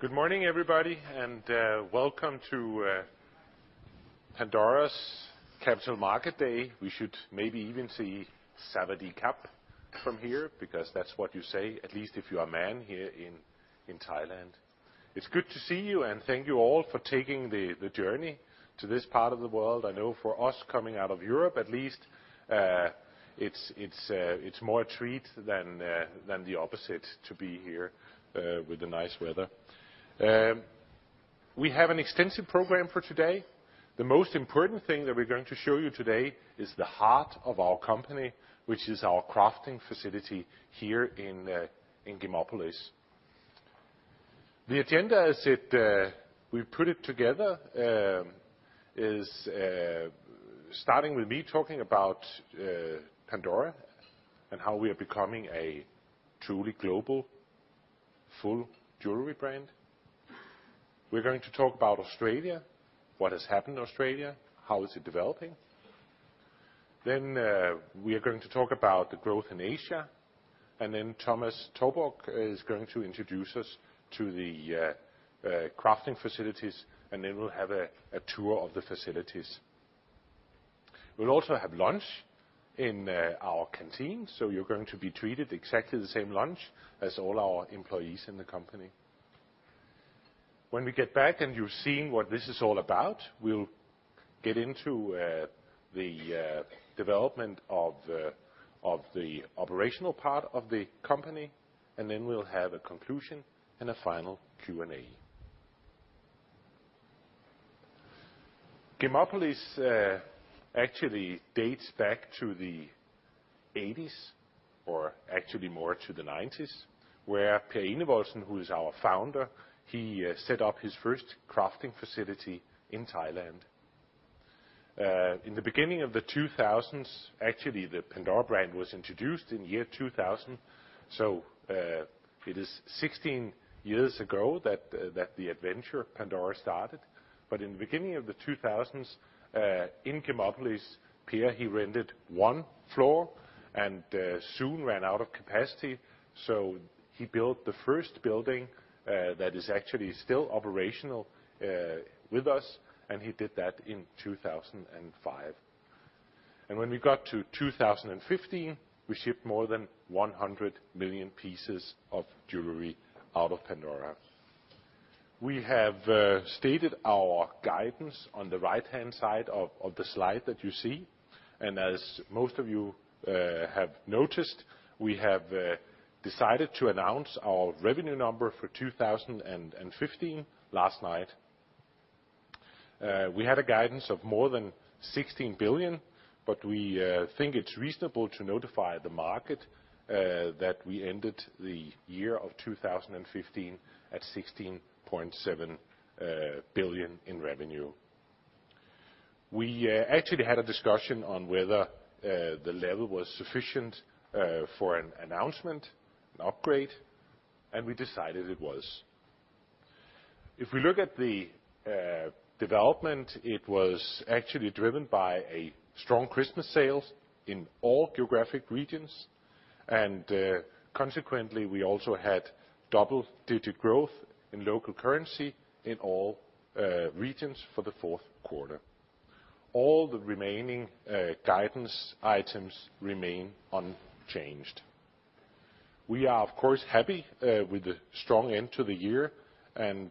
Good morning, everybody, and welcome to Pandora's Capital Markets Day. We should maybe even say sawasdee khrap from here, because that's what you say, at least if you're a man here in Thailand. It's good to see you, and thank you all for taking the journey to this part of the world. I know for us coming out of Europe, at least, it's more a treat than the opposite to be here with the nice weather. We have an extensive program for today. The most important thing that we're going to show you today is the heart of our company, which is our crafting facility here in Gemopolis. The agenda, as we put it together, is starting with me talking about Pandora and how we are becom8ng a truly global, full jewelry brand. We're going to talk about Australia, what has happened in Australia, how is it developing? Then, we are going to talk about the growth in Asia, and then Thomas Touborg is going to introduce us to the crafting facilities, and then we'll have a tour of the facilities. We'll also have lunch in our canteen, so you're going to be treated exactly the same lunch as all our employees in the company. When we get back and you've seen what this is all about, we'll get into the development of the operational part of the company, and then we'll have a conclusion and a final Q&A. Gemopolis actually dates back to the 1980s, or actually more to the 1990s, where Per Enevoldsen, who is our founder, he set up his first crafting facility in Thailand. In the beginning of the 2000s, actually, the Pandora brand was introduced in the year 2000, so it is 16 years ago that that the adventure of Pandora started. But in the beginning of the 2000s, in Gemopolis, Per, he rented one floor and soon ran out of capacity, so he built the first building that is actually still operational with us, and he did that in 2005. When we got to 2015, we shipped more than 100 million pieces of jewelry out of Pandora. We have stated our guidance on the right-hand side of the slide that you see, and as most of you have noticed, we have decided to announce our revenue number for 2015 last night. We had a guidance of more than 16 billion, but we think it's reasonable to notify the market that we ended the year of 2015 at 16.7 billion in revenue. We actually had a discussion on whether the level was sufficient for an announcement, an upgrade, and we decided it was. If we look at the development, it was actually driven by a strong Christmas sales in all geographic regions, and consequently, we also had double-digit growth in local currency in all regions for the fourth quarter. All the remaining guidance items remain unchanged. We are, of course, happy with the strong end to the year, and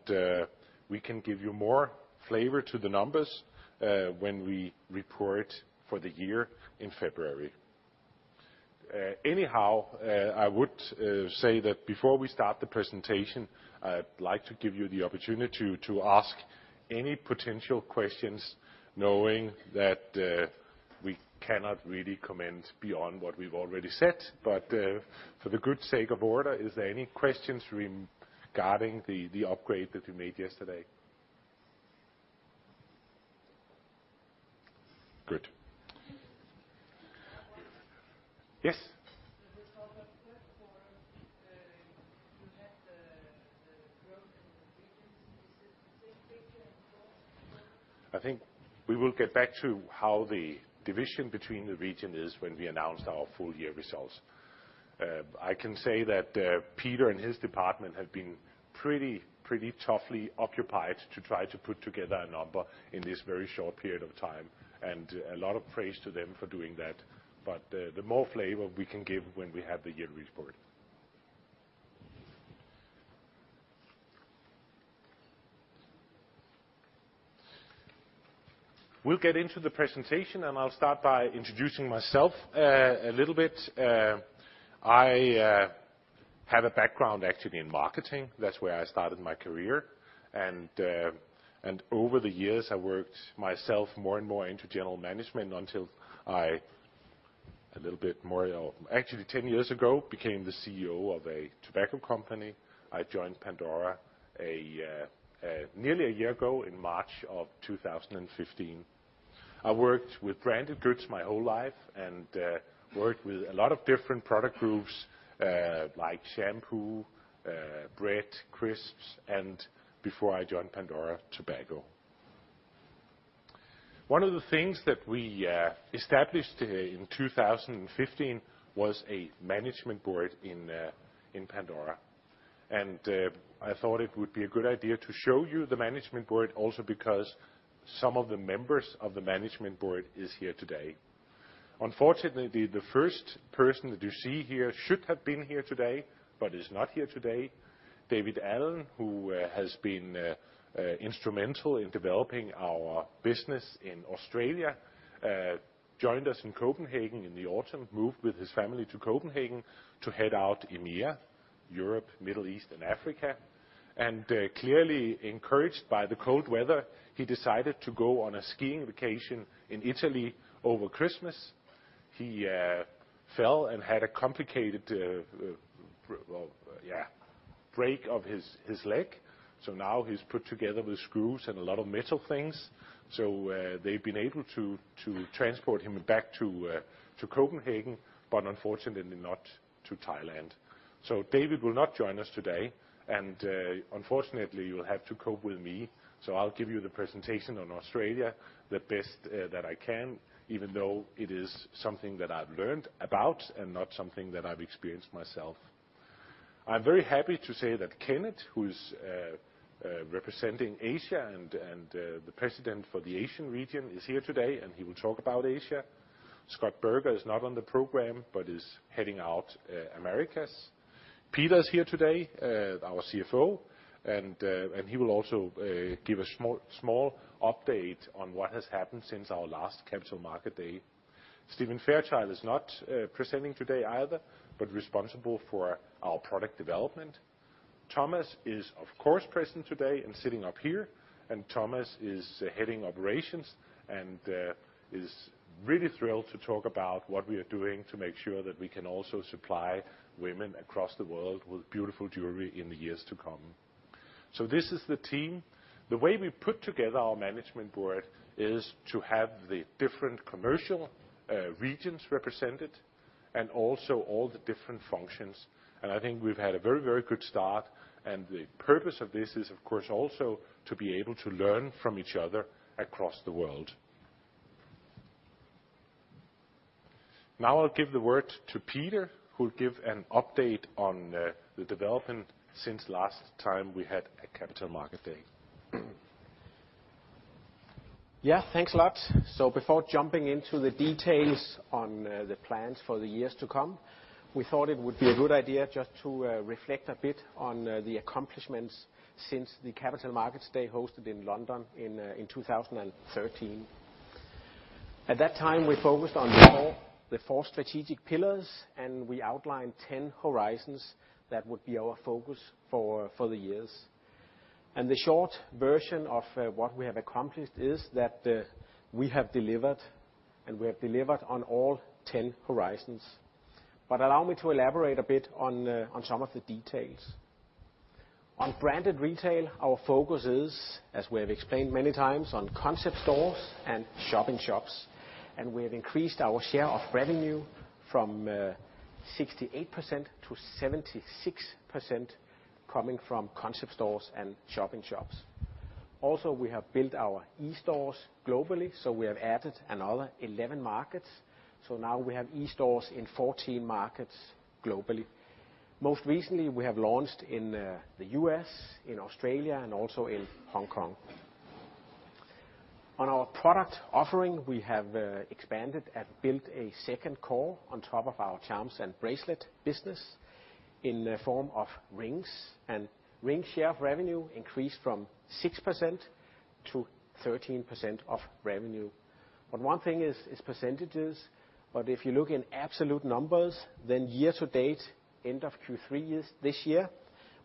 we can give you more flavor to the numbers when we report for the year in February. Anyhow, I would say that before we start the presentation, I'd like to give you the opportunity to ask any potential questions, knowing that we cannot really comment beyond what we've already said. But for the good sake of order, is there any questions regarding the upgrade that we made yesterday? Good. Yes I think we will get back to how the division between the region is when we announce our full-year results. I can say that, Peter and his department have been pretty, pretty toughly occupied to try to put together a number in this very short period of time, and a lot of praise to them for doing that. But, the more flavor we can give when we have the year report. We'll get into the presentation, and I'll start by introducing myself, a little bit. I have a background actually in marketing. That's where I started my career, and over the years, I worked myself more and more into general management until I, a little bit more. Actually, 10 years ago, became the CEO of a tobacco company. I joined Pandora nearly a year ago, in March of 2015. I worked with branded goods my whole life and worked with a lot of different product groups, like shampoo, bread, crisps, and before I joined Pandora, tobacco.... One of the things that we established in 2015 was a management board in Pandora. I thought it would be a good idea to show you the management board, also because some of the members of the management board is here today. Unfortunately, the first person that you see here should have been here today, but is not here today. David Allen, who has been instrumental in developing our business in Australia, joined us in Copenhagen in the autumn, moved with his family to Copenhagen to head out EMEA, Europe, Middle East, and Africa. Clearly encouraged by the cold weather, he decided to go on a skiing vacation in Italy over Christmas. He fell and had a complicated, well, yeah, break of his leg, so now he's put together with screws and a lot of metal things. So they've been able to transport him back to Copenhagen, but unfortunately not to Thailand. So David will not join us today, and unfortunately, you will have to cope with me. So I'll give you the presentation on Australia the best that I can, even though it is something that I've learned about and not something that I've experienced myself. I'm very happy to say that Kenneth, who is representing Asia and the president for the Asian region, is here today, and he will talk about Asia. Scott Burger is not on the program, but is heading Americas. Peter is here today, our CFO, and he will also give a small update on what has happened since our last Capital Markets Day. Stephen Fairchild is not presenting today either, but responsible for our product development. Thomas is, of course, present today and sitting up here, and Thomas is heading operations and is really thrilled to talk about what we are doing to make sure that we can also supply women across the world with beautiful jewelry in the years to come. So this is the team. The way we put together our management board is to have the different commercial, regions represented and also all the different functions, and I think we've had a very, very good start, and the purpose of this is, of course, also to be able to learn from each other across the world. Now I'll give the word to Peter, who'll give an update on, the development since last time we had a Capital Markets Day. Yeah, thanks a lot. So before jumping into the details on the plans for the years to come, we thought it would be a good idea just to reflect a bit on the accomplishments since the Capital Markets Day hosted in London in 2013. At that time, we focused on the four strategic pillars, and we outlined ten horizons that would be our focus for the years. And the short version of what we have accomplished is that we have delivered, and we have delivered on all ten horizons. But allow me to elaborate a bit on some of the details. On branded retail, our focus is, as we have explained many times, on concept stores and shop-in-shops, and we have increased our share of revenue from 68% to 76% coming from concept stores and shop-in-shops. Also, we have built our e-stores globally, so we have added another 11 markets, so now we have e-stores in 14 markets globally. Most recently, we have launched in the U.S., in Australia, and also in Hong Kong. On our product offering, we have expanded and built a second core on top of our charms and bracelet business in the form of rings, and ring share of revenue increased from 6% to 13% of revenue. But one thing is, is percentages, but if you look in absolute numbers, then year to date, end of Q3 this year,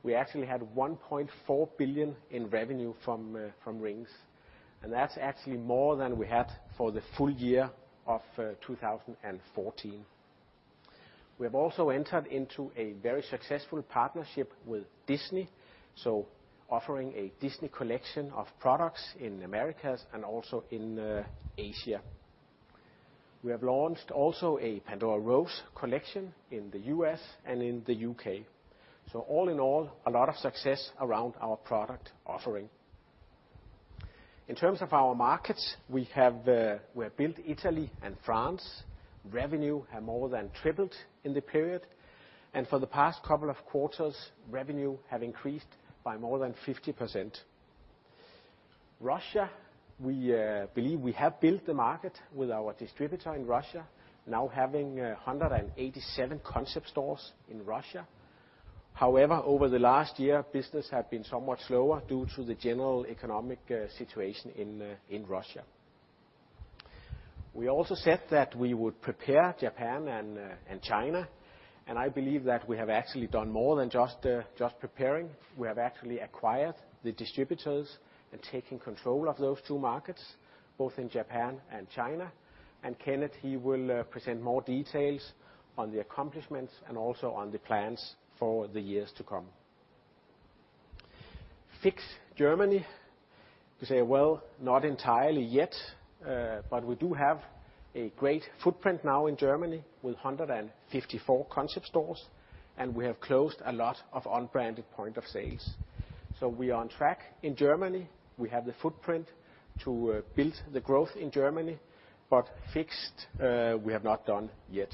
we actually had 1.4 billion in revenue from rings, and that's actually more than we had for the full year of 2014. We have also entered into a very successful partnership with Disney, so offering a Disney collection of products in Americas and also in Asia. We have launched also a Pandora Rose collection in the U.S. and in the U.K. So all in all, a lot of success around our product offering. In terms of our markets, we have built Italy and France. Revenue have more than tripled in the period, and for the past couple of quarters, revenue have increased by more than 50%. Russia, we believe we have built the market with our distributor in Russia, now having 187 concept stores in Russia. However, over the last year, business have been somewhat slower due to the general economic situation in Russia. We also said that we would prepare Japan and China, and I believe that we have actually done more than just preparing. We have actually acquired the distributors and taking control of those two markets, both in Japan and China. And Kenneth, he will present more details on the accomplishments and also on the plans for the years to come. Fix Germany, you say, well, not entirely yet, but we do have a great footprint now in Germany with 154 concept stores, and we have closed a lot of unbranded point of sales. So we are on track in Germany. We have the footprint to build the growth in Germany, but fixed, we have not done yet.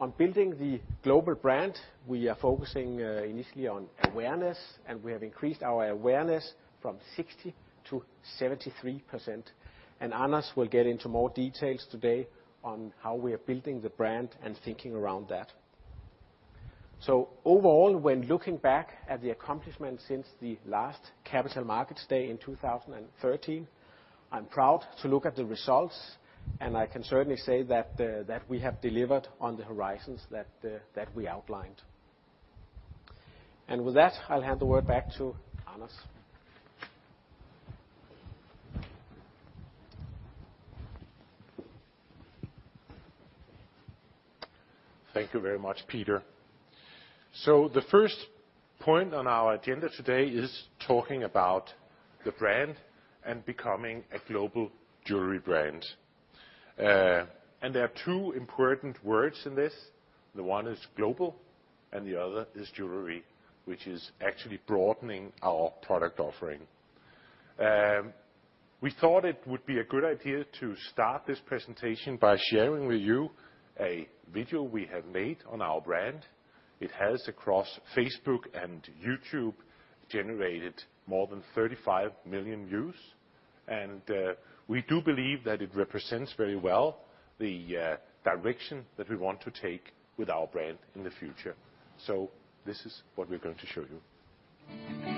On building the global brand, we are focusing initially on awareness, and we have increased our awareness from 60%-73%. And Anders will get into more details today on how we are building the brand and thinking around that. So overall, when looking back at the accomplishments since the last capital markets day in 2013, I'm proud to look at the results, and I can certainly say that the, that we have delivered on the horizons that the, that we outlined. And with that, I'll hand the word back to Anders. Thank you very much, Peter. So the first point on our agenda today is talking about the brand and becoming a global jewelry brand. And there are two important words in this. The one is global, and the other is jewelry, which is actually broadening our product offering. We thought it would be a good idea to start this presentation by sharing with you a video we have made on our brand. It has, across Facebook and YouTube, generated more than 35 million views, and we do believe that it represents very well the direction that we want to take with our brand in the future. So this is what we're going to show you.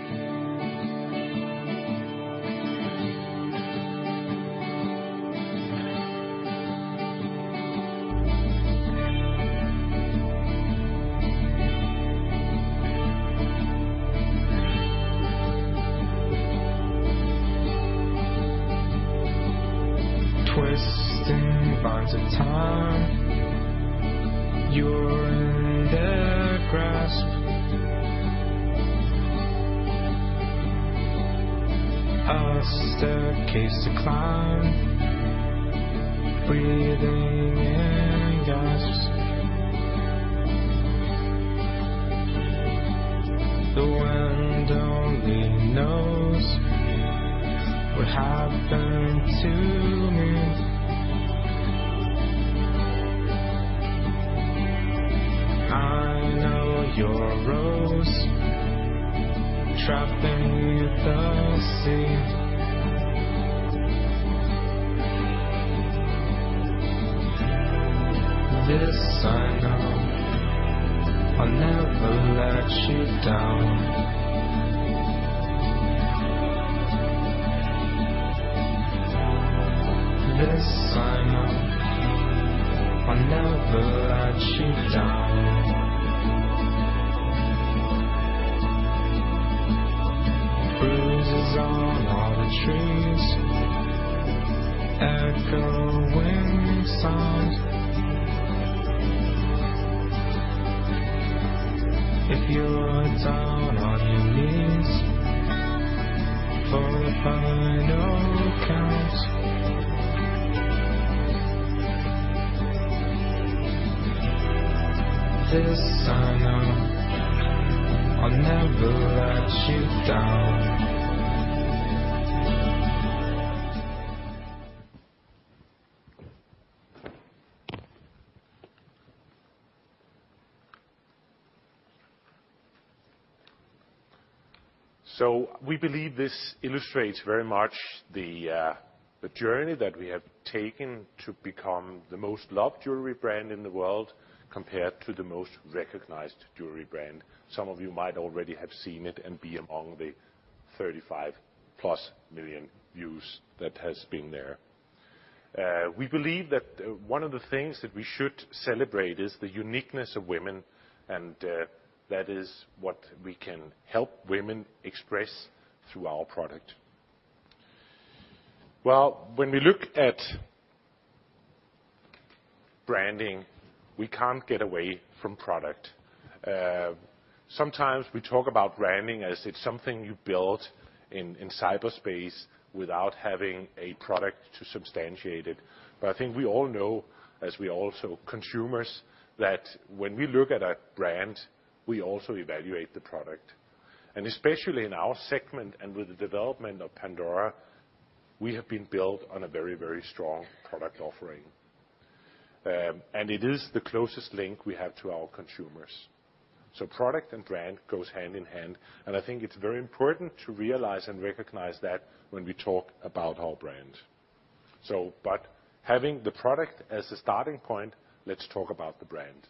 Twisting bonds of time, you're in their grasp. A staircase to climb, breathing in gasps. The wind only knows what happened to me. I know your rose, trapped beneath the sea. This I know, I'll never let you down. This I know, I'll never let you down. Bruises on all the trees, echoing sound. If you're down on your knees for the final count. This I know, I'll never let you down. So we believe this illustrates very much the journey that we have taken to become the most loved jewelry brand in the world, compared to the most recognized jewelry brand. Some of you might already have seen it and be among the 35+ million views that has been there. We believe that one of the things that we should celebrate is the uniqueness of women, and that is what we can help women express through our product. Well, when we look at branding, we can't get away from product. Sometimes we talk about branding as it's something you build in cyberspace without having a product to substantiate it. But I think we all know, as we are also consumers, that when we look at a brand, we also evaluate the product. Especially in our segment and with the development of Pandora, we have been built on a very, very strong product offering. And it is the closest link we have to our consumers. So product and brand goes hand in hand, and I think it's very important to realize and recognize that when we talk about our brand. So but having the product as a starting point, let's talk about the brand.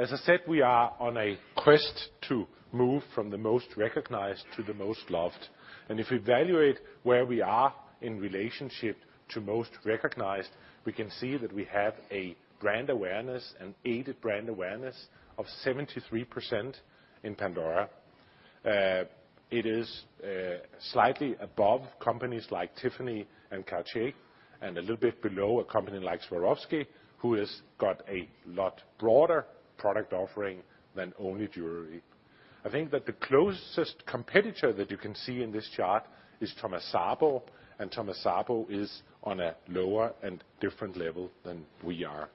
As I said, we are on a quest to move from the most recognized to the most loved, and if we evaluate where we are in relationship to most recognized, we can see that we have a brand awareness, an aided brand awareness, of 73% in Pandora. It is slightly above companies like Tiffany and Cartier, and a little bit below a company like Swarovski, who has got a lot broader product offering than only jewelry. I think that the closest competitor that you can see in this chart is Thomas Sabo, and Thomas Sabo is on a lower and different level than we are.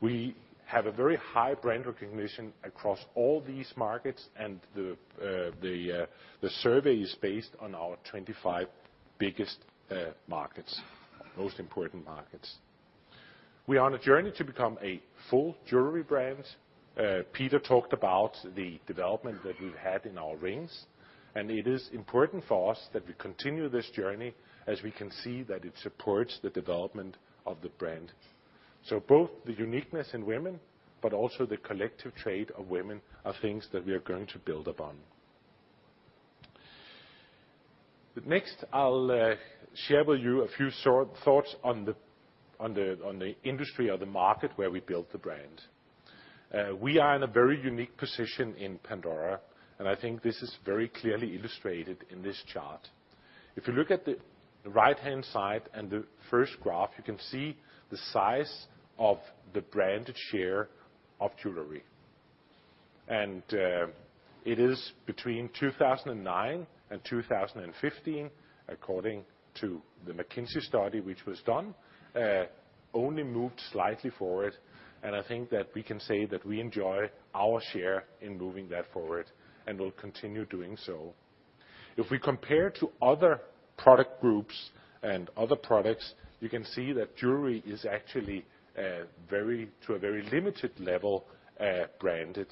We have a very high brand recognition across all these markets, and the survey is based on our 25 biggest markets, most important markets. We are on a journey to become a full jewelry brand. Peter talked about the development that we've had in our rings, and it is important for us that we continue this journey, as we can see that it supports the development of the brand. So both the uniqueness in women, but also the collective trait of women, are things that we are going to build upon. But next, I'll share with you a few thoughts on the industry or the market where we build the brand. We are in a very unique position in Pandora, and I think this is very clearly illustrated in this chart. If you look at the right-hand side and the first graph, you can see the size of the branded share of jewelry. And it is between 2009 and 2015, according to the McKinsey study, which was done only moved slightly forward, and I think that we can say that we enjoy our share in moving that forward, and will continue doing so. If we compare to other product groups and other products, you can see that jewelry is actually to a very limited level branded.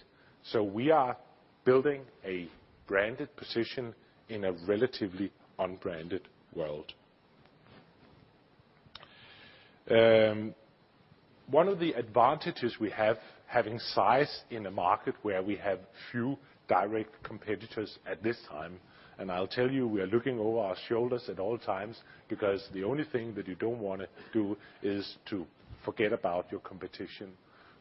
So we are building a branded position in a relatively unbranded world. One of the advantages we have, having size in a market where we have few direct competitors at this time, and I'll tell you, we are looking over our shoulders at all times, because the only thing that you don't wanna do is to forget about your competition.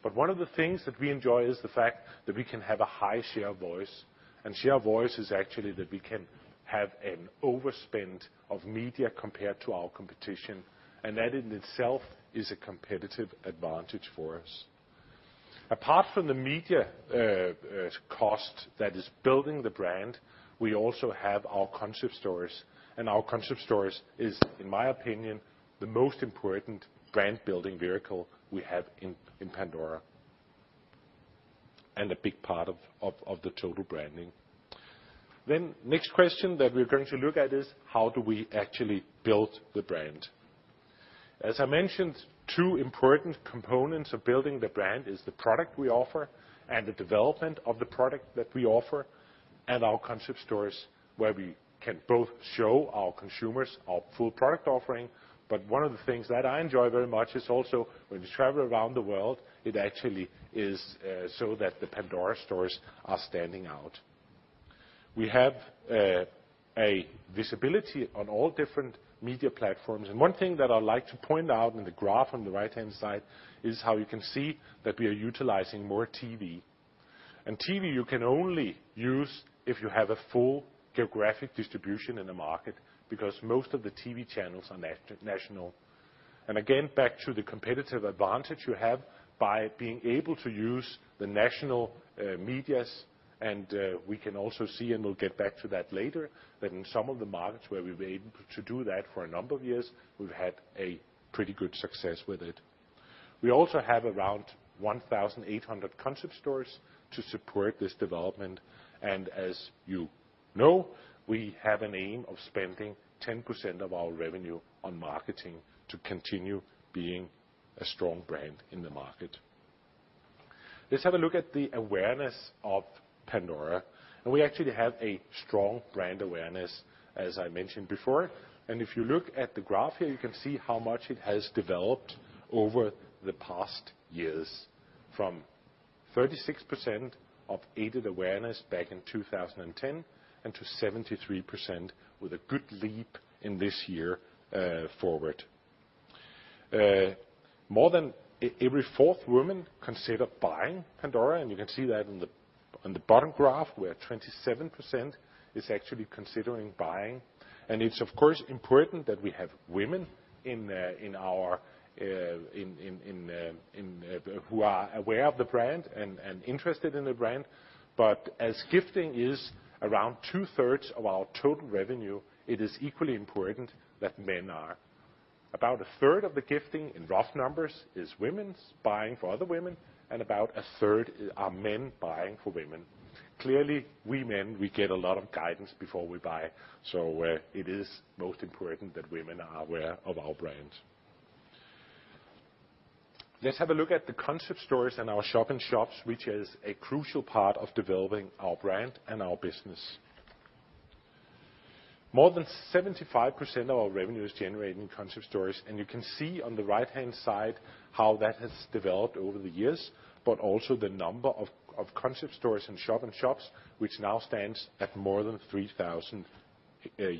But one of the things that we enjoy is the fact that we can have a high share of voice, and share of voice is actually that we can have an overspend of media compared to our competition, and that in itself is a competitive advantage for us. Apart from the media cost that is building the brand, we also have our concept stores, and our concept stores is, in my opinion, the most important brand-building vehicle we have in Pandora, and a big part of the total branding. Then next question that we're going to look at is: how do we actually build the brand? As I mentioned, two important components of building the brand is the product we offer and the development of the product that we offer, and our concept stores, where we can both show our consumers our full product offering. But one of the things that I enjoy very much is also when you travel around the world, it actually is so that the Pandora stores are standing out. We have a visibility on all different media platforms, and one thing that I'd like to point out in the graph on the right-hand side is how you can see that we are utilizing more TV. And TV you can only use if you have a full geographic distribution in the market, because most of the TV channels are national. And again, back to the competitive advantage you have by being able to use the national medias, and we can also see, and we'll get back to that later, that in some of the markets where we've been able to do that for a number of years, we've had a pretty good success with it. We also have around 1,800 concept stores to support this development, and as you know, we have an aim of spending 10% of our revenue on marketing to continue being a strong brand in the market. Let's have a look at the awareness of Pandora. And we actually have a strong brand awareness, as I mentioned before, and if you look at the graph here, you can see how much it has developed over the past years, from 36% of aided awareness back in 2010, and to 73%, with a good leap in this year forward. More than every fourth woman consider buying Pandora, and you can see that in the, in the bottom graph, where 27% is actually considering buying. It's, of course, important that we have women in our who are aware of the brand and interested in the brand. But as gifting is around 2/3 of our total revenue, it is equally important that men are. About 1/3 of the gifting, in rough numbers, is women buying for other women, and about 1/3 are men buying for women. Clearly, we men, we get a lot of guidance before we buy, so it is most important that women are aware of our brand. Let's have a look at the concept stores and our shop-in-shops, which is a crucial part of developing our brand and our business. More than 75% of our revenue is generated in concept stores, and you can see on the right-hand side how that has developed over the years, but also the number of concept stores and shop-in-shops, which now stands at more than 3,000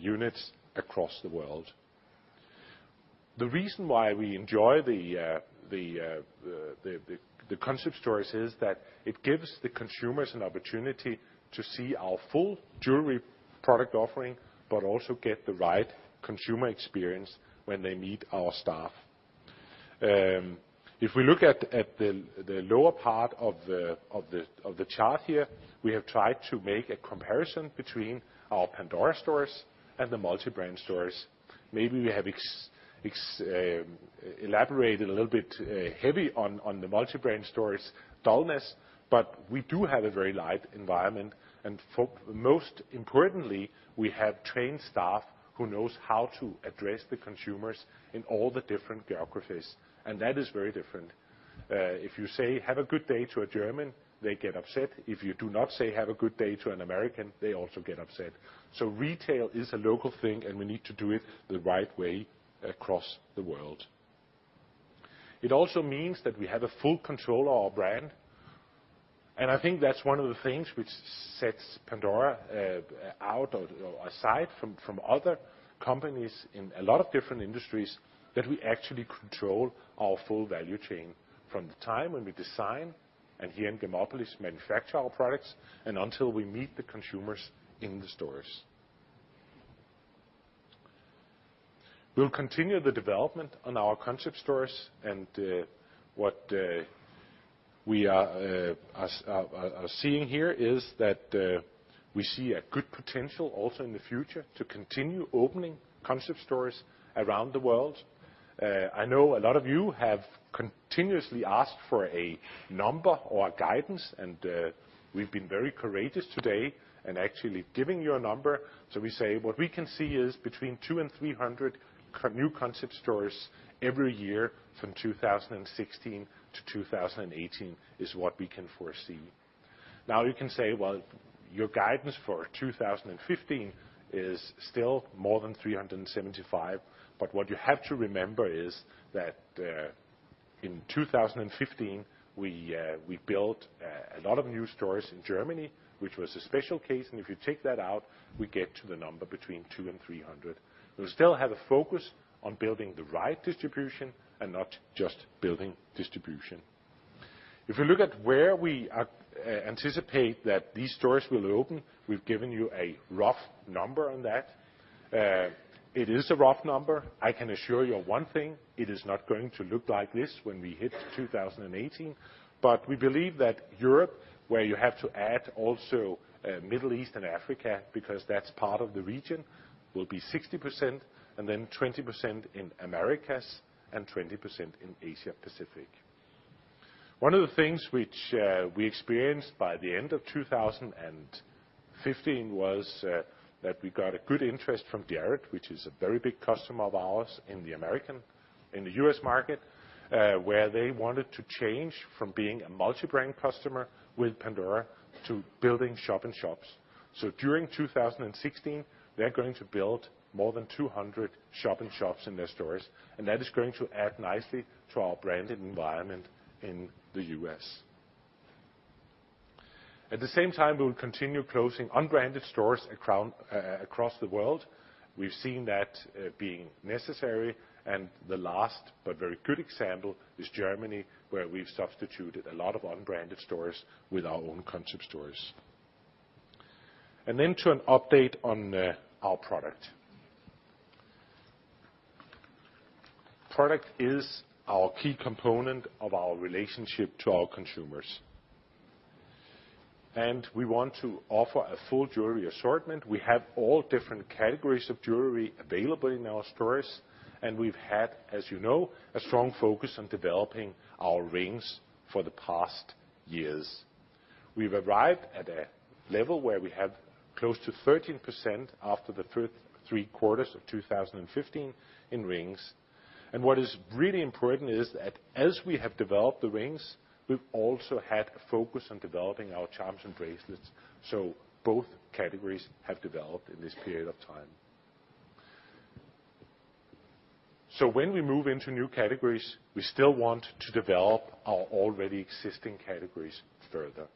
units across the world. The reason why we enjoy the concept stores is that it gives the consumers an opportunity to see our full jewelry product offering, but also get the right consumer experience when they meet our staff. If we look at the lower part of the chart here, we have tried to make a comparison between our Pandora stores and the multi-brand stores. Maybe we have over-ex-... It's elaborated a little bit heavy on the multi-brand stores' dullness, but we do have a very light environment, and most importantly, we have trained staff who knows how to address the consumers in all the different geographies, and that is very different. If you say, "Have a good day," to a German, they get upset. If you do not say, "Have a good day," to an American, they also get upset. So retail is a local thing, and we need to do it the right way across the world. It also means that we have a full control of our brand, and I think that's one of the things which sets Pandora out or aside from other companies in a lot of different industries, that we actually control our full value chain from the time when we design, and here in Gemopolis, manufacture our products, and until we meet the consumers in the stores. We'll continue the development on our concept stores, and what we are seeing here is that we see a good potential also in the future to continue opening concept stores around the world. I know a lot of you have continuously asked for a number or a guidance, and we've been very courageous today in actually giving you a number. So we say what we can see is between 200 and 300 new concept stores every year from 2016 to 2018 is what we can foresee. Now, you can say, "Well, your guidance for 2015 is still more than 375," but what you have to remember is that in 2015, we built a lot of new stores in Germany, which was a special case, and if you take that out, we get to the number between 200 and 300. We still have a focus on building the right distribution and not just building distribution. If you look at where we are, anticipate that these stores will open, we've given you a rough number on that. It is a rough number. I can assure you of one thing, it is not going to look like this when we hit 2018. But we believe that Europe, where you have to add also, Middle East and Africa, because that's part of the region, will be 60%, and then 20% in Americas and 20% in Asia Pacific. One of the things which we experienced by the end of 2015 was that we got a good interest from Jared, which is a very big customer of ours in the American... in the U.S. market, where they wanted to change from being a multi-brand customer with Pandora to building shop-in-shops. So during 2016, they're going to build more than 200 shop-in-shops in their stores, and that is going to add nicely to our branded environment in the U.S. At the same time, we will continue closing unbranded stores across the world. We've seen that being necessary, and the last, but very good example, is Germany, where we've substituted a lot of unbranded stores with our own concept stores. And then to an update on our product. Product is our key component of our relationship to our consumers, and we want to offer a full jewelry assortment. We have all different categories of jewelry available in our stores, and we've had, as you know, a strong focus on developing our rings for the past years. We've arrived at a level where we have close to 13% after the first three quarters of 2015 in rings. And what is really important is that as we have developed the rings, we've also had a focus on developing our charms and bracelets, so both categories have developed in this period of time. So when we move into new categories, we still want to develop our already existing categories further.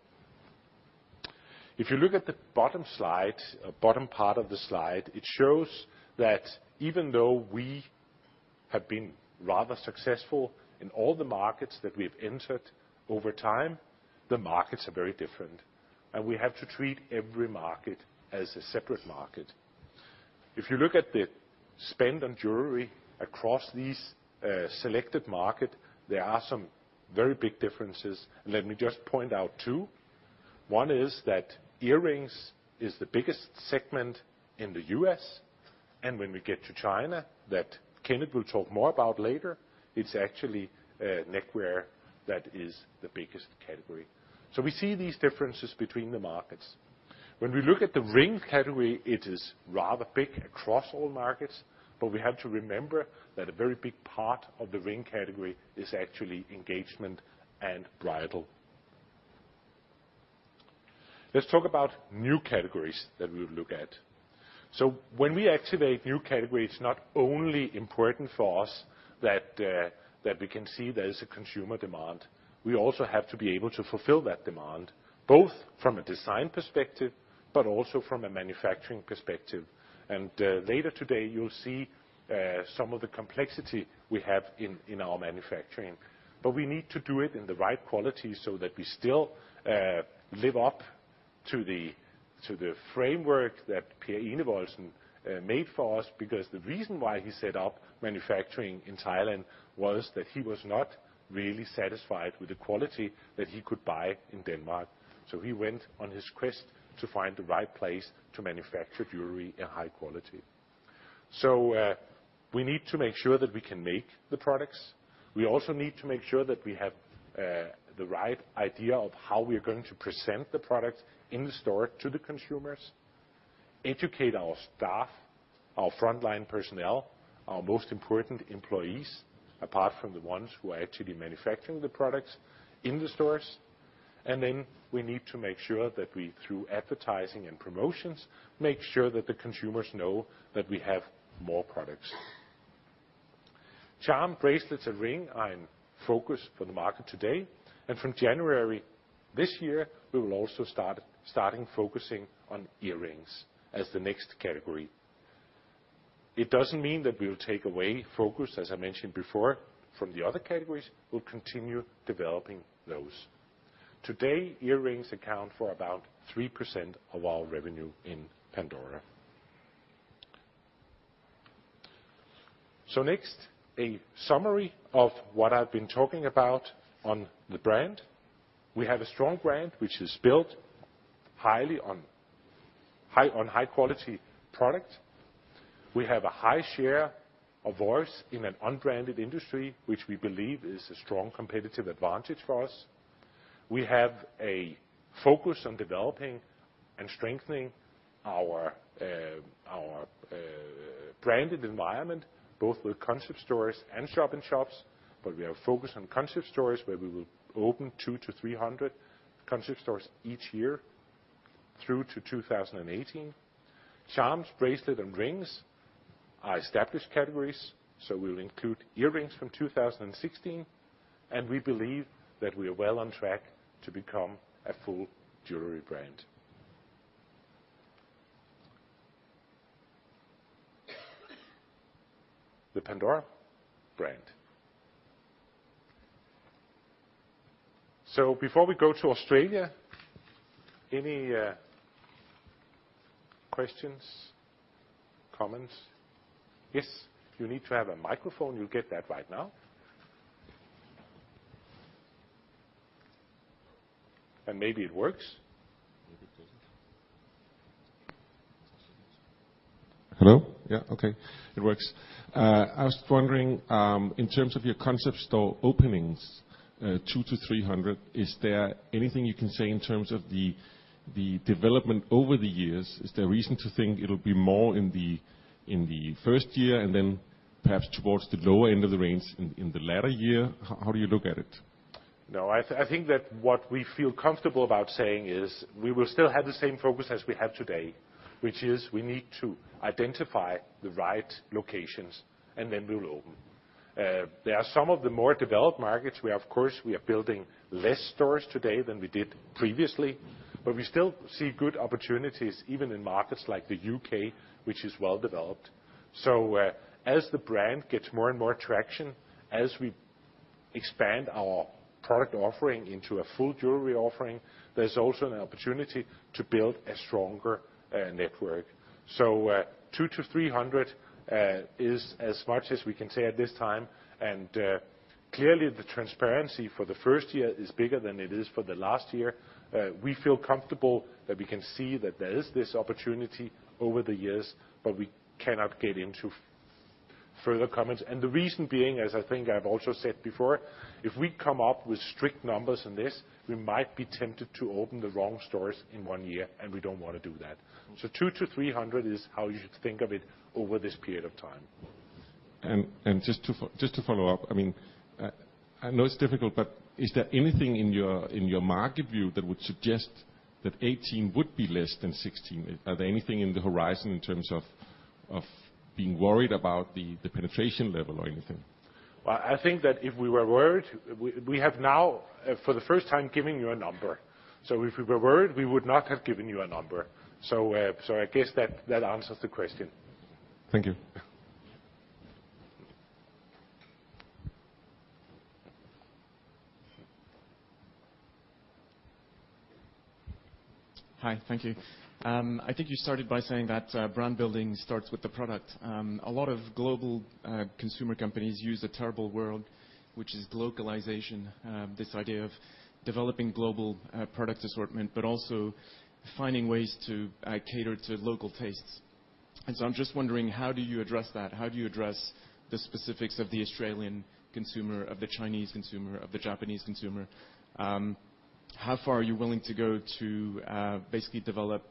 If you look at the bottom slide, bottom part of the slide, it shows that even though we have been rather successful in all the markets that we've entered over time, the markets are very different, and we have to treat every market as a separate market. If you look at the spend on jewelry across these, selected market, there are some very big differences. Let me just point out two. One is that earrings is the biggest segment in the U.S., and when we get to China, that Kenneth will talk more about later, it's actually, neckwear that is the biggest category. So we see these differences between the markets. When we look at the ring category, it is rather big across all markets, but we have to remember that a very big part of the ring category is actually engagement and bridal. Let's talk about new categories that we will look at. So when we activate new categories, it's not only important for us that that we can see there is a consumer demand. We also have to be able to fulfill that demand, both from a design perspective, but also from a manufacturing perspective. And later today, you'll see some of the complexity we have in our manufacturing. But we need to do it in the right quality so that we still live up to the, to the framework that Per Enevoldsen made for us, because the reason why he set up manufacturing in Thailand was that he was not really satisfied with the quality that he could buy in Denmark. So we need to make sure that we can make the products. We also need to make sure that we have the right idea of how we are going to present the products in the store to the consumers, educate our staff, our frontline personnel, our most important employees, apart from the ones who are actually manufacturing the products in the stores. Then we need to make sure that we, through advertising and promotions, make sure that the consumers know that we have more products. Charm bracelets and ring are in focus for the market today, and from January this year, we will also start focusing on earrings as the next category. It doesn't mean that we will take away focus, as I mentioned before, from the other categories. We'll continue developing those. Today, earrings account for about 3% of our revenue in Pandora. Next, a summary of what I've been talking about on the brand. We have a strong brand, which is built highly on high-quality product. We have a high share of voice in an unbranded industry, which we believe is a strong competitive advantage for us. We have a focus on developing and strengthening our branded environment, both with concept stores and shop-in-shops, but we are focused on concept stores, where we will open 200-300 concept stores each year through to 2018. Charms, bracelet, and rings are established categories, so we'll include earrings from 2016, and we believe that we are well on track to become a full jewelry brand. The Pandora brand. So before we go to Australia, any questions, comments? Yes, you need to have a microphone. You'll get that right now. And maybe it works? Maybe it doesn't. Hello? Yeah, okay, it works. I was wondering, in terms of your concept store openings, 200-300, is there anything you can say in terms of the development over the years? Is there reason to think it'll be more in the first year, and then perhaps towards the lower end of the range in the latter year? How do you look at it? No, I think that what we feel comfortable about saying is, we will still have the same focus as we have today, which is we need to identify the right locations, and then we will open. There are some of the more developed markets where, of course, we are building less stores today than we did previously, but we still see good opportunities, even in markets like the UK, which is well developed. So, as the brand gets more and more traction, as we expand our product offering into a full jewelry offering, there's also an opportunity to build a stronger network. So, 200-300 is as much as we can say at this time, and clearly, the transparency for the first year is bigger than it is for the last year. We feel comfortable that we can see that there is this opportunity over the years, but we cannot get into further comments. And the reason being, as I think I've also said before, if we come up with strict numbers in this, we might be tempted to open the wrong stores in one year, and we don't want to do that. So 200-300 is how you should think of it over this period of time. Just to follow up, I mean, I know it's difficult, but is there anything in your market view that would suggest that 2018 would be less than 2016? Are there anything in the horizon in terms of being worried about the penetration level or anything? Well, I think that if we were worried, we have now, for the first time, given you a number. So if we were worried, we would not have given you a number. So, I guess that answers the question. Thank you. Hi, thank you. I think you started by saying that, brand building starts with the product. A lot of global consumer companies use a terrible word, which is globalization, this idea of developing global product assortment, but also finding ways to cater to local tastes. And so I'm just wondering, how do you address that? How do you address the specifics of the Australian consumer, of the Chinese consumer, of the Japanese consumer? How far are you willing to go to basically develop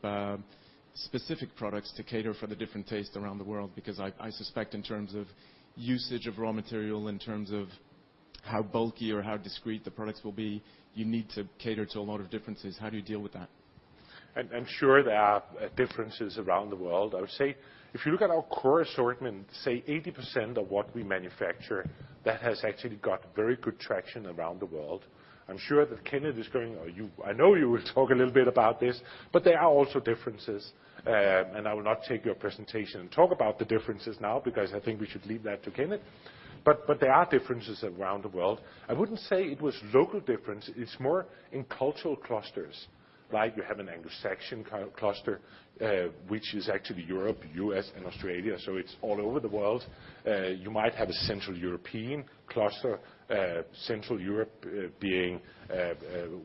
specific products to cater for the different tastes around the world? Because I suspect in terms of usage of raw material, in terms of how bulky or how discreet the products will be, you need to cater to a lot of differences. How do you deal with that? I'm sure there are differences around the world. I would say if you look at our core assortment, say, 80% of what we manufacture, that has actually got very good traction around the world. I'm sure that Kenneth is going... Or you, I know you will talk a little bit about this, but there are also differences, and I will not take your presentation and talk about the differences now, because I think we should leave that to Kenneth. But there are differences around the world. I wouldn't say it was local difference. It's more in cultural clusters, like you have an Anglo-Saxon cluster, which is actually Europe, U.S., and Australia, so it's all over the world. You might have a Central European cluster, Central Europe, being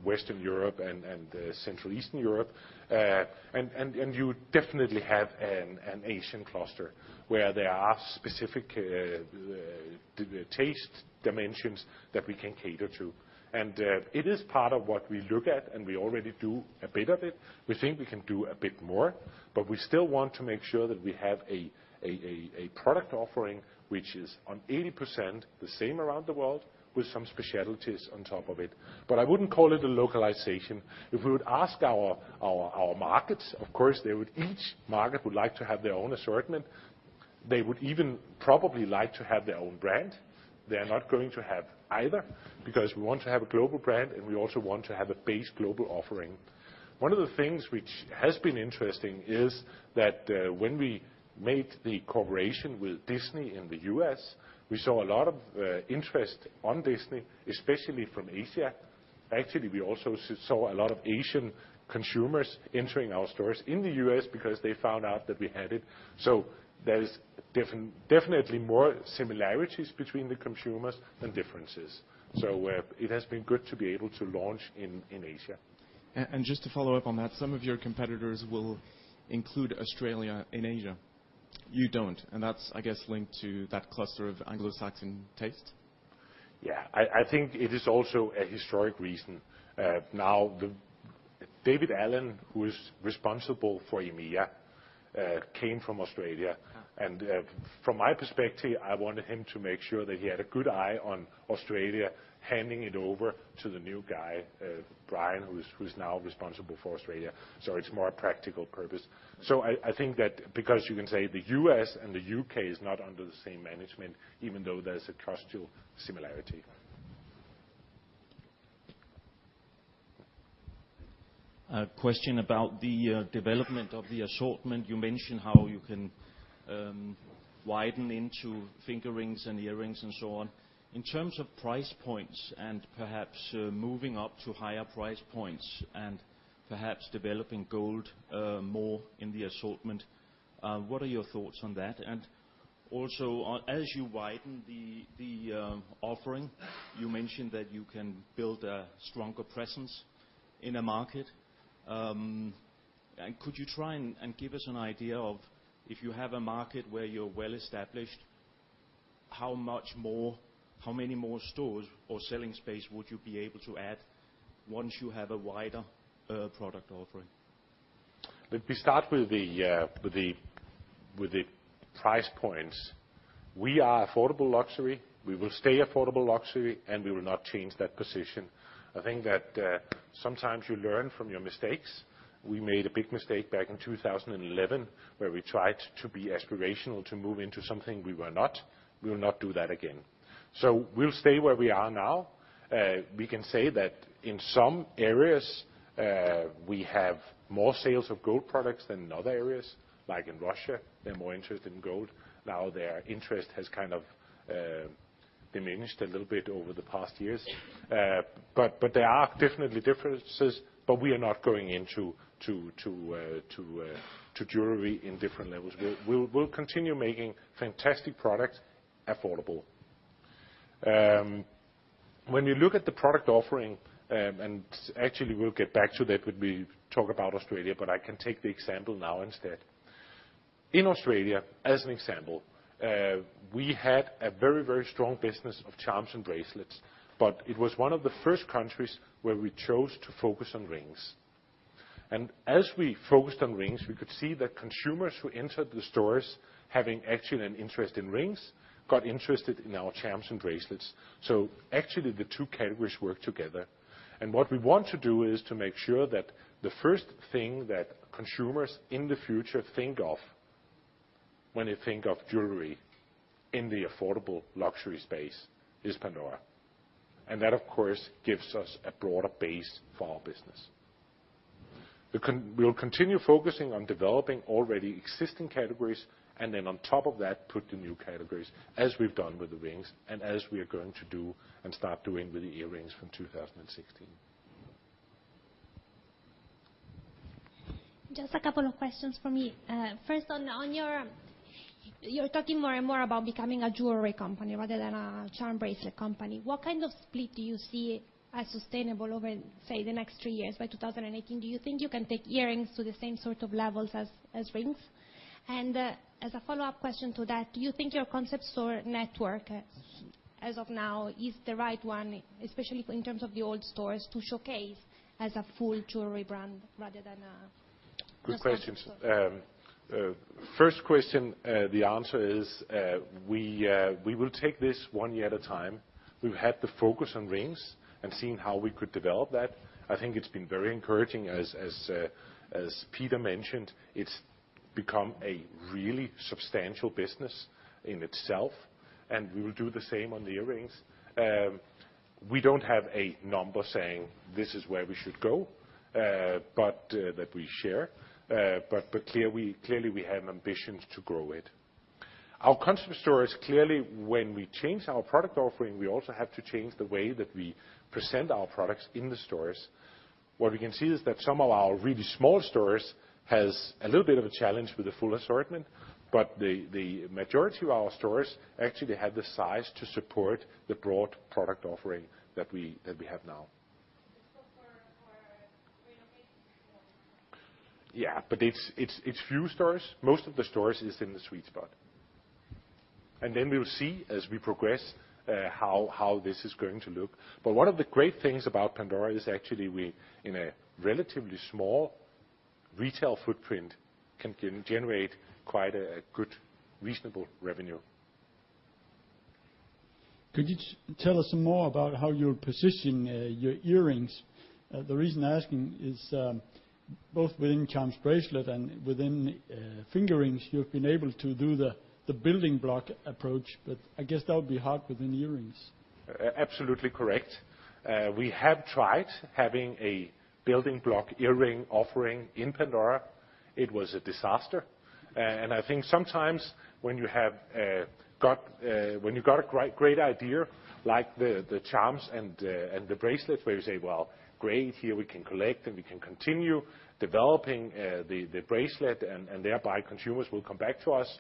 Western Europe and Central Eastern Europe. You definitely have an Asian cluster, where there are specific taste dimensions that we can cater to. It is part of what we look at, and we already do a bit of it. We think we can do a bit more, but we still want to make sure that we have a product offering, which is 80% the same around the world, with some specialties on top of it. But I wouldn't call it a localization. If we would ask our markets, of course, they would, each market would like to have their own assortment. They would even probably like to have their own brand. They are not going to have either, because we want to have a global brand, and we also want to have a base global offering. One of the things which has been interesting is that, when we made the cooperation with Disney in the U.S., we saw a lot of interest on Disney, especially from Asia. Actually, we also saw a lot of Asian consumers entering our stores in the U.S. because they found out that we had it. So there is definitely more similarities between the consumers than differences. So, it has been good to be able to launch in Asia. Just to follow up on that, some of your competitors will include Australia in Asia. You don't, and that's, I guess, linked to that cluster of Anglo-Saxon taste? Yeah, I think it is also a historic reason. Now, David Allen, who is responsible for EMEA, came from Australia. From my perspective, I wanted him to make sure that he had a good eye on Australia, handing it over to the new guy, Brien, who's now responsible for Australia, so it's more a practical purpose. I think that because you can say the U.S. and the U.K. is not under the same management, even though there's a cultural similarity. A question about the development of the assortment. You mentioned how you can widen into finger rings and earrings and so on. In terms of price points and perhaps moving up to higher price points and perhaps developing gold more in the assortment, what are your thoughts on that? And also, on as you widen the offering, you mentioned that you can build a stronger presence in a market. And could you try and give us an idea of if you have a market where you're well-established, how much more, how many more stores or selling space would you be able to add once you have a wider product offering? Let me start with the price points. We are affordable luxury. We will stay affordable luxury, and we will not change that position. I think that sometimes you learn from your mistakes. We made a big mistake back in 2011, where we tried to be aspirational, to move into something we were not. We will not do that again. So we'll stay where we are now. We can say that in some areas we have more sales of gold products than in other areas. Like in Russia, they're more interested in gold. Now, their interest has kind of diminished a little bit over the past years. But there are definitely differences, but we are not going into jewelry in different levels. We'll continue making fantastic products affordable. When you look at the product offering, and actually, we'll get back to that when we talk about Australia, but I can take the example now instead. In Australia, as an example, we had a very, very strong business of charms and bracelets, but it was one of the first countries where we chose to focus on rings. And as we focused on rings, we could see that consumers who entered the stores having actually an interest in rings, got interested in our charms and bracelets. So actually, the two categories work together, and what we want to do is to make sure that the first thing that consumers in the future think of when they think of jewelry in the affordable luxury space is Pandora. And that, of course, gives us a broader base for our business. We'll continue focusing on developing already existing categories, and then on top of that, put the new categories, as we've done with the rings and as we are going to do and start doing with the earrings from 2016. Just a couple of questions from me. First, on, on your... You're talking more and more about becoming a jewelry company rather than a charm bracelet company. What kind of split do you see as sustainable over, say, the next three years, by 2018? Do you think you can take earrings to the same sort of levels as, as rings? And, as a follow-up question to that, do you think your concept store network, as of now, is the right one, especially in terms of the old stores, to showcase as a full jewelry brand rather than a- Good questions. - charm store? First question, the answer is, we will take this one year at a time. We've had the focus on rings and seeing how we could develop that. I think it's been very encouraging. As Peter mentioned, it's become a really substantial business in itself, and we will do the same on the earrings. We don't have a number saying this is where we should go, but that we share. Clearly, we have ambitions to grow it. Our concept stores, clearly, when we change our product offering, we also have to change the way that we present our products in the stores. What we can see is that some of our really small stores has a little bit of a challenge with the full assortment, but the majority of our stores actually have the size to support the broad product offering that we have now. So for relocations as well? Yeah, but it's few stores. Most of the stores is in the sweet spot. And then we'll see as we progress how this is going to look. But one of the great things about Pandora is actually we, in a relatively small retail footprint, can generate quite a good, reasonable revenue.... Could you tell us some more about how you're positioning your earrings? The reason I'm asking is, both within charms bracelet and within finger rings, you've been able to do the building block approach, but I guess that would be hard within the earrings. Absolutely correct. We have tried having a building block earring offering in Pandora. It was a disaster, and I think sometimes when you have got, when you've got a great, great idea, like the, the charms and the, and the bracelets, where you say: Well, great, here we can collect, and we can continue developing, the, the bracelet, and, and thereby consumers will come back to us.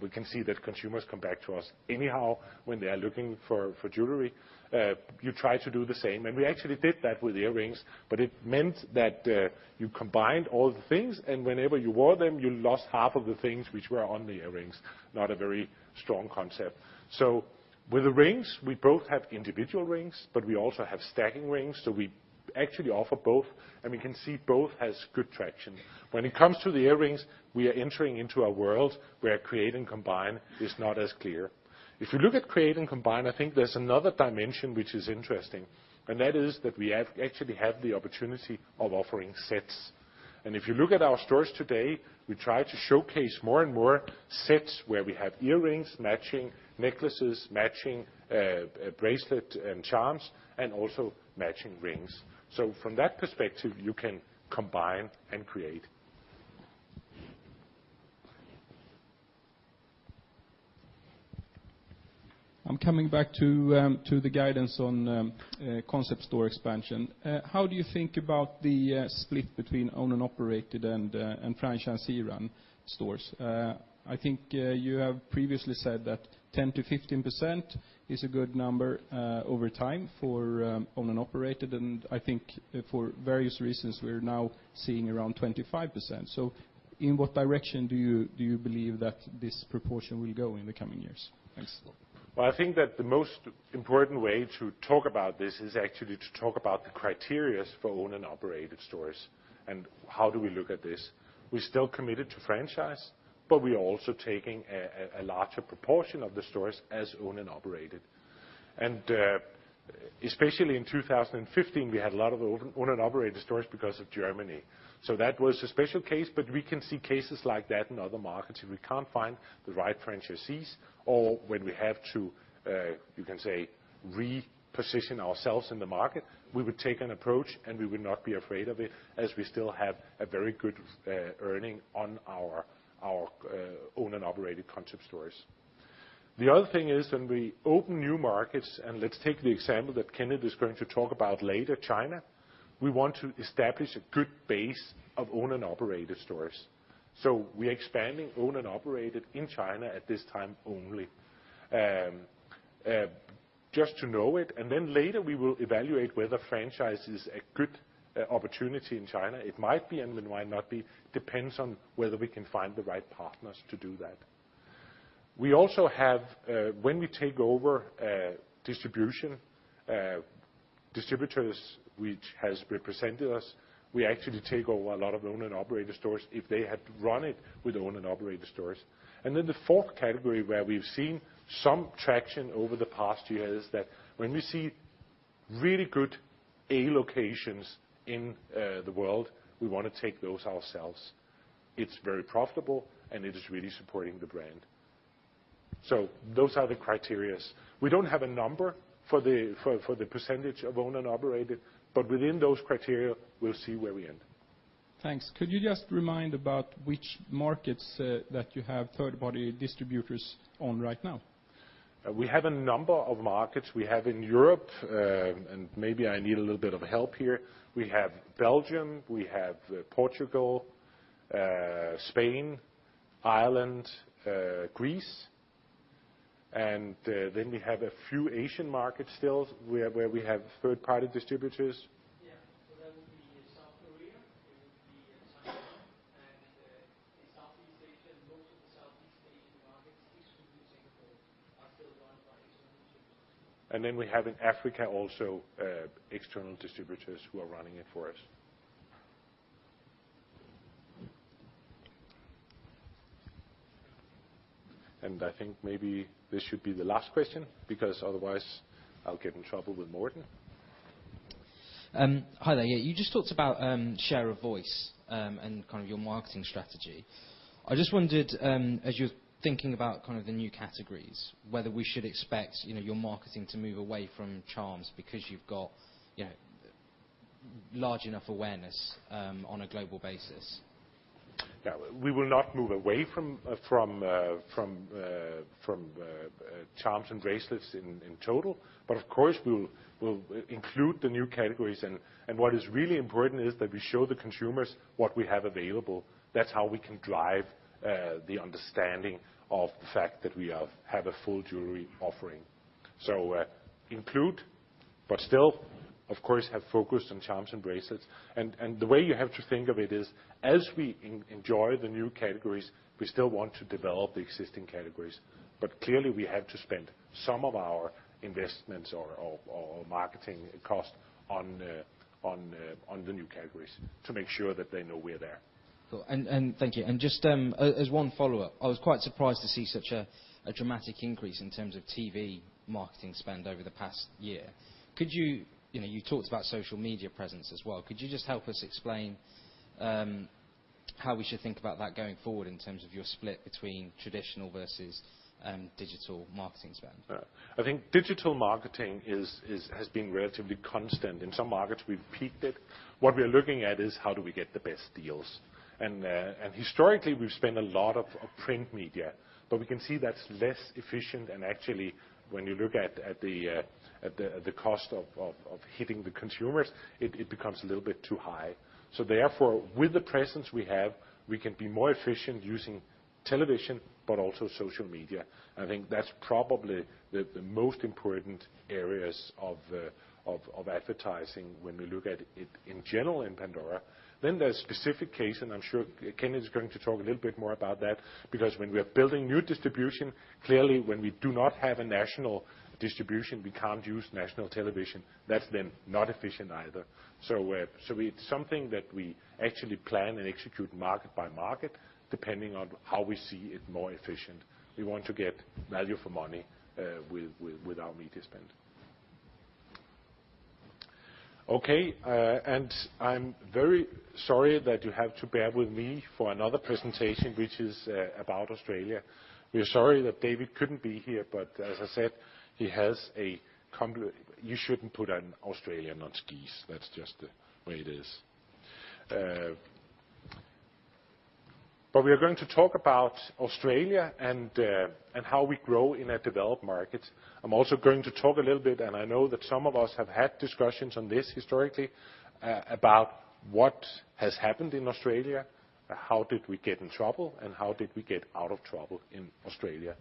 We can see that consumers come back to us anyhow when they are looking for, for jewelry. You try to do the same, and we actually did that with the earrings, but it meant that, you combined all the things, and whenever you wore them, you lost half of the things which were on the earrings. Not a very strong concept. So with the rings, we both have individual rings, but we also have stacking rings, so we actually offer both, and we can see both has good traction. When it comes to the earrings, we are entering into a world where create and combine is not as clear. If you look at create and combine, I think there's another dimension which is interesting, and that is that we actually have the opportunity of offering sets. And if you look at our stores today, we try to showcase more and more sets where we have earrings matching necklaces, matching bracelet and charms, and also matching rings. So from that perspective, you can combine and create. I'm coming back to the guidance on concept store expansion. How do you think about the split between owned and operated and franchisee-run stores? I think you have previously said that 10%-15% is a good number over time for owned and operated, and I think for various reasons, we're now seeing around 25%. So in what direction do you, do you believe that this proportion will go in the coming years? Thanks. Well, I think that the most important way to talk about this is actually to talk about the criteria for owned and operated stores, and how do we look at this? We're still committed to franchise, but we're also taking a larger proportion of the stores as owned and operated. And especially in 2015, we had a lot of owned and operated stores because of Germany, so that was a special case. But we can see cases like that in other markets, if we can't find the right franchisees or when we have to, you can say, reposition ourselves in the market, we would take an approach, and we would not be afraid of it, as we still have a very good earning on our owned and operated concept stores. The other thing is when we open new markets, and let's take the example that Kenneth is going to talk about later, China, we want to establish a good base of owned and operated stores. So we are expanding owned and operated in China at this time only. Just to know it, and then later we will evaluate whether franchise is a good opportunity in China. It might be, and it might not be, depends on whether we can find the right partners to do that. We also have... When we take over distribution, distributors which has represented us, we actually take over a lot of owned and operated stores if they had run it with owned and operated stores. And then the fourth category, where we've seen some traction over the past year, is that when we see really good A locations in the world, we want to take those ourselves. It's very profitable, and it is really supporting the brand. So those are the criteria. We don't have a number for the percentage of owned and operated, but within those criteria, we'll see where we end. Thanks. Could you just remind about which markets, that you have third-party distributors on right now? We have a number of markets. We have in Europe, and maybe I need a little bit of help here. We have Belgium, we have Portugal, Spain, Ireland, Greece, and then we have a few Asian markets still, where we have third-party distributors. Yeah, so that would be South Korea, it would be China, and in Southeast Asia, most of the Southeast Asian markets, excluding Singapore, are still run by external distributors. And then we have in Africa also, external distributors who are running it for us. And I think maybe this should be the last question, because otherwise I'll get in trouble with Morten. Hi there. Yeah, you just talked about share of voice and kind of your marketing strategy. I just wondered, as you're thinking about kind of the new categories, whether we should expect, you know, your marketing to move away from charms because you've got, you know, large enough awareness on a global basis? Yeah. We will not move away from charms and bracelets in total, but of course we'll include the new categories, and what is really important is that we show the consumers what we have available. That's how we can drive the understanding of the fact that we have a full jewelry offering. So, include, but still, of course, have focus on charms and bracelets. And the way you have to think of it is, as we enjoy the new categories, we still want to develop the existing categories, but clearly, we have to spend some of our investments or marketing cost on the new categories to make sure that they know we're there. Cool. And thank you. And just as one follow-up, I was quite surprised to see such a dramatic increase in terms of TV marketing spend over the past year. Could you... You know, you talked about social media presence as well. Could you just help us explain how we should think about that going forward in terms of your split between traditional versus digital marketing spend? I think digital marketing is has been relatively constant. In some markets, we've peaked it. What we are looking at is how do we get the best deals? And historically, we've spent a lot of print media, but we can see that's less efficient, and actually, when you look at the cost of hitting the consumers, it becomes a little bit too high. So therefore, with the presence we have, we can be more efficient using television, but also social media. I think that's probably the most important areas of advertising when we look at it in general in Pandora. Then there's specific case, and I'm sure Kenneth is going to talk a little bit more about that, because when we are building new distribution, clearly, when we do not have a national distribution, we can't use national television. That's then not efficient either. So, so it's something that we actually plan and execute market by market, depending on how we see it more efficient. We want to get value for money, with, with, with our media spend. Okay, and I'm very sorry that you have to bear with me for another presentation, which is, about Australia. We are sorry that David couldn't be here, but as I said, he has a. You shouldn't put an Australian on skis. That's just the way it is. But we are going to talk about Australia and, and how we grow in a developed market. I'm also going to talk a little bit, and I know that some of us have had discussions on this historically, about what has happened in Australia, how did we get in trouble, and how did we get out of trouble in Australia?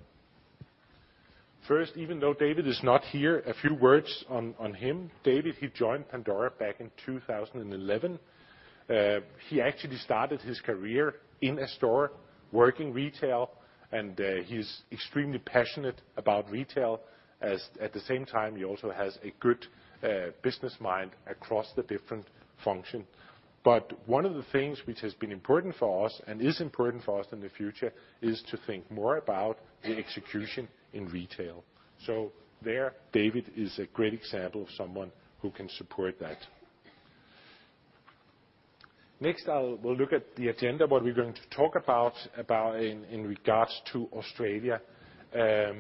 First, even though David is not here, a few words on him. David, he joined Pandora back in 2011. He actually started his career in a store working retail, and he's extremely passionate about retail, as at the same time, he also has a good business mind across the different function. But one of the things which has been important for us and is important for us in the future, is to think more about the execution in retail. So there, David is a great example of someone who can support that. Next, we'll look at the agenda, what we're going to talk about in regards to Australia. The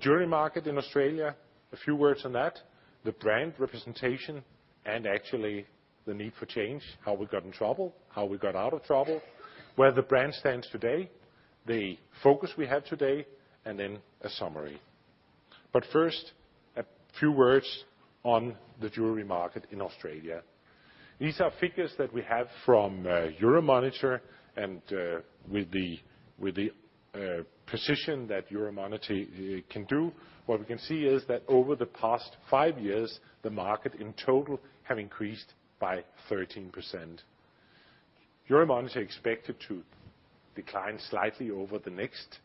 jewelry market in Australia, a few words on that, the brand representation, and actually the need for change, how we got in trouble, how we got out of trouble, where the brand stands today, the focus we have today, and then a summary. But first, a few words on the jewelry market in Australia. These are figures that we have from Euromonitor, and with the precision that Euromonitor can do, what we can see is that over the past five years, the market in total have increased by 13%. Euromonitor expected to decline slightly over the next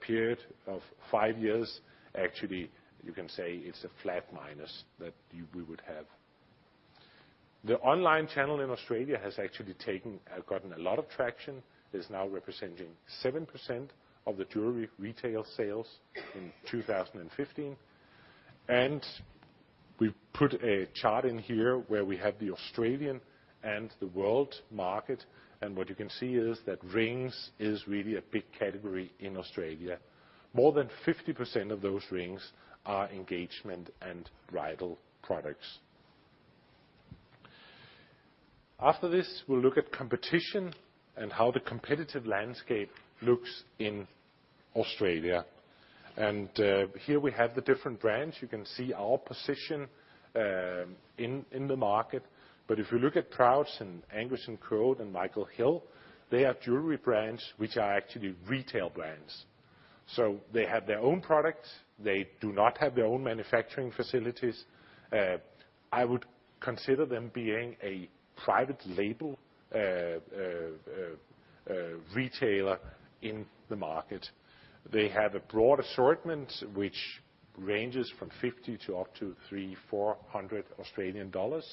period of five years. Actually, you can say it's a flat minus that we would have. The online channel in Australia has actually taken gotten a lot of traction. It's now representing 7% of the jewelry retail sales in 2015. We've put a chart in here where we have the Australian and the world market, and what you can see is that rings is really a big category in Australia. More than 50% of those rings are engagement and bridal products. After this, we'll look at competition and how the competitive landscape looks in Australia. Here we have the different brands. You can see our position in the market. But if you look at Prouds and Angus & Coote and Michael Hill, they are jewelry brands, which are actually retail brands. So they have their own products. They do not have their own manufacturing facilities. I would consider them being a private label retailer in the market. They have a broad assortment, which ranges from 50 to up to 300-400 Australian dollars,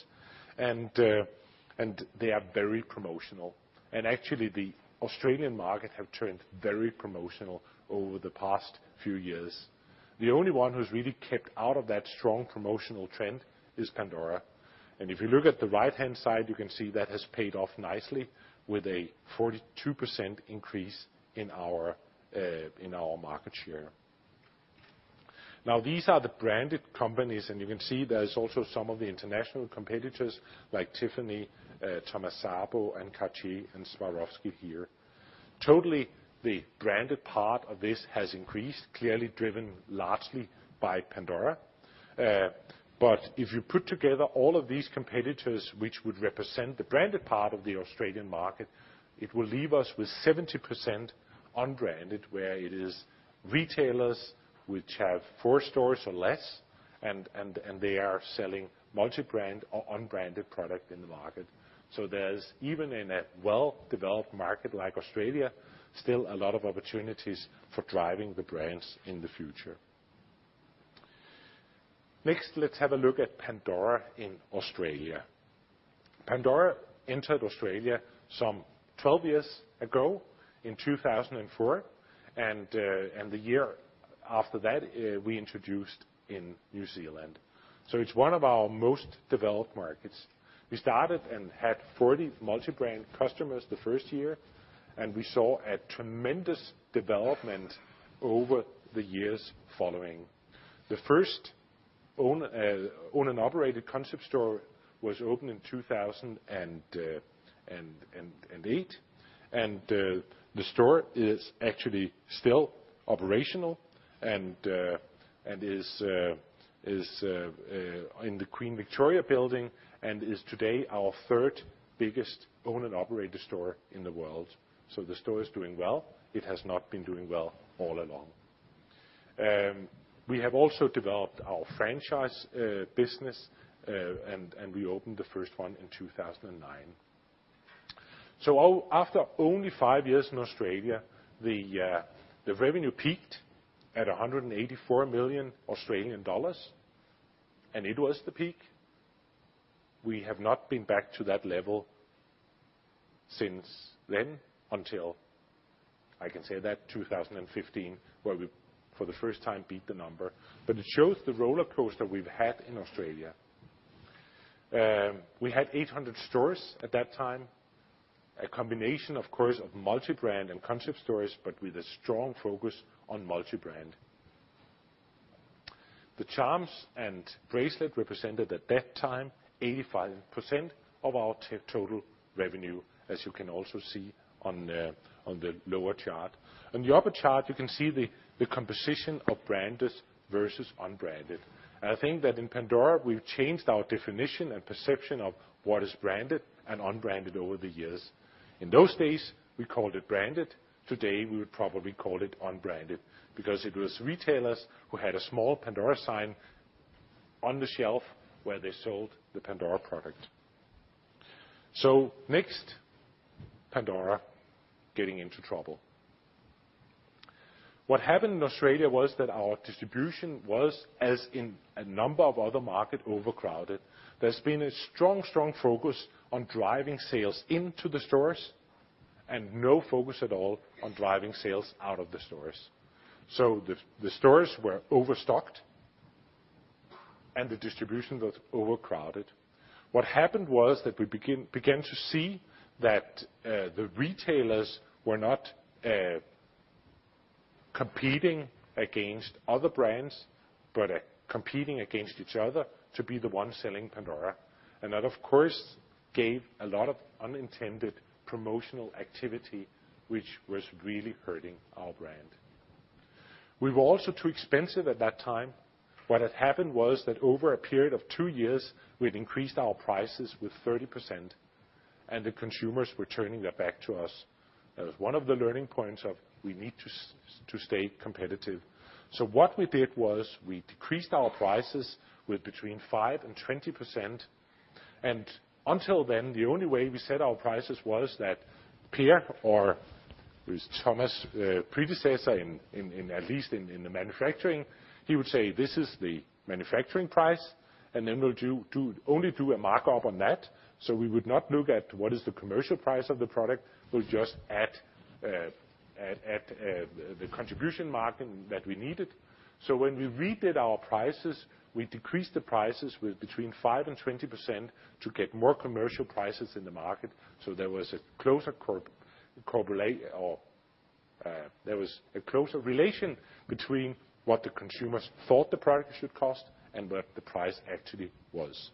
and they are very promotional. Actually, the Australian market have turned very promotional over the past few years. The only one who's really kept out of that strong promotional trend is Pandora. If you look at the right-hand side, you can see that has paid off nicely with a 42% increase in our market share. Now, these are the branded companies, and you can see there's also some of the international competitors like Tiffany, Thomas Sabo, and Cartier, and Swarovski here. Totally, the branded part of this has increased, clearly driven largely by Pandora. But if you put together all of these competitors, which would represent the branded part of the Australian market, it will leave us with 70% unbranded, where it is retailers which have four stores or less, and they are selling multi-brand or unbranded product in the market. So there's even in a well-developed market like Australia, still a lot of opportunities for driving the brands in the future. Next, let's have a look at Pandora in Australia. Pandora entered Australia some 12 years ago in 2004, and after that, we introduced in New Zealand. So it's one of our most developed markets. We started and had 40 multi-brand customers the first year, and we saw a tremendous development over the years following. The first owned and operated concept store was opened in 2008, and the store is actually still operational, and is in the Queen Victoria Building, and is today our third biggest owned and operated store in the world. So the store is doing well. It has not been doing well all along. We have also developed our franchise business, and we opened the first one in 2009. So after only 5 years in Australia, the revenue peaked at 184 million Australian dollars, and it was the peak. We have not been back to that level since then, until, I can say that, 2015, where we, for the first time, beat the number. But it shows the rollercoaster we've had in Australia. We had 800 stores at that time, a combination, of course, of multi-brand and concept stores, but with a strong focus on multi-brand. The charms and bracelet represented at that time, 85% of our total revenue, as you can also see on the lower chart. On the upper chart, you can see the composition of branded versus unbranded. I think that in Pandora, we've changed our definition and perception of what is branded and unbranded over the years. In those days, we called it branded. Today, we would probably call it unbranded, because it was retailers who had a small Pandora sign on the shelf where they sold the Pandora product. So next, Pandora getting into trouble. What happened in Australia was that our distribution was, as in a number of other market, overcrowded. There's been a strong, strong focus on driving sales into the stores, and no focus at all on driving sales out of the stores. So the stores were overstocked, and the distribution was overcrowded. What happened was that we began to see that the retailers were not competing against other brands, but competing against each other to be the one selling Pandora. And that, of course, gave a lot of unintended promotional activity, which was really hurting our brand. We were also too expensive at that time. What had happened was that over a period of two years, we'd increased our prices with 30%, and the consumers were turning their back to us. That was one of the learning points of we need to stay competitive. So what we did was we decreased our prices with between 5% and 20%, and until then, the only way we set our prices was that Per, or it was Thomas's predecessor in at least the manufacturing, he would say, "This is the manufacturing price, and then we'll do only a markup on that." So we would not look at what is the commercial price of the product, we'll just add the contribution margin that we needed. So when we redid our prices, we decreased the prices with between 5% and 20% to get more commercial prices in the market, so there was a closer relation between what the consumers thought the product should cost and what the price actually was.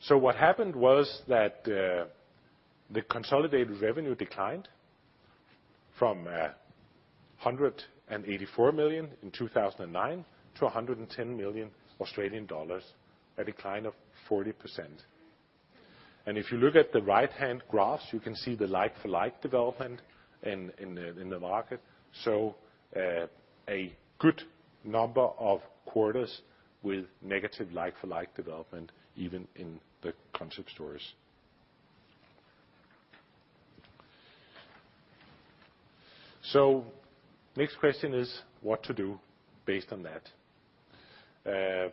So what happened was that the consolidated revenue declined from 184 million in 2009 to 110 million Australian dollars, a decline of 40%. And if you look at the right-hand graphs, you can see the like-for-like development in the market. So a good number of quarters with negative like-for-like development, even in the concept stores. So next question is what to do based on that?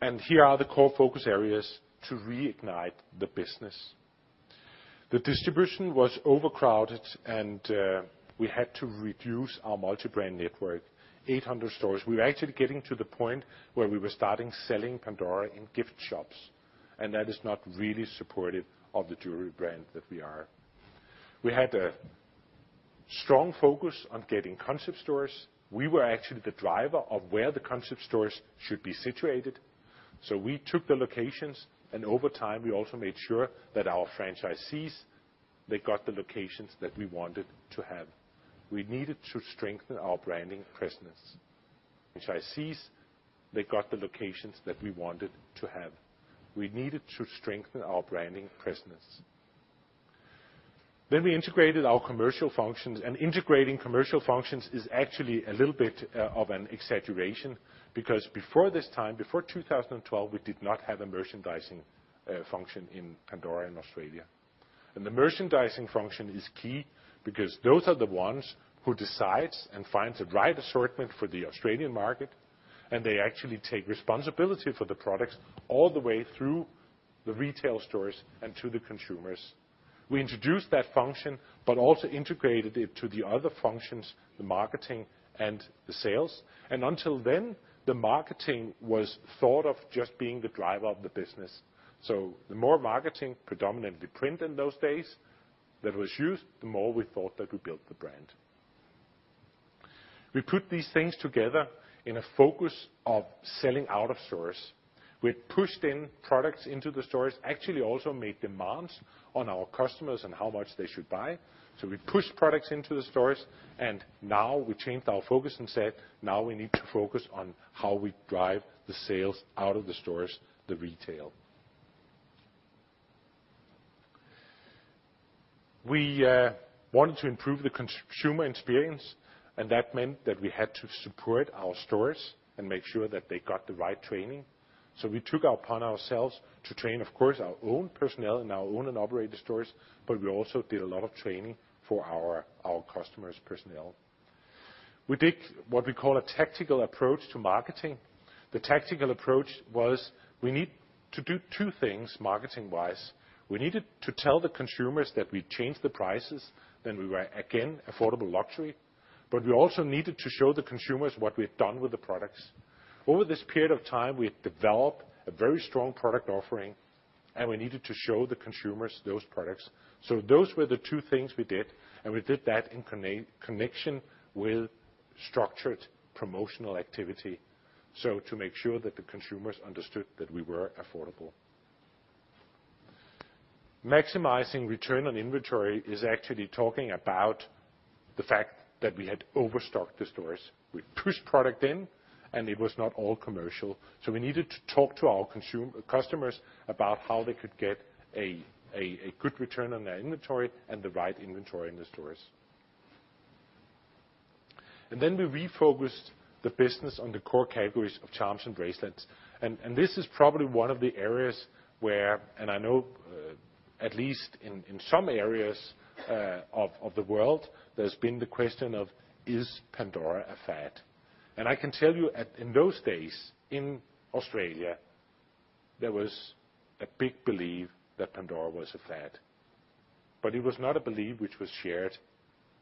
And here are the core focus areas to reignite the business. The distribution was overcrowded, and we had to reduce our multi-brand network, 800 stores. We were actually getting to the point where we were starting selling Pandora in gift shops, and that is not really supportive of the jewelry brand that we are. We had a strong focus on getting concept stores. We were actually the driver of where the concept stores should be situated, so we took the locations, and over time, we also made sure that our franchisees, they got the locations that we wanted to have. We needed to strengthen our branding presence. Then we integrated our commercial functions, and integrating commercial functions is actually a little bit of an exaggeration, because before this time, before 2012, we did not have a merchandising function in Pandora in Australia. And the merchandising function is key because those are the ones who decides and finds the right assortment for the Australian market, and they actually take responsibility for the products all the way through the retail stores and to the consumers. We introduced that function, but also integrated it to the other functions, the marketing and the sales, and until then, the marketing was thought of just being the driver of the business. So the more marketing, predominantly print in those days, that was used, the more we thought that we built the brand. We put these things together in a focus of selling out of stores. We had pushed in products into the stores, actually also made demands on our customers and how much they should buy. So we pushed products into the stores, and now we changed our focus and said, "Now we need to focus on how we drive the sales out of the stores, the retail." We wanted to improve the consumer experience, and that meant that we had to support our stores and make sure that they got the right training. So we took it upon ourselves to train, of course, our own personnel in our own and operated stores, but we also did a lot of training for our customers' personnel. We took what we call a tactical approach to marketing. The tactical approach was we need to do two things marketing-wise. We needed to tell the consumers that we changed the prices, and we were, again, affordable luxury, but we also needed to show the consumers what we had done with the products. Over this period of time, we had developed a very strong product offering, and we needed to show the consumers those products. So those were the two things we did, and we did that in connection with structured promotional activity, so to make sure that the consumers understood that we were affordable. Maximizing return on inventory is actually talking about the fact that we had overstocked the stores. We'd pushed product in, and it was not all commercial, so we needed to talk to our customers about how they could get a good return on their inventory and the right inventory in the stores. And then we refocused the business on the core categories of charms and bracelets, and this is probably one of the areas where, and I know, at least in some areas of the world, there's been the question of, is Pandora a fad? And I can tell you, in those days, in Australia, there was a big belief that Pandora was a fad, but it was not a belief which was shared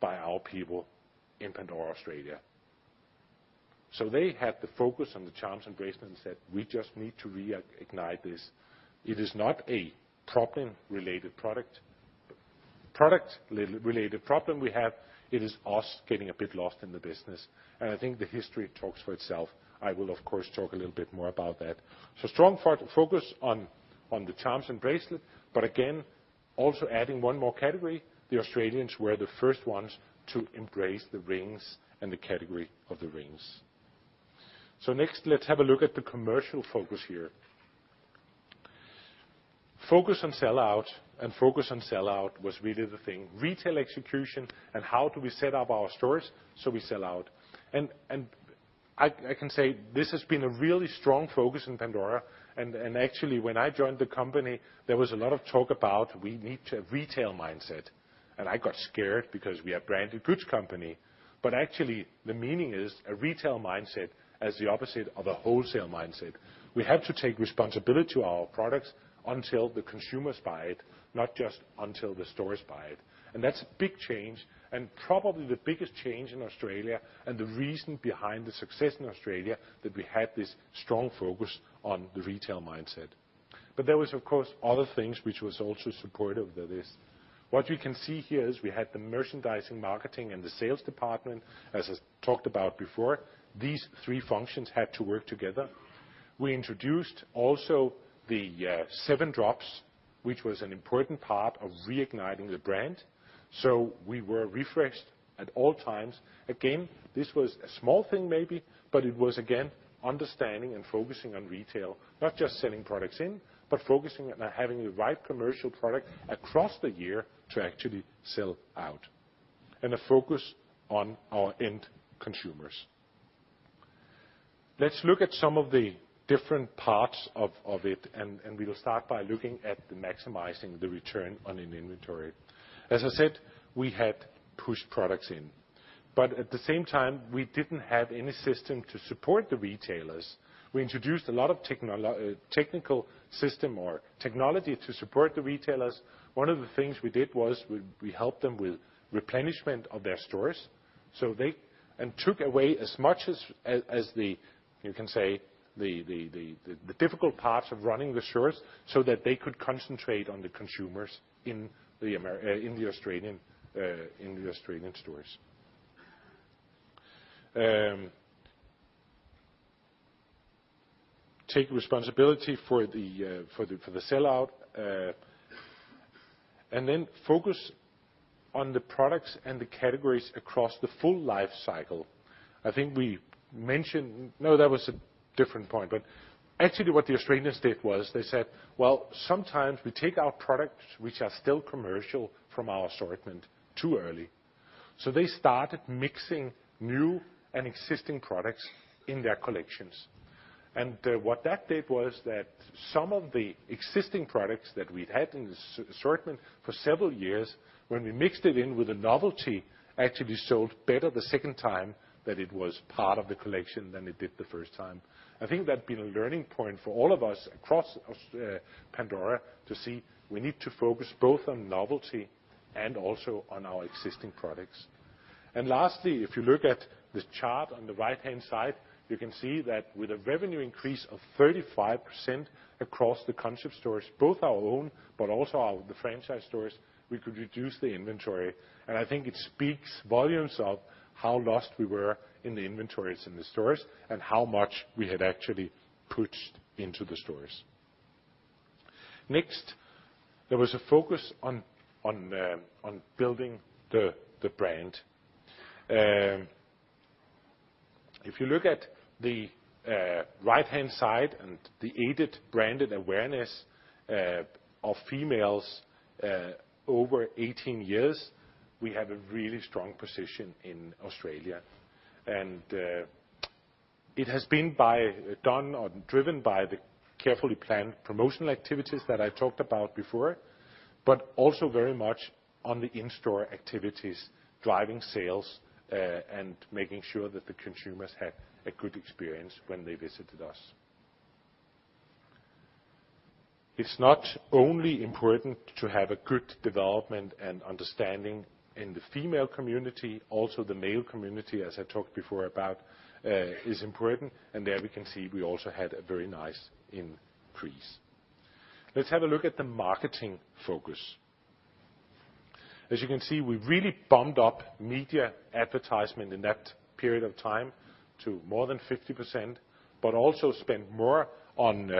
by our people in Pandora Australia. So they had the focus on the charms and bracelets and said, "We just need to re-ignite this. It is not a problem-related product, product-related problem we have, it is us getting a bit lost in the business." I think the history talks for itself. I will, of course, talk a little bit more about that. So far, strong focus on the charms and bracelets, but again, also adding one more category. The Australians were the first ones to embrace the rings and the category of the rings. Next, let's have a look at the commercial focus here. Focus on sell-out, and focus on sell-out was really the thing. Retail execution and how do we set up our stores so we sell-out? I can say this has been a really strong focus in Pandora, and actually, when I joined the company, there was a lot of talk about we need to have retail mindset, and I got scared because we are a branded goods company, but actually the meaning is a retail mindset as the opposite of a wholesale mindset. We have to take responsibility to our products until the consumers buy it, not just until the stores buy it. And that's a big change, and probably the biggest change in Australia and the reason behind the success in Australia, that we had this strong focus on the retail mindset. But there was, of course, other things which was also supportive of this. What we can see here is we had the merchandising, marketing, and the sales department. As I talked about before, these three functions had to work together. We introduced also the seven drops, which was an important part of reigniting the brand, so we were refreshed at all times. Again, this was a small thing maybe, but it was again, understanding and focusing on retail, not just sending products in, but focusing on having the right commercial product across the year to actually sell-out, and a focus on our end consumers. Let's look at some of the different parts of it, and we will start by looking at the maximizing the return on an inventory. As I said, we had pushed products in, but at the same time, we didn't have any system to support the retailers. We introduced a lot of technical system or technology to support the retailers. One of the things we did was we helped them with replenishment of their stores, so they and took away as much as you can say the difficult parts of running the stores so that they could concentrate on the consumers in the Australian stores. Take responsibility for the sell-out and then focus on the products and the categories across the full life cycle. I think we mentioned... No, that was a different point, but actually, what the Australians did was they said, "Well, sometimes we take our products, which are still commercial, from our assortment too early." So they started mixing new and existing products in their collections. What that did was that some of the existing products that we'd had in the assortment for several years, when we mixed it in with a novelty, actually sold better the second time that it was part of the collection than it did the first time. I think that's been a learning point for all of us across Pandora, to see we need to focus both on novelty and also on our existing products. Lastly, if you look at this chart on the right-hand side, you can see that with a revenue increase of 35% across the concept stores, both our own, but also our—the franchise stores, we could reduce the inventory. I think it speaks volumes of how lost we were in the inventories in the stores, and how much we had actually pushed into the stores. Next, there was a focus on building the brand. If you look at the right-hand side and the aided brand awareness of females over 18 years, we have a really strong position in Australia. It has been done or driven by the carefully planned promotional activities that I talked about before, but also very much on the in-store activities, driving sales, and making sure that the consumers had a good experience when they visited us. It's not only important to have a good development and understanding in the female community, also the male community, as I talked before about, is important, and there we can see we also had a very nice increase. Let's have a look at the marketing focus. As you can see, we really bumped up media advertisement in that period of time to more than 50%, but also spent more on,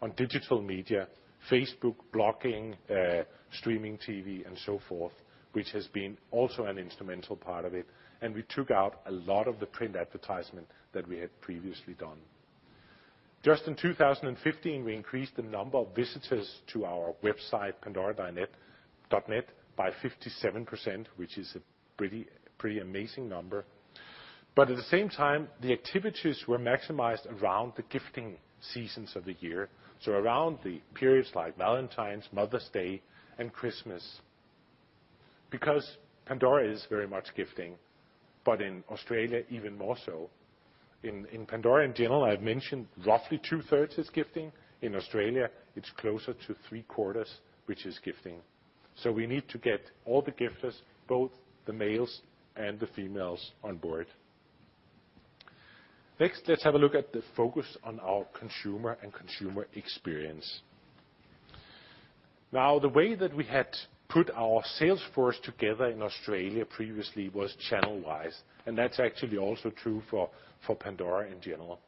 on digital media, Facebook, blogging, streaming TV, and so forth, which has been also an instrumental part of it, and we took out a lot of the print advertisement that we had previously done. Just in 2015, we increased the number of visitors to our website, pandora.net, by 57%, which is a pretty, pretty amazing number. But at the same time, the activities were maximized around the gifting seasons of the year, so around the periods like Valentine's, Mother's Day, and Christmas. Because Pandora is very much gifting, but in Australia, even more so. In Pandora in general, I've mentioned roughly two-thirds is gifting. In Australia, it's closer to three-quarters, which is gifting. So we need to get all the gifters, both the males and the females, on board. Next, let's have a look at the focus on our consumer and consumer experience. Now, the way that we had put our sales force together in Australia previously was channel-wise, and that's actually also true for Pandora in general.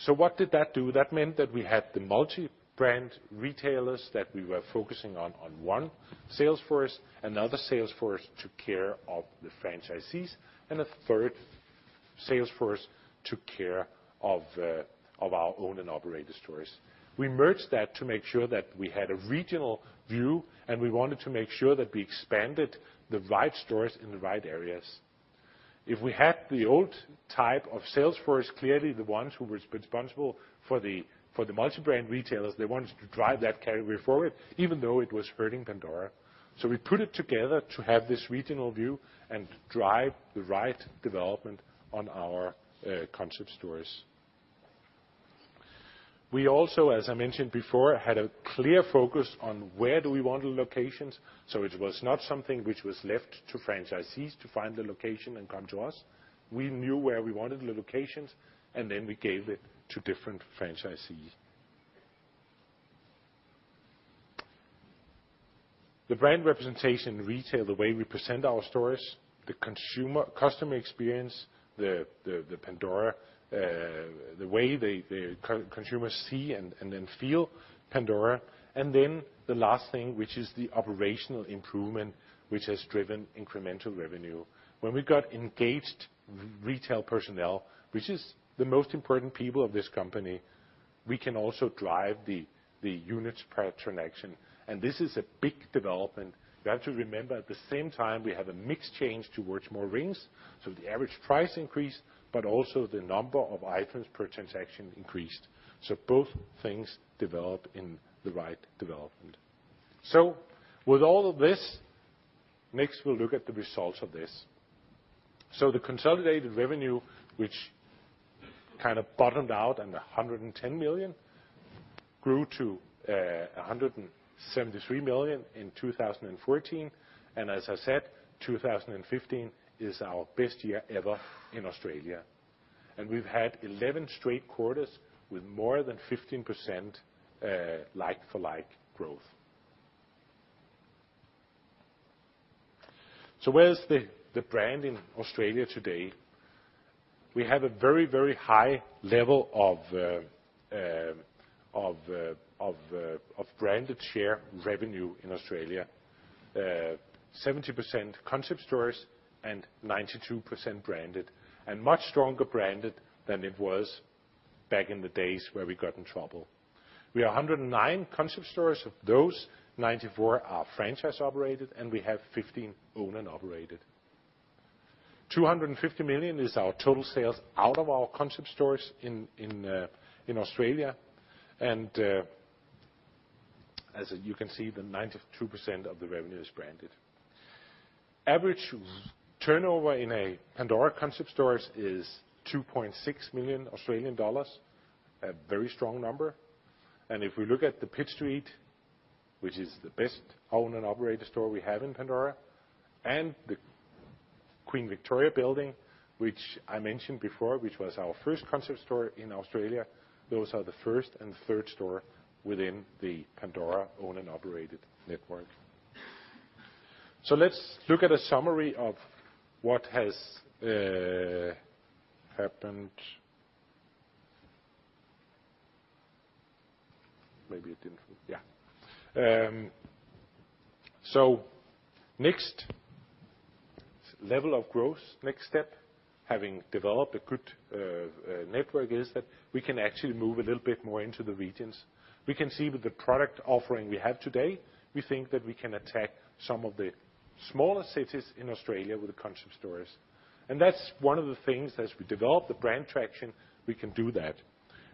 So what did that do? That meant that we had the multi-brand retailers that we were focusing on, on one sales force, another sales force took care of the franchisees, and a third sales force took care of our owned and operated stores. We merged that to make sure that we had a regional view, and we wanted to make sure that we expanded the right stores in the right areas. If we had the old type of sales force, clearly the ones who were responsible for the multi-brand retailers, they wanted to drive that category forward, even though it was hurting Pandora. So we put it together to have this regional view and drive the right development on our concept stores. We also, as I mentioned before, had a clear focus on where do we want the locations, so it was not something which was left to franchisees to find the location and come to us. We knew where we wanted the locations, and then we gave it to different franchisees. The brand representation in retail, the way we present our stores, the customer experience, the Pandora, the way the consumers see and then feel Pandora, and then the last thing, which is the operational improvement, which has driven incremental revenue. When we got engaged retail personnel, which is the most important people of this company, we can also drive the units per transaction, and this is a big development. You have to remember, at the same time, we have a mix change towards more rings, so the average price increased, but also the number of items per transaction increased. So both things develop in the right development. So with all of this, next, we'll look at the results of this. The consolidated revenue, which kind of bottomed out at 110 million, grew to 173 million in 2014. And as I said, 2015 is our best year ever in Australia, and we've had 11 straight quarters with more than 15%, like-for-like growth. So where's the brand in Australia today? We have a very, very high level of branded share revenue in Australia. Seventy percent concept stores and 92% branded, and much stronger branded than it was back in the days where we got in trouble. We have 109 concept stores. Of those, 94 are franchise-operated, and we have 15 owned and operated. 250 million is our total sales out of our concept stores in Australia. And, as you can see, the 92% of the revenue is branded. Average turnover in a Pandora concept stores is 2.6 million Australian dollars, a very strong number. And if we look at the Pitt Street, which is the best owned and operated store we have in Pandora, and the Queen Victoria Building, which I mentioned before, which was our first concept store in Australia, those are the first and third store within the Pandora owned and operated network. So let's look at a summary of what has happened. Maybe it didn't, yeah. So next level of growth, next step, having developed a good network, is that we can actually move a little bit more into the regions. We can see with the product offering we have today, we think that we can attack some of the smaller cities in Australia with the concept stores. That's one of the things as we develop the brand traction, we can do that.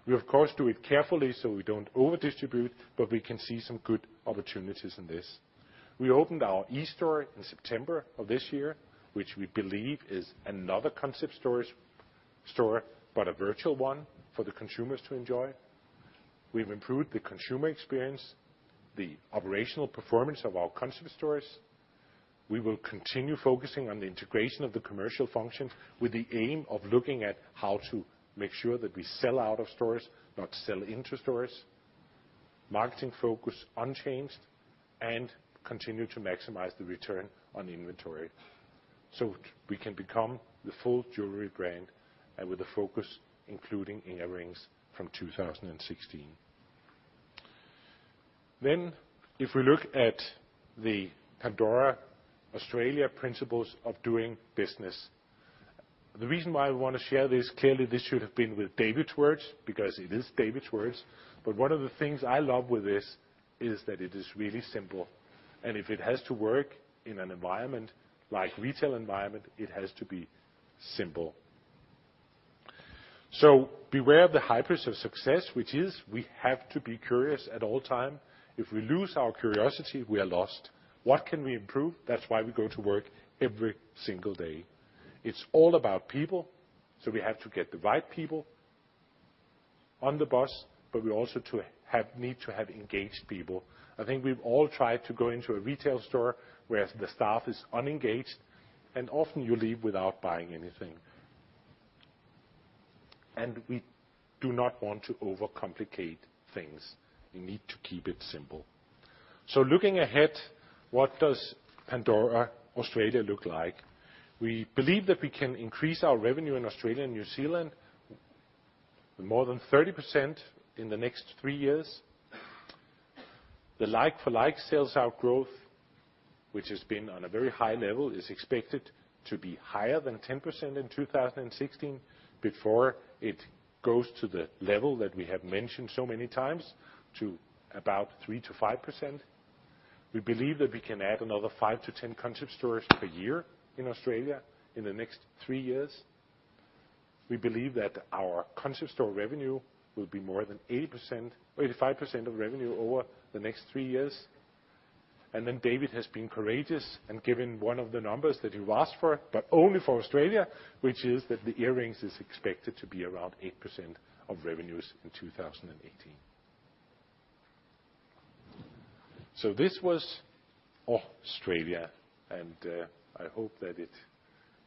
We, of course, do it carefully, so we don't over-distribute, but we can see some good opportunities in this. We opened our eSTORE in September of this year, which we believe is another concept store, but a virtual one for the consumers to enjoy. We've improved the consumer experience, the operational performance of our concept stores. We will continue focusing on the integration of the commercial function with the aim of looking at how to make sure that we sell-out of stores, not sell into stores. Marketing focus unchanged, and continue to maximize the return on inventory, so we can become the full jewelry brand and with a focus, including in earrings from 2016. If we look at the Pandora Australia principles of doing business, the reason why I want to share this, clearly, this should have been with David's words, because it is David's words. But one of the things I love with this is that it is really simple. If it has to work in an environment like retail environment, it has to be simple. So beware of the highs of success, which is we have to be curious at all times. If we lose our curiosity, we are lost. What can we improve? That's why we go to work every single day. It's all about people, so we have to get the right people on the bus, but we also need to have engaged people. I think we've all tried to go into a retail store whereas the staff is unengaged, and often you leave without buying anything. We do not want to overcomplicate things. You need to keep it simple. So looking ahead, what does Pandora Australia look like? We believe that we can increase our revenue in Australia and New Zealand more than 30% in the next three years. The like-for-like sales growth, which has been on a very high level, is expected to be higher than 10% in 2016, before it goes to the level that we have mentioned so many times, to about 3%-5%. We believe that we can add another 5-10 concept stores per year in Australia in the next three years. We believe that our concept store revenue will be more than 80%-85% of revenue over the next three years. And then David has been courageous and given one of the numbers that you asked for, but only for Australia, which is that the earrings is expected to be around 8% of revenues in 2018. So this was Australia, and, I hope that it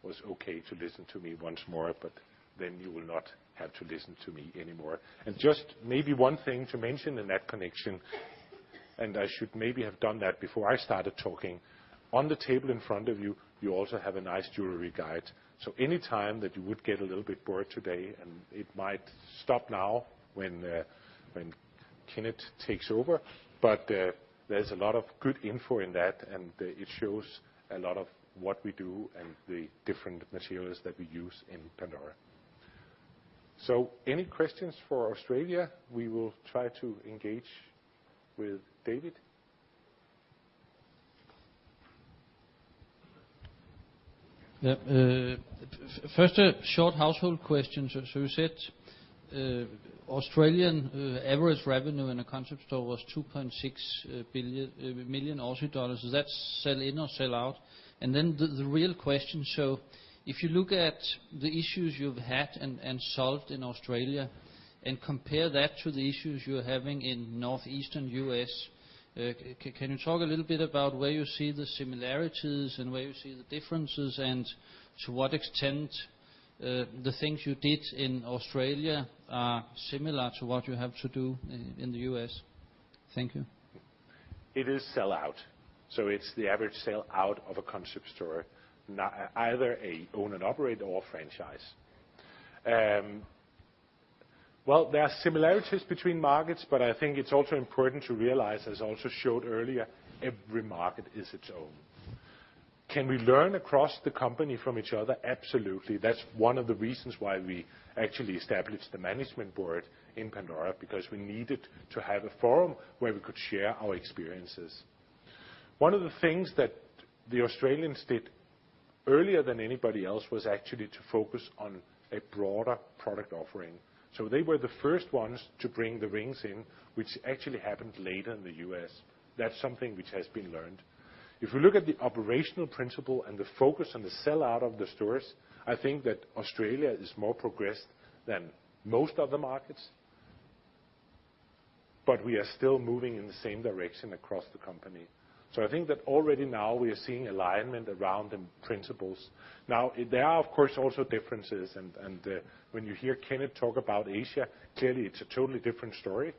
was okay to listen to me once more, but then you will not have to listen to me anymore. And just maybe one thing to mention in that connection, and I should maybe have done that before I started talking. On the table in front of you, you also have a nice jewelry guide. So anytime that you would get a little bit bored today, and it might stop now when Kenneth takes over, but there's a lot of good info in that, and it shows a lot of what we do and the different materials that we use in Pandora. So any questions for Australia, we will try to engage with David. Yeah, first, a short housekeeping question. So you said, Australian average revenue in a concept store was 2.6 million Aussie dollars. Is that sell in or sell-out? And then the real question, so if you look at the issues you've had and solved in Australia and compare that to the issues you're having in northeastern U.S., can you talk a little bit about where you see the similarities and where you see the differences, and to what extent the things you did in Australia are similar to what you have to do in the U.S.? Thank you. It is sell-out. So it's the average sell-out of a concept store, not either an owned and operated or a franchise. Well, there are similarities between markets, but I think it's also important to realize, as I also showed earlier, every market is its own. Can we learn across the company from each other? Absolutely. That's one of the reasons why we actually established the management board in Pandora, because we needed to have a forum where we could share our experiences. One of the things that the Australians did earlier than anybody else was actually to focus on a broader product offering. So they were the first ones to bring the rings in, which actually happened later in the U.S. That's something which has been learned. If you look at the operational principle and the focus on the sell-out of the stores, I think that Australia is more progressed than most other markets, but we are still moving in the same direction across the company. So I think that already now we are seeing alignment around the principles. Now, there are, of course, also differences, and, and, when you hear Kenneth talk about Asia, clearly it's a totally different story,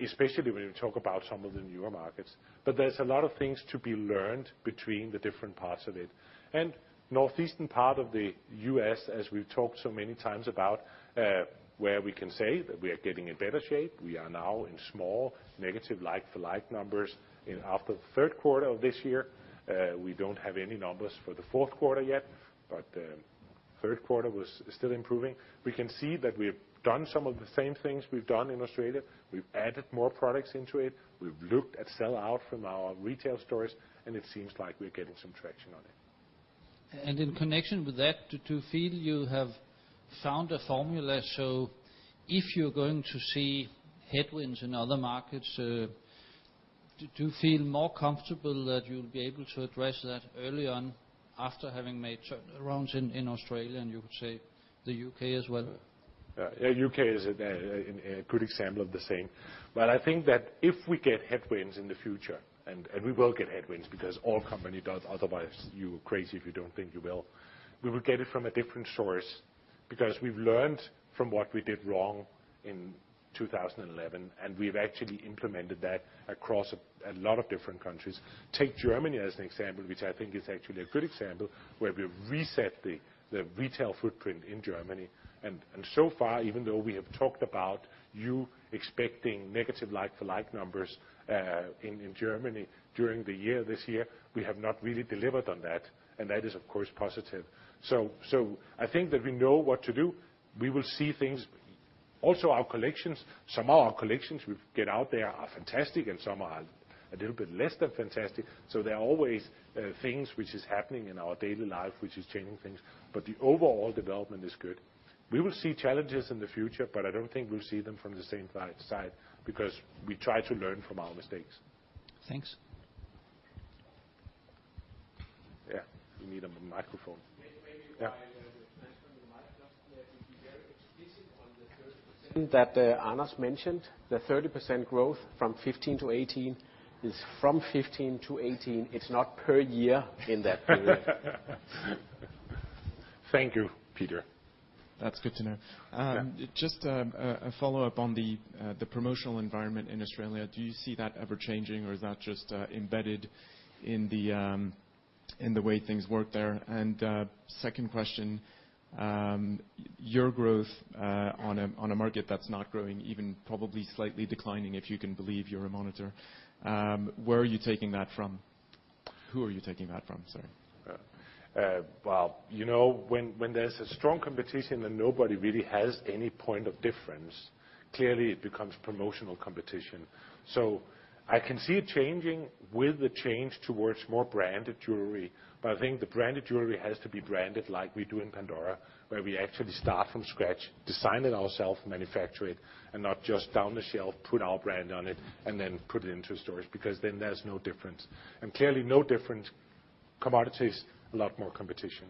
especially when you talk about some of the newer markets. But there's a lot of things to be learned between the different parts of it. And northeastern part of the U.S., as we've talked so many times about, where we can say that we are getting in better shape. We are now in small negative like-for-like numbers in, after the third quarter of this year. We don't have any numbers for the fourth quarter yet, but third quarter was still improving. We can see that we've done some of the same things we've done in Australia. We've added more products into it, we've looked at sell-out from our retail stores, and it seems like we're getting some traction on it. And in connection with that, do you feel you have found a formula? So if you're going to see headwinds in other markets, do you feel more comfortable that you'll be able to address that early on after having made turns around in Australia and you could say the UK as well? Yeah, the U.K. is a good example of the same. But I think that if we get headwinds in the future, and we will get headwinds, because all company does, otherwise you are crazy if you don't think you will, we will get it from a different source, because we've learned from what we did wrong in 2011, and we've actually implemented that across a lot of different countries. Take Germany as an example, which I think is actually a good example, where we've reset the retail footprint in Germany. And so far, even though we have talked about you expecting negative like-for-like numbers in Germany during the year, this year, we have not really delivered on that, and that is, of course, positive. So I think that we know what to do. We will see things... Also, our collections, some of our collections we get out there are fantastic, and some are a little bit less than fantastic. So there are always things which is happening in our daily life, which is changing things, but the overall development is good. We will see challenges in the future, but I don't think we'll see them from the same side, because we try to learn from our mistakes. Thanks. Yeah, you need a microphone. Maybe, maybe- Yeah. Try the microphone. Let me be very explicit on the 30% that Anders mentioned. The 30% growth from 2015 to 2018 is from 2015 to 2018, it's not per year in that period. Thank you, Peter. That's good to know. Yeah. Just a follow-up on the promotional environment in Australia. Do you see that ever changing, or is that just embedded in the way things work there? Second question, your growth on a market that's not growing, even probably slightly declining, if you can believe Euromonitor, where are you taking that from? Who are you taking that from? Sorry. Well, you know, when there's a strong competition and nobody really has any point of difference, clearly it becomes promotional competition. So I can see it changing with the change towards more branded jewelry, but I think the branded jewelry has to be branded like we do in Pandora, where we actually start from scratch, design it ourself, manufacture it, and not just off the shelf, put our brand on it, and then put it into stores, because then there's no difference. And clearly, no different commodities, a lot more competition.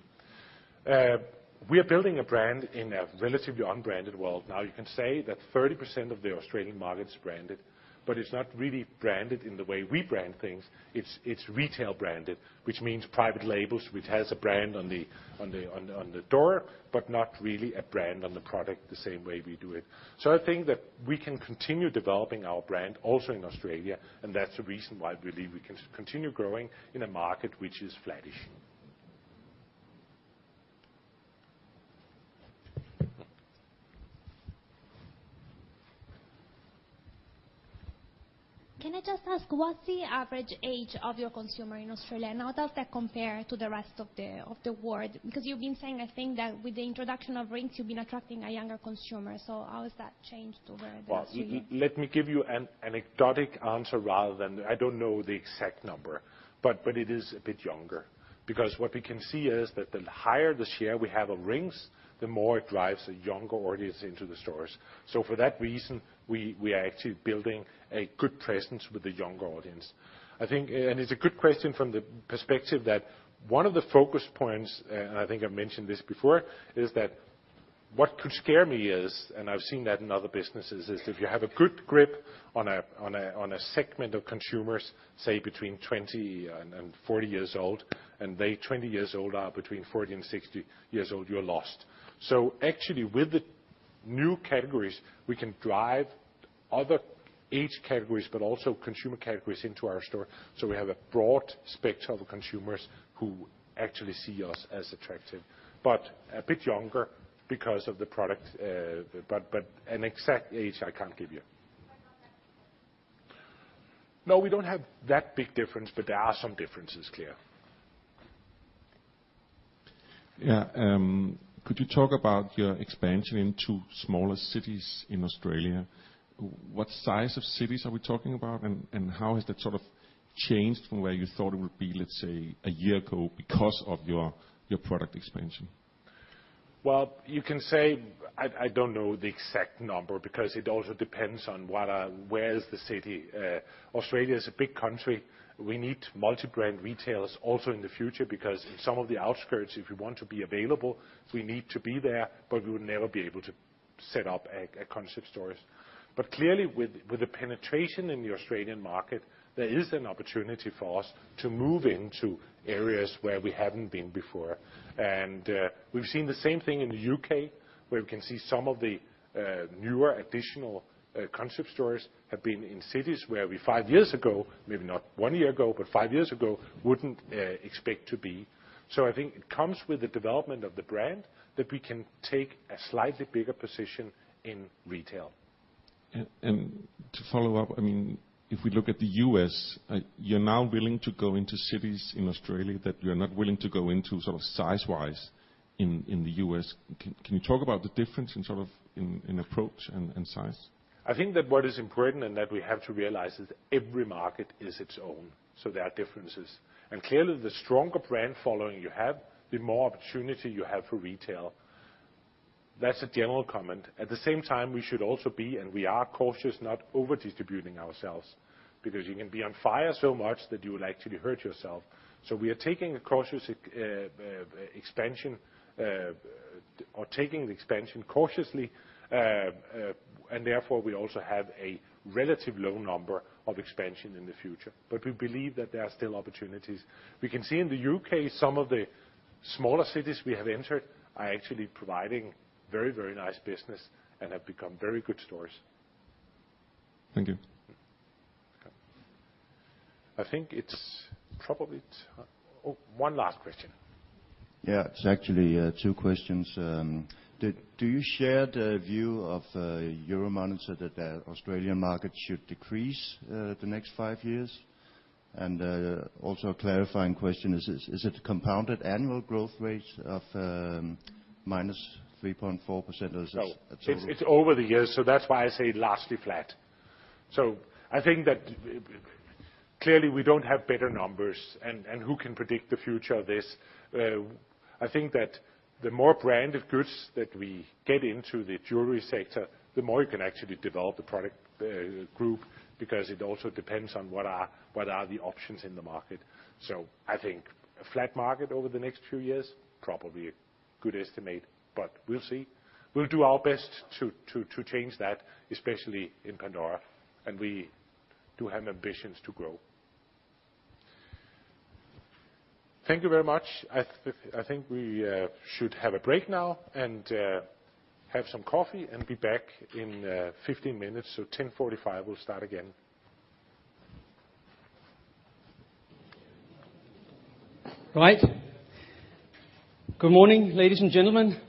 We are building a brand in a relatively unbranded world. Now, you can say that 30% of the Australian market is branded, but it's not really branded in the way we brand things. It's retail branded, which means private labels, which has a brand on the door, but not really a brand on the product the same way we do it. So I think that we can continue developing our brand also in Australia, and that's the reason why we believe we can continue growing in a market which is flattish. Can I just ask, what's the average age of your consumer in Australia, and how does that compare to the rest of the world? Because you've been saying, I think, that with the introduction of rings, you've been attracting a younger consumer. So how has that changed over the last few years? Well, let me give you an anecdotal answer rather than... I don't know the exact number, but, but it is a bit younger. Because what we can see is that the higher the share we have of rings, the more it drives a younger audience into the stores. So for that reason, we, we are actually building a good presence with the younger audience. I think... And it's a good question from the perspective that one of the focus points, and I think I've mentioned this before, is that what could scare me is, and I've seen that in other businesses, is if you have a good grip on a, on a, on a segment of consumers, say, between 20 and 40 years old, and they 20 years old are between 40 and 60 years old, you're lost. Actually, with the new categories, we can drive other age categories, but also consumer categories into our store. We have a broad spectrum of consumers who actually see us as attractive, but a bit younger because of the product, but an exact age, I can't give you. But not that big? No, we don't have that big difference, but there are some differences, Claire.... Yeah, could you talk about your expansion into smaller cities in Australia? What size of cities are we talking about, and how has that sort of changed from where you thought it would be, let's say, a year ago because of your product expansion? Well, you can say I, I don't know the exact number, because it also depends on where the city is. Australia is a big country. We need multi-brand retailers also in the future, because in some of the outskirts, if we want to be available, we need to be there, but we would never be able to set up a, a concept stores. But clearly, with, with the penetration in the Australian market, there is an opportunity for us to move into areas where we haven't been before. And, we've seen the same thing in the UK, where we can see some of the, newer additional, concept stores have been in cities where we, five years ago, maybe not one year ago, but five years ago, wouldn't, expect to be. I think it comes with the development of the brand, that we can take a slightly bigger position in retail. To follow up, I mean, if we look at the U.S., you're now willing to go into cities in Australia that you're not willing to go into sort of size-wise in the U.S. Can you talk about the difference in sort of approach and size? I think that what is important and that we have to realize is every market is its own, so there are differences. Clearly, the stronger brand following you have, the more opportunity you have for retail. That's a general comment. At the same time, we should also be, and we are cautious, not over-distributing ourselves, because you can be on fire so much that you will actually hurt yourself. So we are taking a cautious expansion, or taking the expansion cautiously, and therefore, we also have a relative low number of expansion in the future. But we believe that there are still opportunities. We can see in the UK, some of the smaller cities we have entered are actually providing very, very nice business and have become very good stores. Thank you. Okay. I think it's probably—oh, one last question. Yeah, it's actually two questions. Do you share the view of the Euromonitor that the Australian market should decrease the next five years? And also a clarifying question, is it a compounded annual growth rate of minus 3.4% or is it- No, it's, it's over the years, so that's why I say largely flat. So I think that, clearly, we don't have better numbers, and, and who can predict the future of this? I think that the more branded goods that we get into the jewelry sector, the more you can actually develop the product group, because it also depends on what are, what are the options in the market. So I think a flat market over the next few years, probably a good estimate, but we'll see. We'll do our best to change that, especially in Pandora, and we do have ambitions to grow. Thank you very much. I think we should have a break now, and have some coffee and be back in 15 minutes. So 10:45 A.M., we'll start again. All right. Good morning, ladies and gentlemen.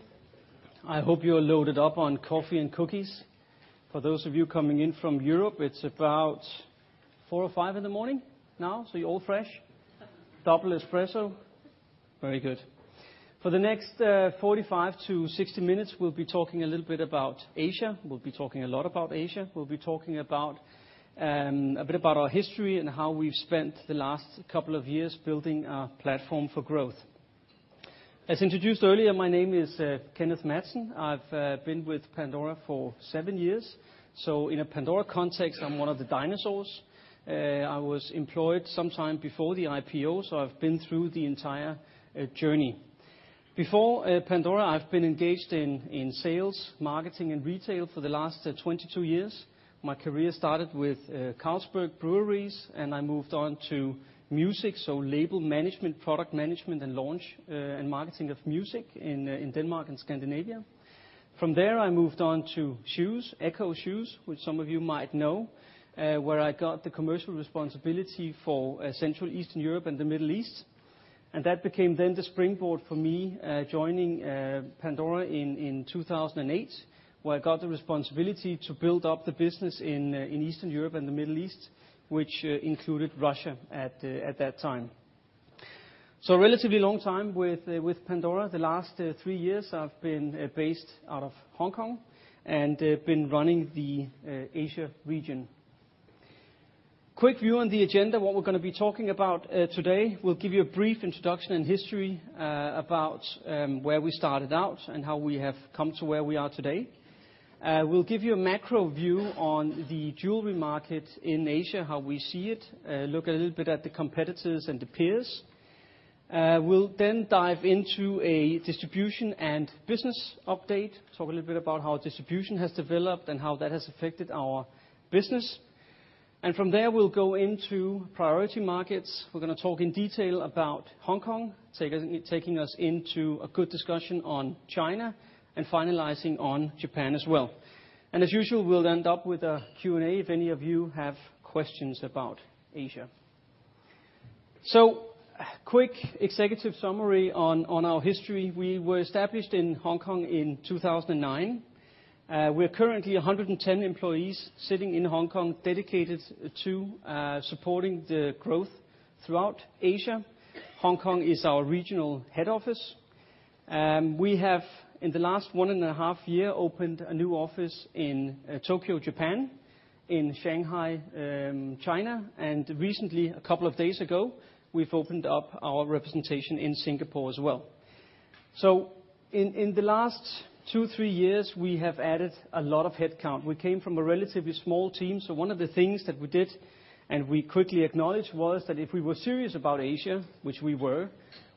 I hope you are loaded up on coffee and cookies. For those of you coming in from Europe, it's about 4 or 5 in the morning now, so you're all fresh. Double espresso? Very good. For the next 45-60 minutes, we'll be talking a little bit about Asia. We'll be talking a lot about Asia. We'll be talking about a bit about our history and how we've spent the last couple of years building our platform for growth. As introduced earlier, my name is Kenneth Madsen. I've been with Pandora for seven years, so in a Pandora context, I'm one of the dinosaurs. I was employed sometime before the IPO, so I've been through the entire journey. Before Pandora, I've been engaged in sales, marketing, and retail for the last 22 years. My career started with Carlsberg Breweries, and I moved on to music, so label management, product management, and launch, and marketing of music in Denmark and Scandinavia. From there, I moved on to shoes, ECCO Shoes, which some of you might know, where I got the commercial responsibility for Central Eastern Europe and the Middle East. And that became then the springboard for me, joining Pandora in 2008, where I got the responsibility to build up the business in Eastern Europe and the Middle East, which included Russia at that time. So a relatively long time with Pandora. The last three years, I've been based out of Hong Kong and been running the Asia region. Quick view on the agenda, what we're gonna be talking about today. We'll give you a brief introduction and history, about where we started out and how we have come to where we are today. We'll give you a macro view on the jewelry market in Asia, how we see it, look a little bit at the competitors and the peers. We'll then dive into a distribution and business update, talk a little bit about how distribution has developed and how that has affected our business. And from there, we'll go into priority markets. We're gonna talk in detail about Hong Kong, taking us into a good discussion on China and finalizing on Japan as well. And as usual, we'll end up with a Q&A if any of you have questions about Asia. So quick executive summary on our history. We were established in Hong Kong in 2009. We're currently 110 employees sitting in Hong Kong, dedicated to supporting the growth throughout Asia. Hong Kong is our regional head office. We have, in the last 1.5 year, opened a new office in Tokyo, Japan, in Shanghai, China, and recently, a couple of days ago, we've opened up our representation in Singapore as well. So in the last 2-3 years, we have added a lot of headcount. We came from a relatively small team, so one of the things that we did, and we quickly acknowledged, was that if we were serious about Asia, which we were,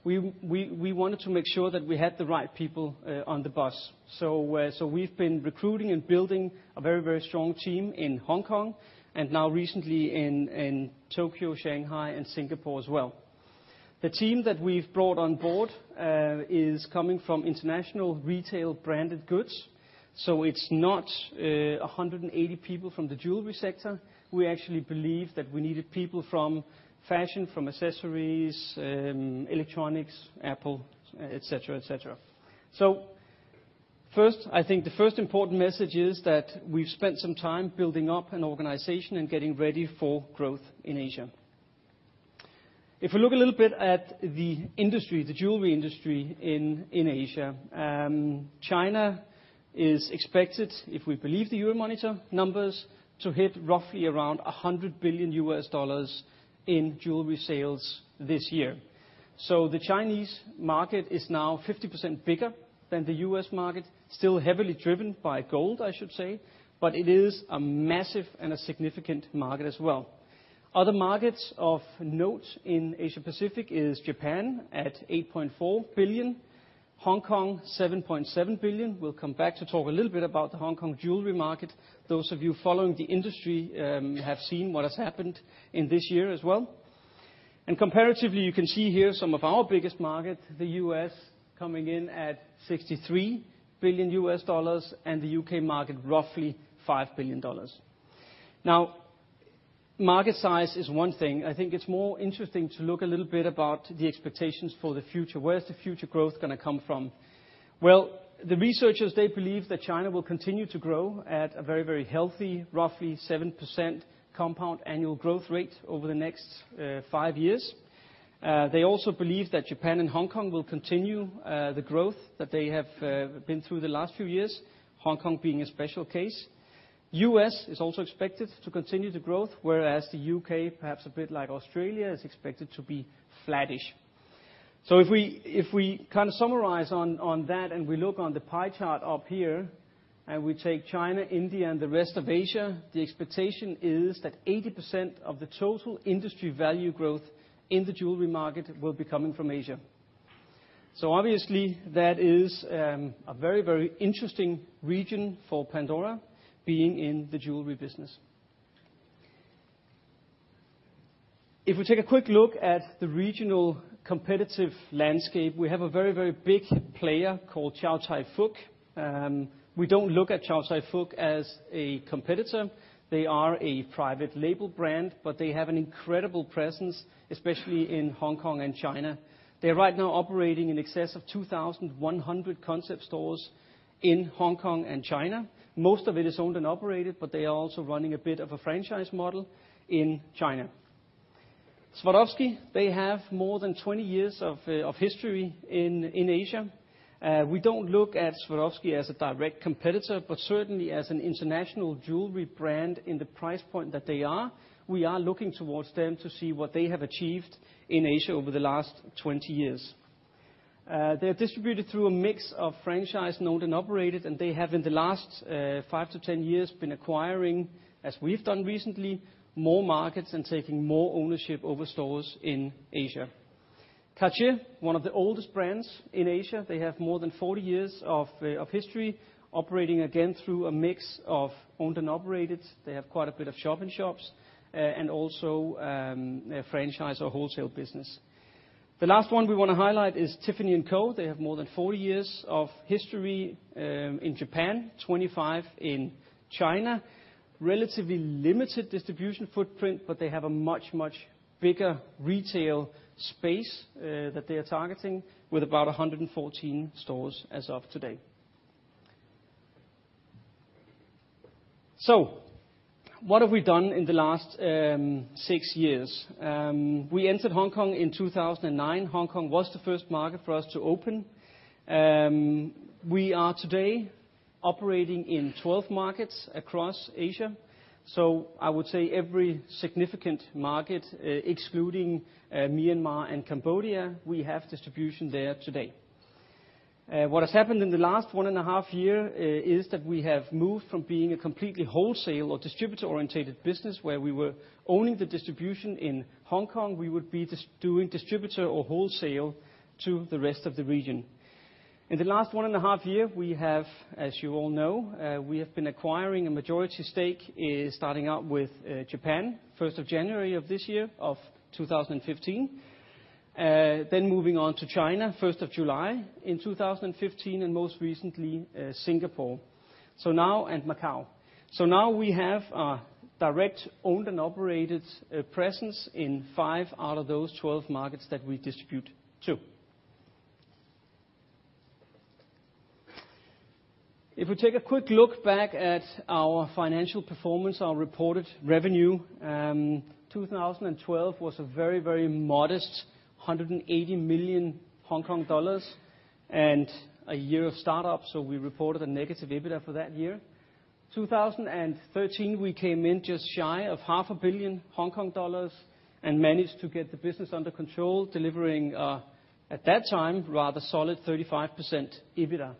we wanted to make sure that we had the right people on the bus. So, we've been recruiting and building a very, very strong team in Hong Kong, and now recently in Tokyo, Shanghai, and Singapore as well. The team that we've brought on board is coming from international retail branded goods, so it's not 180 people from the jewelry sector. We actually believe that we needed people from fashion, from accessories, electronics, Apple, et cetera, et cetera. So first, I think the first important message is that we've spent some time building up an organization and getting ready for growth in Asia. If we look a little bit at the industry, the jewelry industry in Asia, China is expected, if we believe the Euromonitor numbers, to hit roughly around $100 billion in jewelry sales this year. So the Chinese market is now 50% bigger than the US market, still heavily driven by gold, I should say, but it is a massive and a significant market as well. Other markets of note in Asia Pacific is Japan at $8.4 billion, Hong Kong, $7.7 billion. We'll come back to talk a little bit about the Hong Kong jewelry market. Those of you following the industry have seen what has happened in this year as well. Comparatively, you can see here some of our biggest markets, the US coming in at $63 billion, and the UK market, roughly $5 billion. Now, market size is one thing. I think it's more interesting to look a little bit about the expectations for the future. Where's the future growth gonna come from? Well, the researchers, they believe that China will continue to grow at a very, very healthy, roughly 7% compound annual growth rate over the next 5 years. They also believe that Japan and Hong Kong will continue the growth that they have been through the last few years, Hong Kong being a special case. U.S. is also expected to continue the growth, whereas the U.K., perhaps a bit like Australia, is expected to be flattish. So if we, if we kind of summarize on, on that, and we look on the pie chart up here, and we take China, India, and the rest of Asia, the expectation is that 80% of the total industry value growth in the jewelry market will be coming from Asia. So obviously, that is a very, very interesting region for Pandora being in the jewelry business. If we take a quick look at the regional competitive landscape, we have a very, very big player called Chow Tai Fook. We don't look at Chow Tai Fook as a competitor. They are a private label brand, but they have an incredible presence, especially in Hong Kong and China. They're right now operating in excess of 2,100 concept stores in Hong Kong and China. Most of it is owned and operated, but they are also running a bit of a franchise model in China. Swarovski, they have more than 20 years of history in Asia. We don't look at Swarovski as a direct competitor, but certainly as an international jewelry brand in the price point that they are, we are looking towards them to see what they have achieved in Asia over the last 20 years. They're distributed through a mix of franchise, owned and operated, and they have, in the last, 5-10 years, been acquiring, as we've done recently, more markets and taking more ownership over stores in Asia. Cartier, one of the oldest brands in Asia, they have more than 40 years of history, operating again through a mix of owned and operated. They have quite a bit of shop-in-shops, and also, a franchise or wholesale business. The last one we wanna highlight is Tiffany & Co. They have more than 40 years of history, in Japan, 25 in China. Relatively limited distribution footprint, but they have a much, much bigger retail space, that they are targeting, with about 114 stores as of today. So what have we done in the last, 6 years? We entered Hong Kong in 2009. Hong Kong was the first market for us to open. We are today operating in 12 markets across Asia, so I would say every significant market, excluding Myanmar and Cambodia, we have distribution there today. What has happened in the last 1.5 year is that we have moved from being a completely wholesale or distributor-orientated business, where we were owning the distribution in Hong Kong, we would be doing distributor or wholesale to the rest of the region. In the last 1.5 year, we have, as you all know, we have been acquiring a majority stake, starting out with Japan, 1st of January of this year, of 2015. Then moving on to China, 1st of July in 2015, and most recently, Singapore, so now... and Macau. So now we have a direct, owned and operated, presence in five out of those 12 markets that we distribute to. If we take a quick look back at our financial performance, our reported revenue, 2012 was a very, very modest 180 million Hong Kong dollars, and a year of startup, so we reported a negative EBITDA for that year. 2013, we came in just shy of 500 million Hong Kong dollars and managed to get the business under control, delivering, at that time, rather solid 35% EBITDA.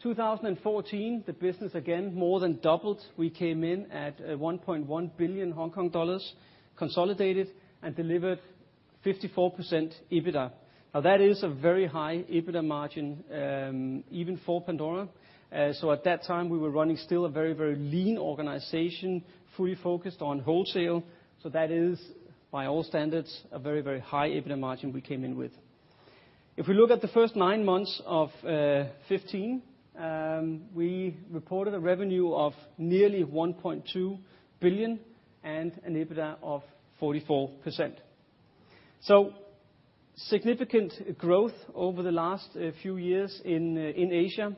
2014, the business again more than doubled. We came in at, 1.1 billion Hong Kong dollars, consolidated and delivered 54% EBITDA. Now, that is a very high EBITDA margin, even for Pandora. So at that time, we were running still a very, very lean organization, fully focused on wholesale. So that is, by all standards, a very, very high EBITDA margin we came in with. If we look at the first nine months of 2015, we reported a revenue of nearly 1.2 billion and an EBITDA of 44%. So significant growth over the last few years in Asia.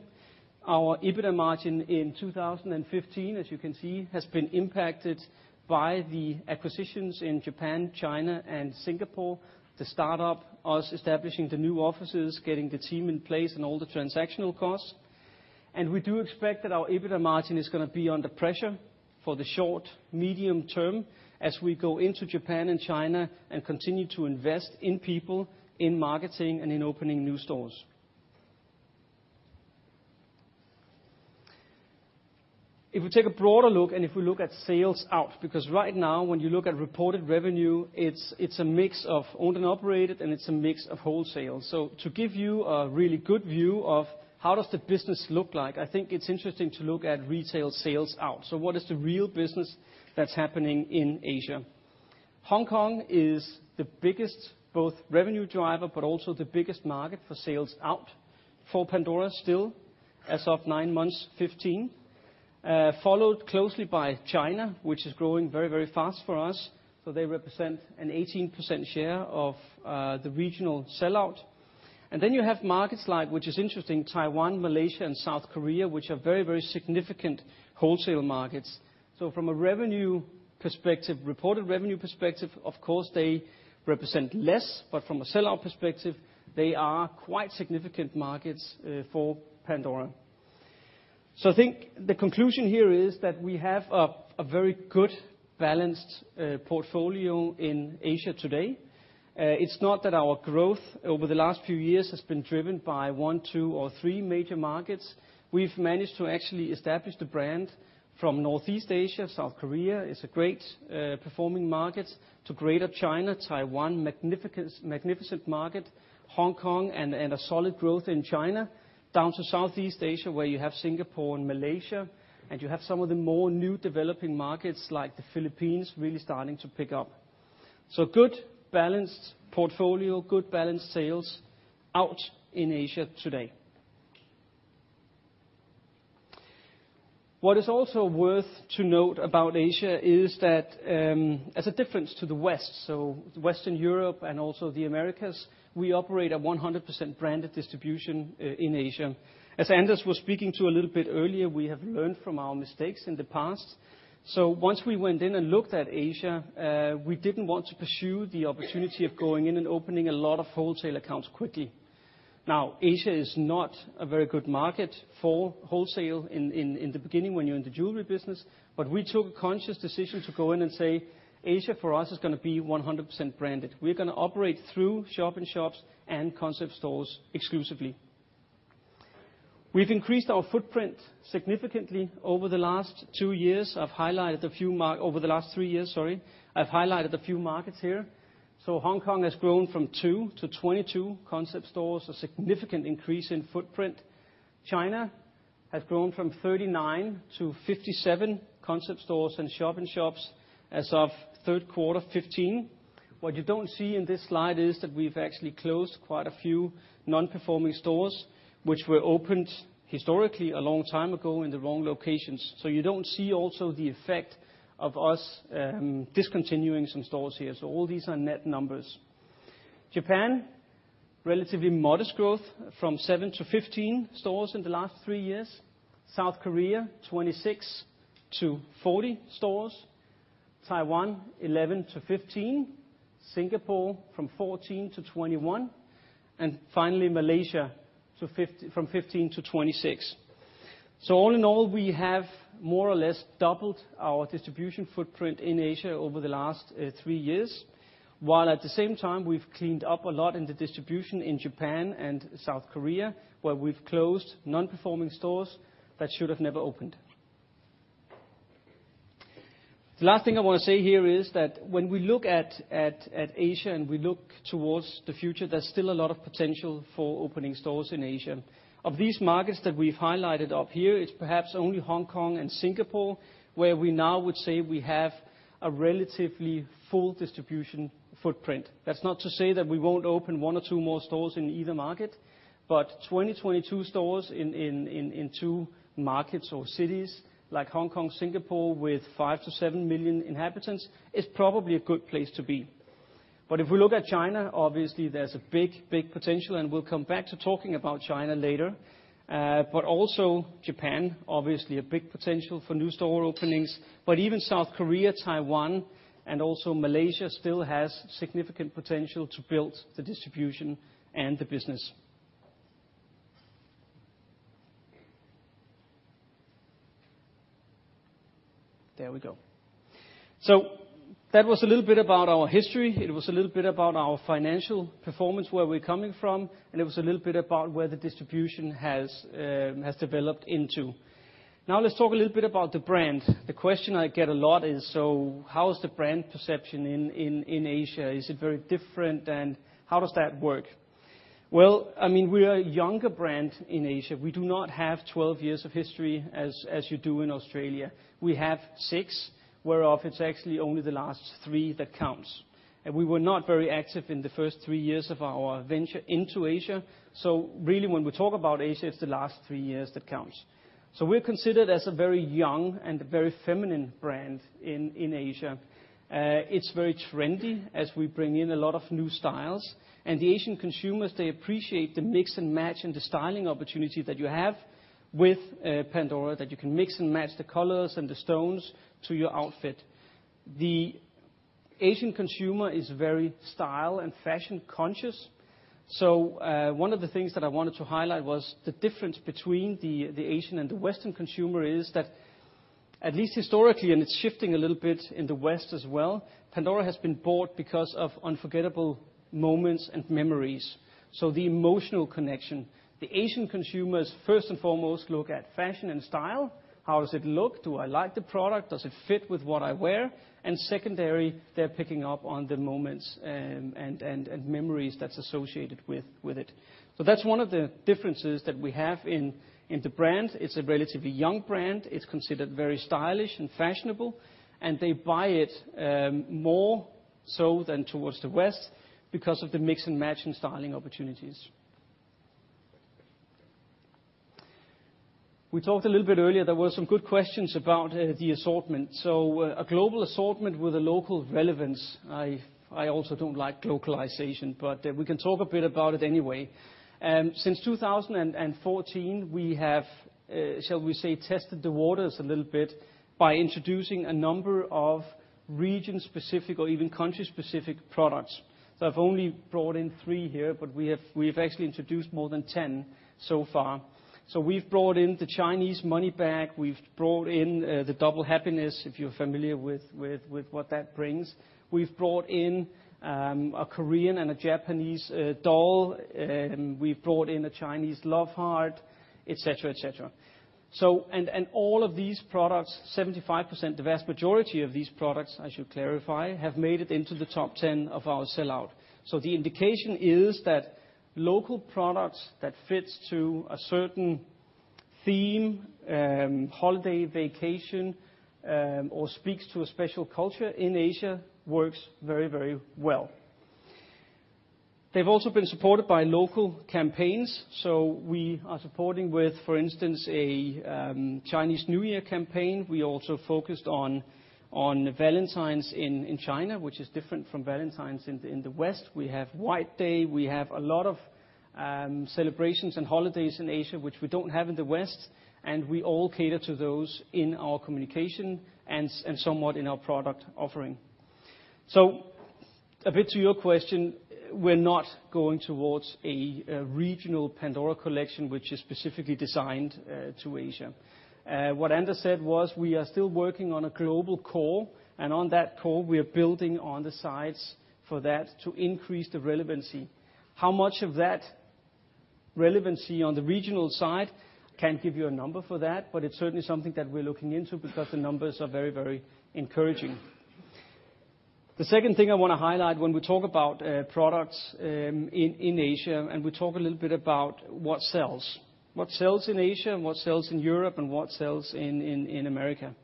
Our EBITDA margin in 2015, as you can see, has been impacted by the acquisitions in Japan, China, and Singapore. The start up, us establishing the new offices, getting the team in place, and all the transactional costs. We do expect that our EBITDA margin is gonna be under pressure for the short, medium term as we go into Japan and China and continue to invest in people, in marketing, and in opening new stores. If we take a broader look, and if we look at sales out, because right now, when you look at reported revenue, it's, it's a mix of owned and operated, and it's a mix of wholesale. To give you a really good view of how does the business look like, I think it's interesting to look at retail sales out. What is the real business that's happening in Asia? Hong Kong is the biggest, both revenue driver, but also the biggest market for sales out for Pandora still as of nine months, 2015. Followed closely by China, which is growing very, very fast for us, so they represent an 18% share of the regional sellout. And then you have markets like, which is interesting, Taiwan, Malaysia, and South Korea, which are very, very significant wholesale markets. So from a revenue perspective, reported revenue perspective, of course, they represent less, but from a sellout perspective, they are quite significant markets for Pandora. So I think the conclusion here is that we have a very good balanced portfolio in Asia today. It's not that our growth over the last few years has been driven by one, two, or three major markets. We've managed to actually establish the brand from Northeast Asia, South Korea, it's a great performing market, to Greater China, Taiwan, magnificent market, Hong Kong, and, and a solid growth in China, down to Southeast Asia, where you have Singapore and Malaysia, and you have some of the more new developing markets like the Philippines, really starting to pick up. So good, balanced portfolio, good balanced sales out in Asia today. What is also worth to note about Asia is that, as a difference to the West, so Western Europe and also the Americas, we operate a 100% branded distribution in Asia. As Anders was speaking a little bit earlier, we have learned from our mistakes in the past, so once we went in and looked at Asia, we didn't want to pursue the opportunity of going in and opening a lot of wholesale accounts quickly. Now, Asia is not a very good market for wholesale in, in, in the beginning when you're in the jewelry business, but we took a conscious decision to go in and say, "Asia, for us, is gonna be 100% branded. We're gonna operate through shop-in-shops and concept stores exclusively." We've increased our footprint significantly over the last two years. I've highlighted a few markets over the last three years, sorry. I've highlighted a few markets here. So Hong Kong has grown from 2 to 22 concept stores, a significant increase in footprint. China has grown from 39 to 57 concept stores and shop-in-shops as of Q3 2015. What you don't see in this slide is that we've actually closed quite a few non-performing stores, which were opened historically, a long time ago, in the wrong locations. So you don't see also the effect of us discontinuing some stores here. So all these are net numbers. Japan, relatively modest growth from seven to 15 stores in the last three years. South Korea, 26 to 40 stores. Taiwan, 11 to 15. Singapore, from 14 to 21. And finally, Malaysia, from 15 to 26. So all in all, we have more or less doubled our distribution footprint in Asia over the last three years, while at the same time, we've cleaned up a lot in the distribution in Japan and South Korea, where we've closed non-performing stores that should have never opened. The last thing I wanna say here is that when we look at Asia, and we look towards the future, there's still a lot of potential for opening stores in Asia. Of these markets that we've highlighted up here, it's perhaps only Hong Kong and Singapore, where we now would say we have a relatively full distribution footprint. That's not to say that we won't open one or two more stores in either market.... but 22 stores in two markets or cities like Hong Kong, Singapore with 5-7 million inhabitants is probably a good place to be. But if we look at China, obviously, there's a big, big potential, and we'll come back to talking about China later. But also Japan, obviously, a big potential for new store openings, but even South Korea, Taiwan, and also Malaysia still has significant potential to build the distribution and the business. There we go. So that was a little bit about our history. It was a little bit about our financial performance, where we're coming from, and it was a little bit about where the distribution has developed into. Now, let's talk a little bit about the brand. The question I get a lot is, "So how is the brand perception in Asia? Is it very different, and how does that work?" Well, I mean, we are a younger brand in Asia. We do not have 12 years of history as, as you do in Australia. We have six, where of it's actually only the last three that counts, and we were not very active in the first three years of our venture into Asia. So really, when we talk about Asia, it's the last three years that counts. So we're considered as a very young and a very feminine brand in, in Asia. It's very trendy as we bring in a lot of new styles, and the Asian consumers, they appreciate the mix and match and the styling opportunity that you have with, Pandora, that you can mix and match the colors and the stones to your outfit. The Asian consumer is very style and fashion conscious. So, one of the things that I wanted to highlight was the difference between the Asian and the Western consumer is that at least historically, and it's shifting a little bit in the West as well, Pandora has been bought because of unforgettable moments and memories, so the emotional connection. The Asian consumers, first and foremost, look at fashion and style. How does it look? Do I like the product? Does it fit with what I wear? And secondary, they're picking up on the moments and memories that's associated with it. So that's one of the differences that we have in the brand. It's a relatively young brand. It's considered very stylish and fashionable, and they buy it more so than towards the West because of the mix and match and styling opportunities. We talked a little bit earlier, there were some good questions about the assortment. So, a global assortment with a local relevance, I also don't like globalization, but we can talk a bit about it anyway. Since 2014, we have shall we say, tested the waters a little bit by introducing a number of region-specific or even country-specific products. So I've only brought in three here, but we have, we've actually introduced more than 10 so far. So we've brought in the Chinese Money Bag. We've brought in the Double Happiness, if you're familiar with what that brings. We've brought in a Korean and a Japanese doll, we've brought in a Chinese Love Heart, et cetera, et cetera. So... All of these products, 75%, the vast majority of these products, I should clarify, have made it into the top 10 of our sell-out. So the indication is that local products that fits to a certain theme, holiday, vacation, or speaks to a special culture in Asia, works very, very well. They've also been supported by local campaigns, so we are supporting with, for instance, a Chinese New Year campaign. We also focused on Valentine's in China, which is different from Valentine's in the West. We have White Day. We have a lot of celebrations and holidays in Asia, which we don't have in the West, and we all cater to those in our communication and somewhat in our product offering. So a bit to your question, we're not going towards a regional Pandora collection, which is specifically designed to Asia. What Anders said was, we are still working on a global core, and on that core, we are building on the sides for that to increase the relevancy. How much of that relevancy on the regional side, can't give you a number for that, but it's certainly something that we're looking into because the numbers are very, very encouraging. The second thing I want to highlight when we talk about products in Asia, and we talk a little bit about what sells. What sells in Asia, and what sells in Europe, and what sells in America.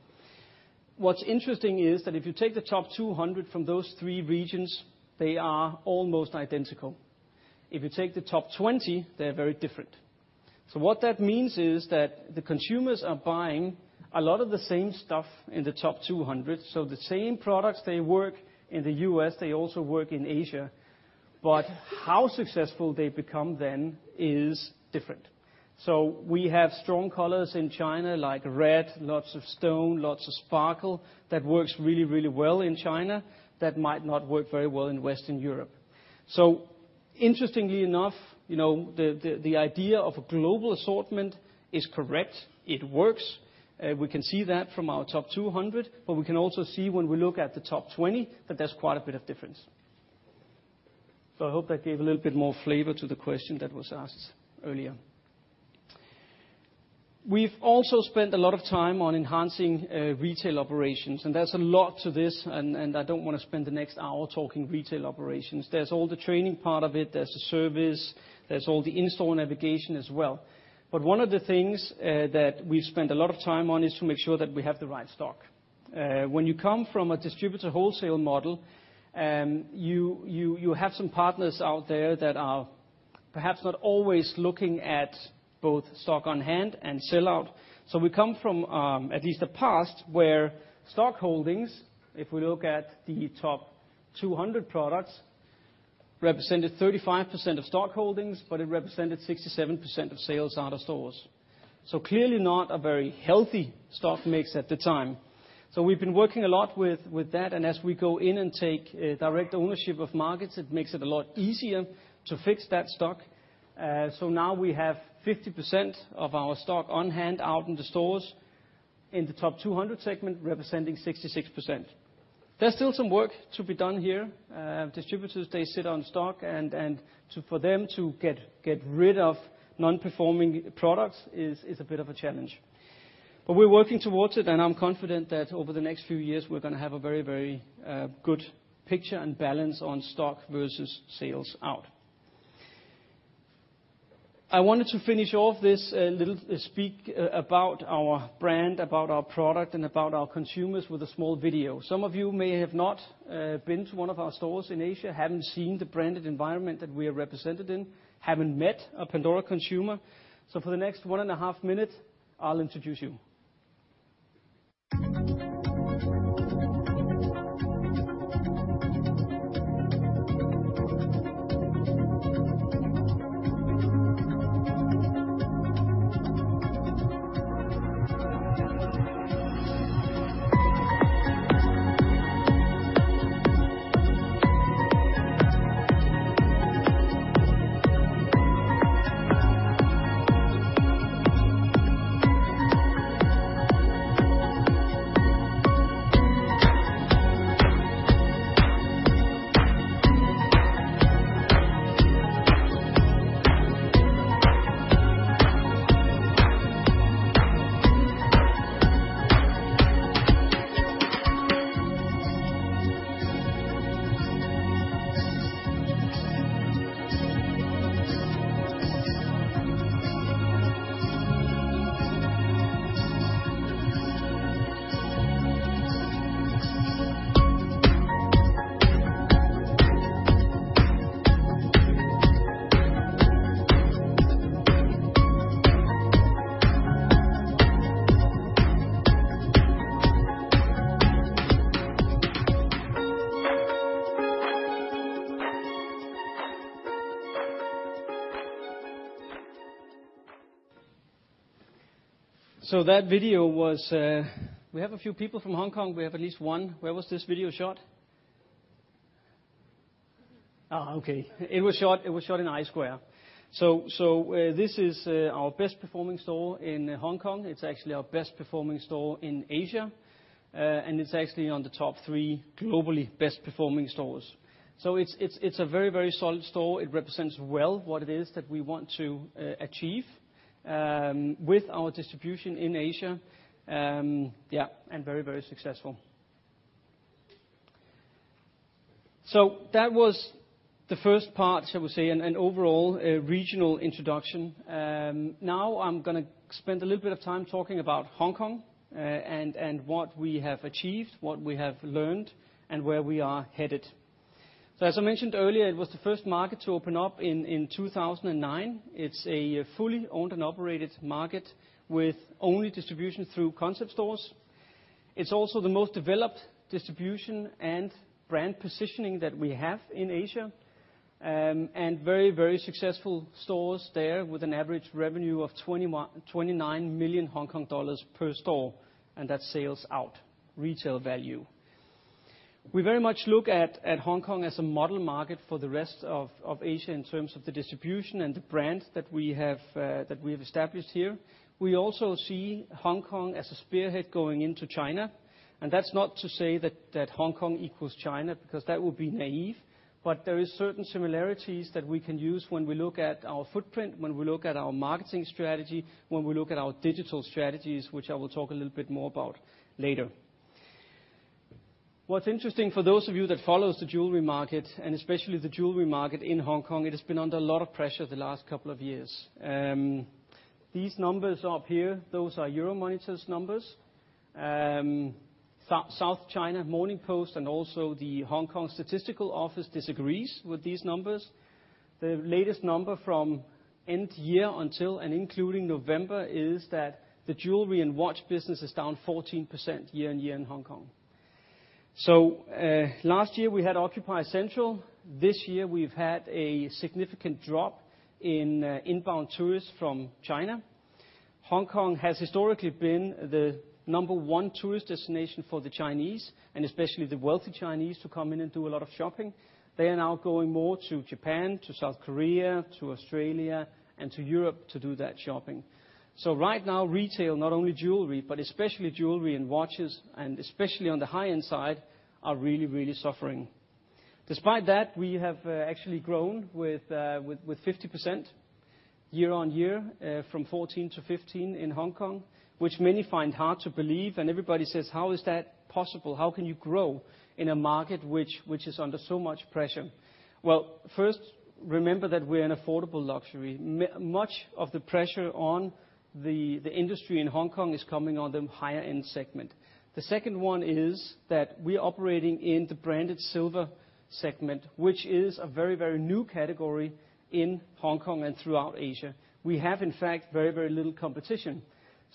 What's interesting is that if you take the top 200 from those three regions, they are almost identical. If you take the top 20, they're very different. So what that means is that the consumers are buying a lot of the same stuff in the top 200, so the same products that work in the U.S., they also work in Asia, but how successful they become then is different. So we have strong colors in China, like red, lots of stone, lots of sparkle. That works really, really well in China. That might not work very well in Western Europe. So interestingly enough, you know, the idea of a global assortment is correct. It works. We can see that from our top 200, but we can also see when we look at the top 20, that there's quite a bit of difference. So I hope that gave a little bit more flavor to the question that was asked earlier. We've also spent a lot of time on enhancing retail operations, and there's a lot to this, and I don't want to spend the next hour talking retail operations. There's all the training part of it, there's the service, there's all the in-store navigation as well. But one of the things that we've spent a lot of time on is to make sure that we have the right stock. When you come from a distributor wholesale model, you have some partners out there that are perhaps not always looking at both stock on hand and sell-out. So we come from at least the past, where stock holdings, if we look at the top 200 products, represented 35% of stock holdings, but it represented 67% of sales out of stores. So clearly not a very healthy stock mix at the time. So we've been working a lot with that, and as we go in and take direct ownership of markets, it makes it a lot easier to fix that stock. So now we have 50% of our stock on hand out in the stores, in the top 200 segment, representing 66%. There's still some work to be done here. Distributors, they sit on stock, and for them to get rid of non-performing products is a bit of a challenge. But we're working towards it, and I'm confident that over the next few years, we're gonna have a very, very good picture and balance on stock versus sales out. I wanted to finish off this little speech about our brand, about our product, and about our consumers with a small video. Some of you may have not been to one of our stores in Asia, haven't seen the branded environment that we are represented in, haven't met a Pandora consumer. So for the next 1.5 minutes, I'll introduce you. So that video was... We have a few people from Hong Kong. We have at least one. Where was this video shot? Ah, okay. It was shot in iSQUARE. So this is our best performing store in Hong Kong. It's actually our best performing store in Asia, and it's actually on the top 3 globally best performing stores. So it's a very solid store. It represents well what it is that we want to achieve with our distribution in Asia. Yeah, and very, very successful. So that was the first part, I would say, an overall regional introduction. Now I'm gonna spend a little bit of time talking about Hong Kong, and what we have achieved, what we have learned, and where we are headed. So as I mentioned earlier, it was the first market to open up in 2009. It's a fully owned and operated market with only distribution through concept stores. It's also the most developed distribution and brand positioning that we have in Asia. And very, very successful stores there, with an average revenue of 29 million Hong Kong dollars per store, and that's sales out, retail value. We very much look at, at Hong Kong as a model market for the rest of, of Asia in terms of the distribution and the brand that we have, that we have established here. We also see Hong Kong as a spearhead going into China, and that's not to say that, that Hong Kong equals China, because that would be naive, but there is certain similarities that we can use when we look at our footprint, when we look at our marketing strategy, when we look at our digital strategies, which I will talk a little bit more about later. What's interesting for those of you that follows the jewelry market, and especially the jewelry market in Hong Kong, it has been under a lot of pressure the last couple of years. These numbers up here, those are Euromonitor's numbers. South China Morning Post and also the Hong Kong Statistical Office disagrees with these numbers. The latest number from end year until and including November is that the jewelry and watch business is down 14% year-on-year in Hong Kong. So, last year we had Occupy Central. This year we've had a significant drop in inbound tourists from China. Hong Kong has historically been the number one tourist destination for the Chinese, and especially the wealthy Chinese, to come in and do a lot of shopping. They are now going more to Japan, to South Korea, to Australia, and to Europe to do that shopping. So right now, retail, not only jewelry, but especially jewelry and watches, and especially on the high-end side, are really, really suffering. Despite that, we have actually grown with 50% year-on-year from 2014 to 2015 in Hong Kong, which many find hard to believe, and everybody says: How is that possible? How can you grow in a market which is under so much pressure? Well, first, remember that we're an affordable luxury. Much of the pressure on the industry in Hong Kong is coming on the higher end segment. The second one is that we're operating in the branded silver segment, which is a very, very new category in Hong Kong and throughout Asia. We have, in fact, very, very little competition.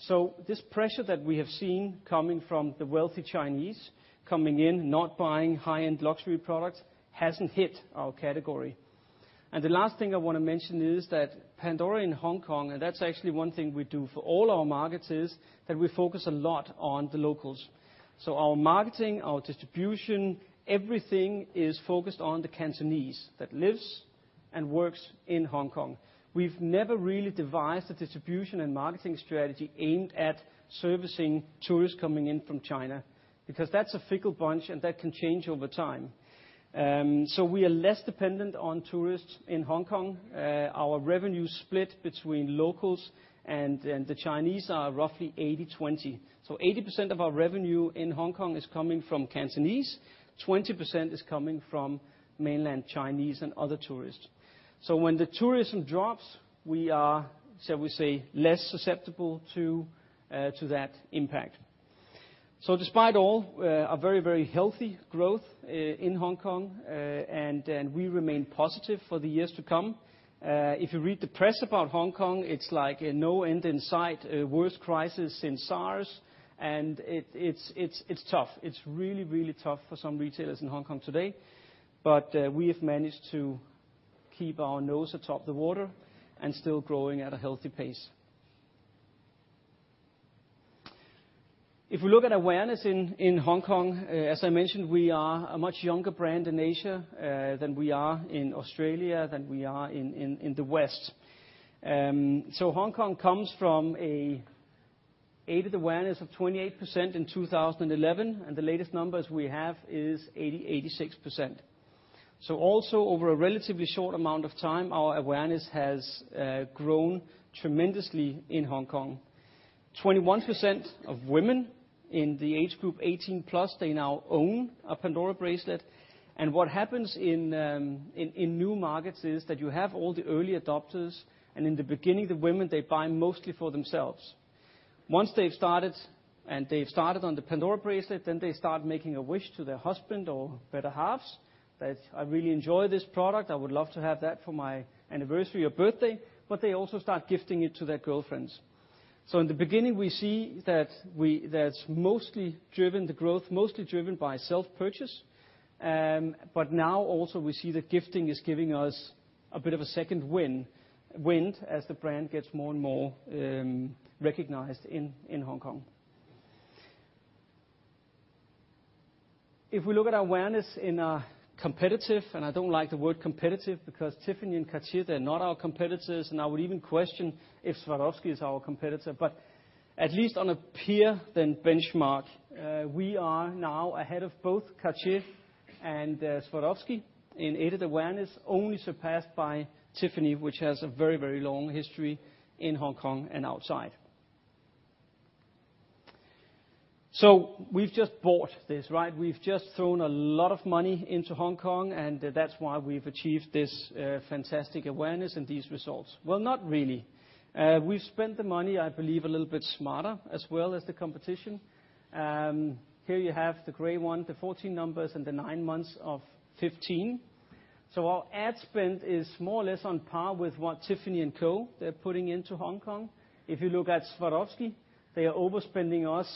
So this pressure that we have seen coming from the wealthy Chinese coming in, not buying high-end luxury products, hasn't hit our category. The last thing I want to mention is that Pandora in Hong Kong, and that's actually one thing we do for all our markets, is that we focus a lot on the locals. So our marketing, our distribution, everything is focused on the Cantonese that lives and works in Hong Kong. We've never really devised a distribution and marketing strategy aimed at servicing tourists coming in from China, because that's a fickle bunch, and that can change over time. So we are less dependent on tourists in Hong Kong. Our revenue split between locals and the Chinese are roughly 80/20. So 80% of our revenue in Hong Kong is coming from Cantonese, 20% is coming from mainland Chinese and other tourists. So when the tourism drops, we are, shall we say, less susceptible to that impact. So despite all, a very, very healthy growth in Hong Kong, and we remain positive for the years to come. If you read the press about Hong Kong, it's like no end in sight, a worse crisis since SARS, and it's tough. It's really, really tough for some retailers in Hong Kong today, but we have managed to keep our nose atop the water and still growing at a healthy pace. If we look at awareness in Hong Kong, as I mentioned, we are a much younger brand in Asia than we are in Australia, than we are in the West. So Hong Kong comes from an aided awareness of 28% in 2011, and the latest numbers we have is 86%. So also, over a relatively short amount of time, our awareness has grown tremendously in Hong Kong. 21% of women in the age group 18+, they now own a Pandora bracelet, and what happens in new markets is that you have all the early adopters, and in the beginning, the women, they buy mostly for themselves. Once they've started, and they've started on the Pandora bracelet, then they start making a wish to their husband or better halves, that I really enjoy this product, I would love to have that for my anniversary or birthday, but they also start gifting it to their girlfriends. So in the beginning, we see that that's mostly driven the growth, mostly driven by self-purchase. But now also we see that gifting is giving us a bit of a second wind as the brand gets more and more recognized in Hong Kong. If we look at our awareness in a competitive, and I don't like the word competitive, because Tiffany and Cartier, they're not our competitors, and I would even question if Swarovski is our competitor. But at least on a peer benchmark, we are now ahead of both Cartier and Swarovski in aided awareness, only surpassed by Tiffany, which has a very, very long history in Hong Kong and outside. So we've just bought this, right? We've just thrown a lot of money into Hong Kong, and that's why we've achieved this fantastic awareness and these results. Well, not really. We've spent the money, I believe, a little bit smarter, as well as the competition. Here you have the gray one, the 14 numbers and the nine months of 2015. So our ad spend is more or less on par with what Tiffany & Co., they're putting into Hong Kong. If you look at Swarovski, they are overspending us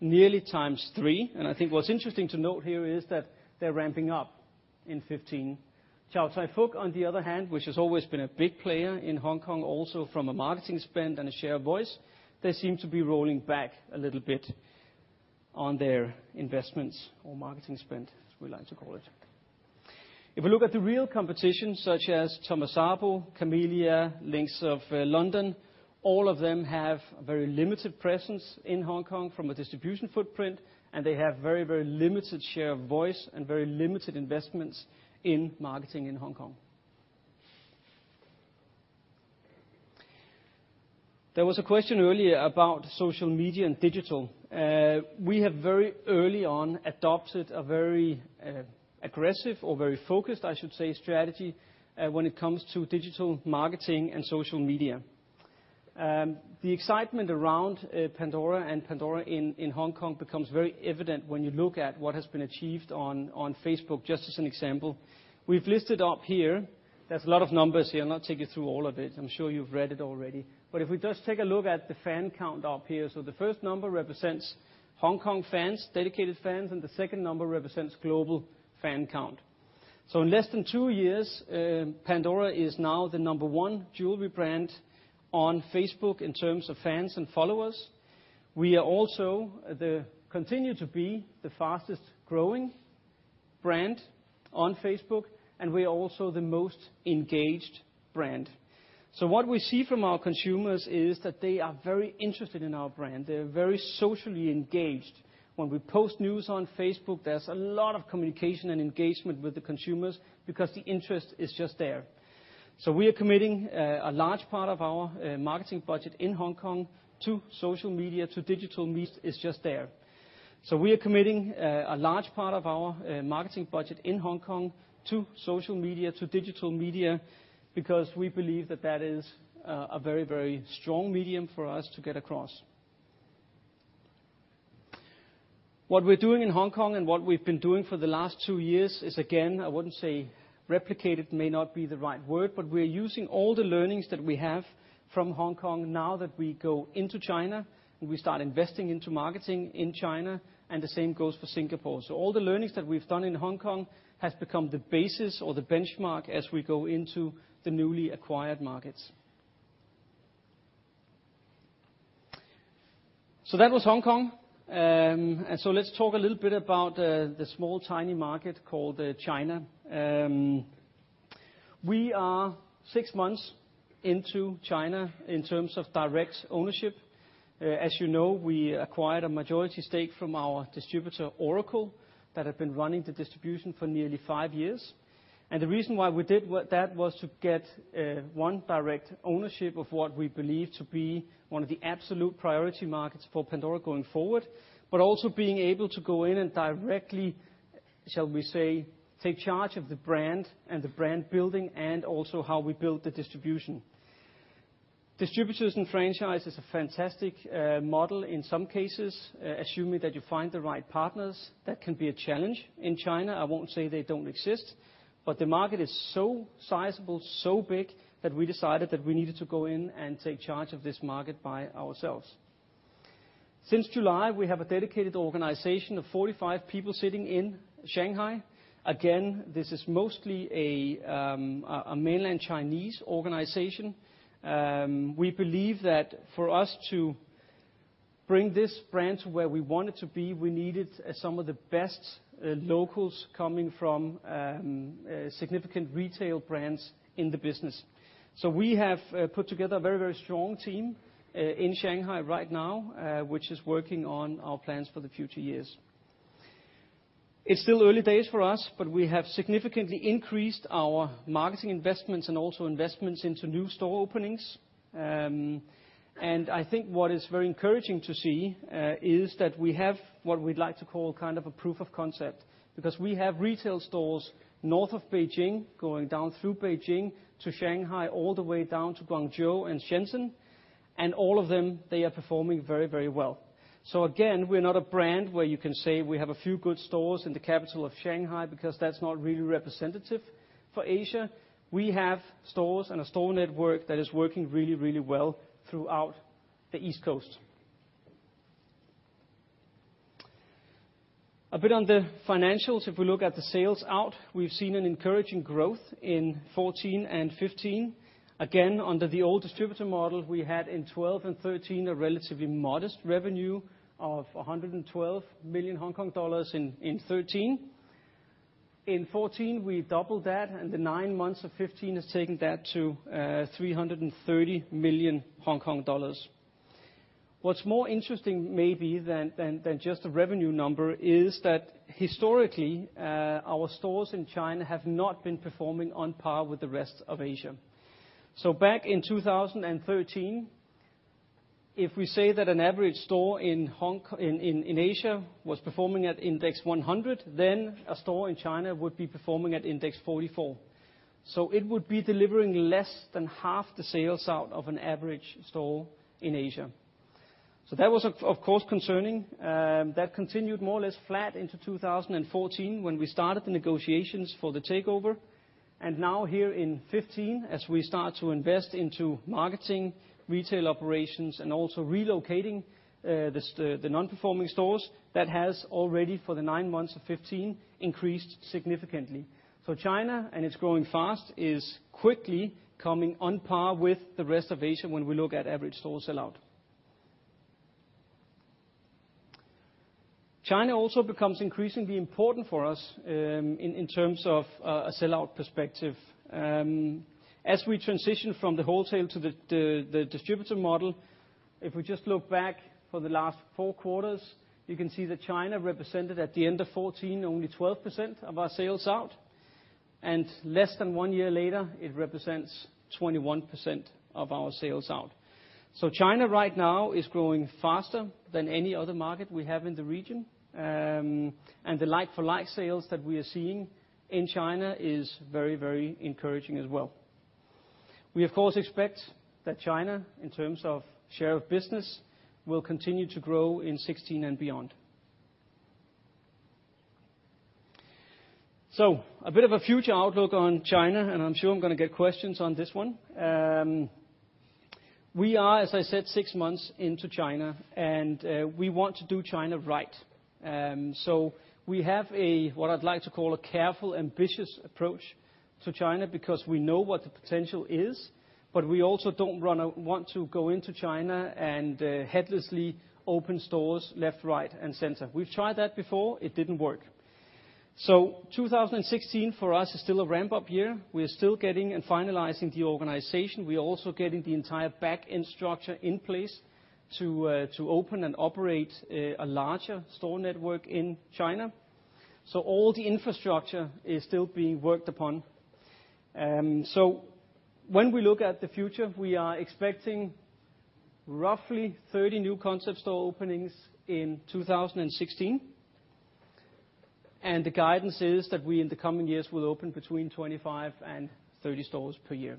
nearly 3 times, and I think what's interesting to note here is that they're ramping up in 2015. Chow Tai Fook, on the other hand, which has always been a big player in Hong Kong, also from a marketing spend and a share of voice, they seem to be rolling back a little bit on their investments or marketing spend, as we like to call it. If we look at the real competition, such as Thomas Sabo, Chamilia, Links of London, all of them have a very limited presence in Hong Kong from a distribution footprint, and they have very, very limited share of voice and very limited investments in marketing in Hong Kong. There was a question earlier about social media and digital. We have very early on adopted a very aggressive or very focused, I should say, strategy when it comes to digital marketing and social media. The excitement around Pandora and Pandora in Hong Kong becomes very evident when you look at what has been achieved on Facebook, just as an example. We've listed up here, there's a lot of numbers here. I'll not take you through all of it. I'm sure you've read it already. But if we just take a look at the fan count up here. So the first number represents Hong Kong fans, dedicated fans, and the second number represents global fan count. So in less than two years, Pandora is now the number one jewelry brand on Facebook in terms of fans and followers. We are also the... continue to be the fastest growing brand on Facebook, and we are also the most engaged brand. So what we see from our consumers is that they are very interested in our brand. They are very socially engaged. When we post news on Facebook, there's a lot of communication and engagement with the consumers because the interest is just there. So we are committing a large part of our marketing budget in Hong Kong to social media, to digital media, because we believe that that is a very, very strong medium for us to get across. What we're doing in Hong Kong and what we've been doing for the last two years is, again, I wouldn't say replicated may not be the right word, but we're using all the learnings that we have from Hong Kong now that we go into China, and we start investing into marketing in China, and the same goes for Singapore. So all the learnings that we've done in Hong Kong has become the basis or the benchmark as we go into the newly acquired markets. So that was Hong Kong. And so let's talk a little bit about the small, tiny market called China. We are six months into China in terms of direct ownership. As you know, we acquired a majority stake from our distributor, Oracle, that had been running the distribution for nearly five years. And the reason why we did that was to get one, direct ownership of what we believe to be one of the absolute priority markets for Pandora going forward, but also being able to go in and directly, shall we say, take charge of the brand and the brand building, and also how we build the distribution. Distributors and franchise is a fantastic model in some cases, assuming that you find the right partners. That can be a challenge in China. I won't say they don't exist, but the market is so sizable, so big, that we decided that we needed to go in and take charge of this market by ourselves. Since July, we have a dedicated organization of 45 people sitting in Shanghai. Again, this is mostly a mainland Chinese organization. We believe that for us to bring this brand to where we want it to be, we needed some of the best locals coming from significant retail brands in the business. So we have put together a very, very strong team in Shanghai right now, which is working on our plans for the future years. It's still early days for us, but we have significantly increased our marketing investments and also investments into new store openings. And I think what is very encouraging to see, is that we have what we'd like to call kind of a proof of concept. Because we have retail stores north of Beijing, going down through Beijing to Shanghai, all the way down to Guangzhou and Shenzhen, and all of them, they are performing very, very well. So again, we're not a brand where you can say we have a few good stores in the capital of Shanghai, because that's not really representative for Asia. We have stores and a store network that is working really, really well throughout the East Coast. A bit on the financials. If we look at the sales out, we've seen an encouraging growth in 2014 and 2015. Again, under the old distributor model, we had in 2012 and 2013, a relatively modest revenue of 112 million Hong Kong dollars in 2013. In 2014, we doubled that, and the nine months of 2015 has taken that to 330 million Hong Kong dollars. What's more interesting maybe than just the revenue number is that historically, our stores in China have not been performing on par with the rest of Asia. So back in 2013, if we say that an average store in Asia was performing at index 100, then a store in China would be performing at index 44. So it would be delivering less than half the sales out of an average store in Asia. So that was, of course, concerning. That continued more or less flat into 2014, when we started the negotiations for the takeover. Now, here in 2015, as we start to invest into marketing, retail operations, and also relocating the non-performing stores, that has already, for the nine months of 2015, increased significantly. So China, and it's growing fast, is quickly coming on par with the rest of Asia when we look at average store sell-out. China also becomes increasingly important for us, in terms of a sell-out perspective. As we transition from the wholesale to the distributor model, if we just look back for the last four quarters, you can see that China represented, at the end of 2014, only 12% of our sales out, and less than one year later, it represents 21% of our sales out. China right now is growing faster than any other market we have in the region. The like-for-like sales that we are seeing in China is very, very encouraging as well. We, of course, expect that China, in terms of share of business, will continue to grow in 2016 and beyond. A bit of a future outlook on China, and I'm sure I'm gonna get questions on this one. We are, as I said, six months into China, and we want to do China right. We have a, what I'd like to call, a careful, ambitious approach to China because we know what the potential is, but we also don't want to go into China and heedlessly open stores left, right, and center. We've tried that before. It didn't work. 2016 for us is still a ramp-up year. We're still getting and finalizing the organization. We're also getting the entire back-end structure in place to, to open and operate a, a larger store network in China. So all the infrastructure is still being worked upon. So when we look at the future, we are expecting roughly 30 new concept store openings in 2016, and the guidance is that we, in the coming years, will open between 25 and 30 stores per year.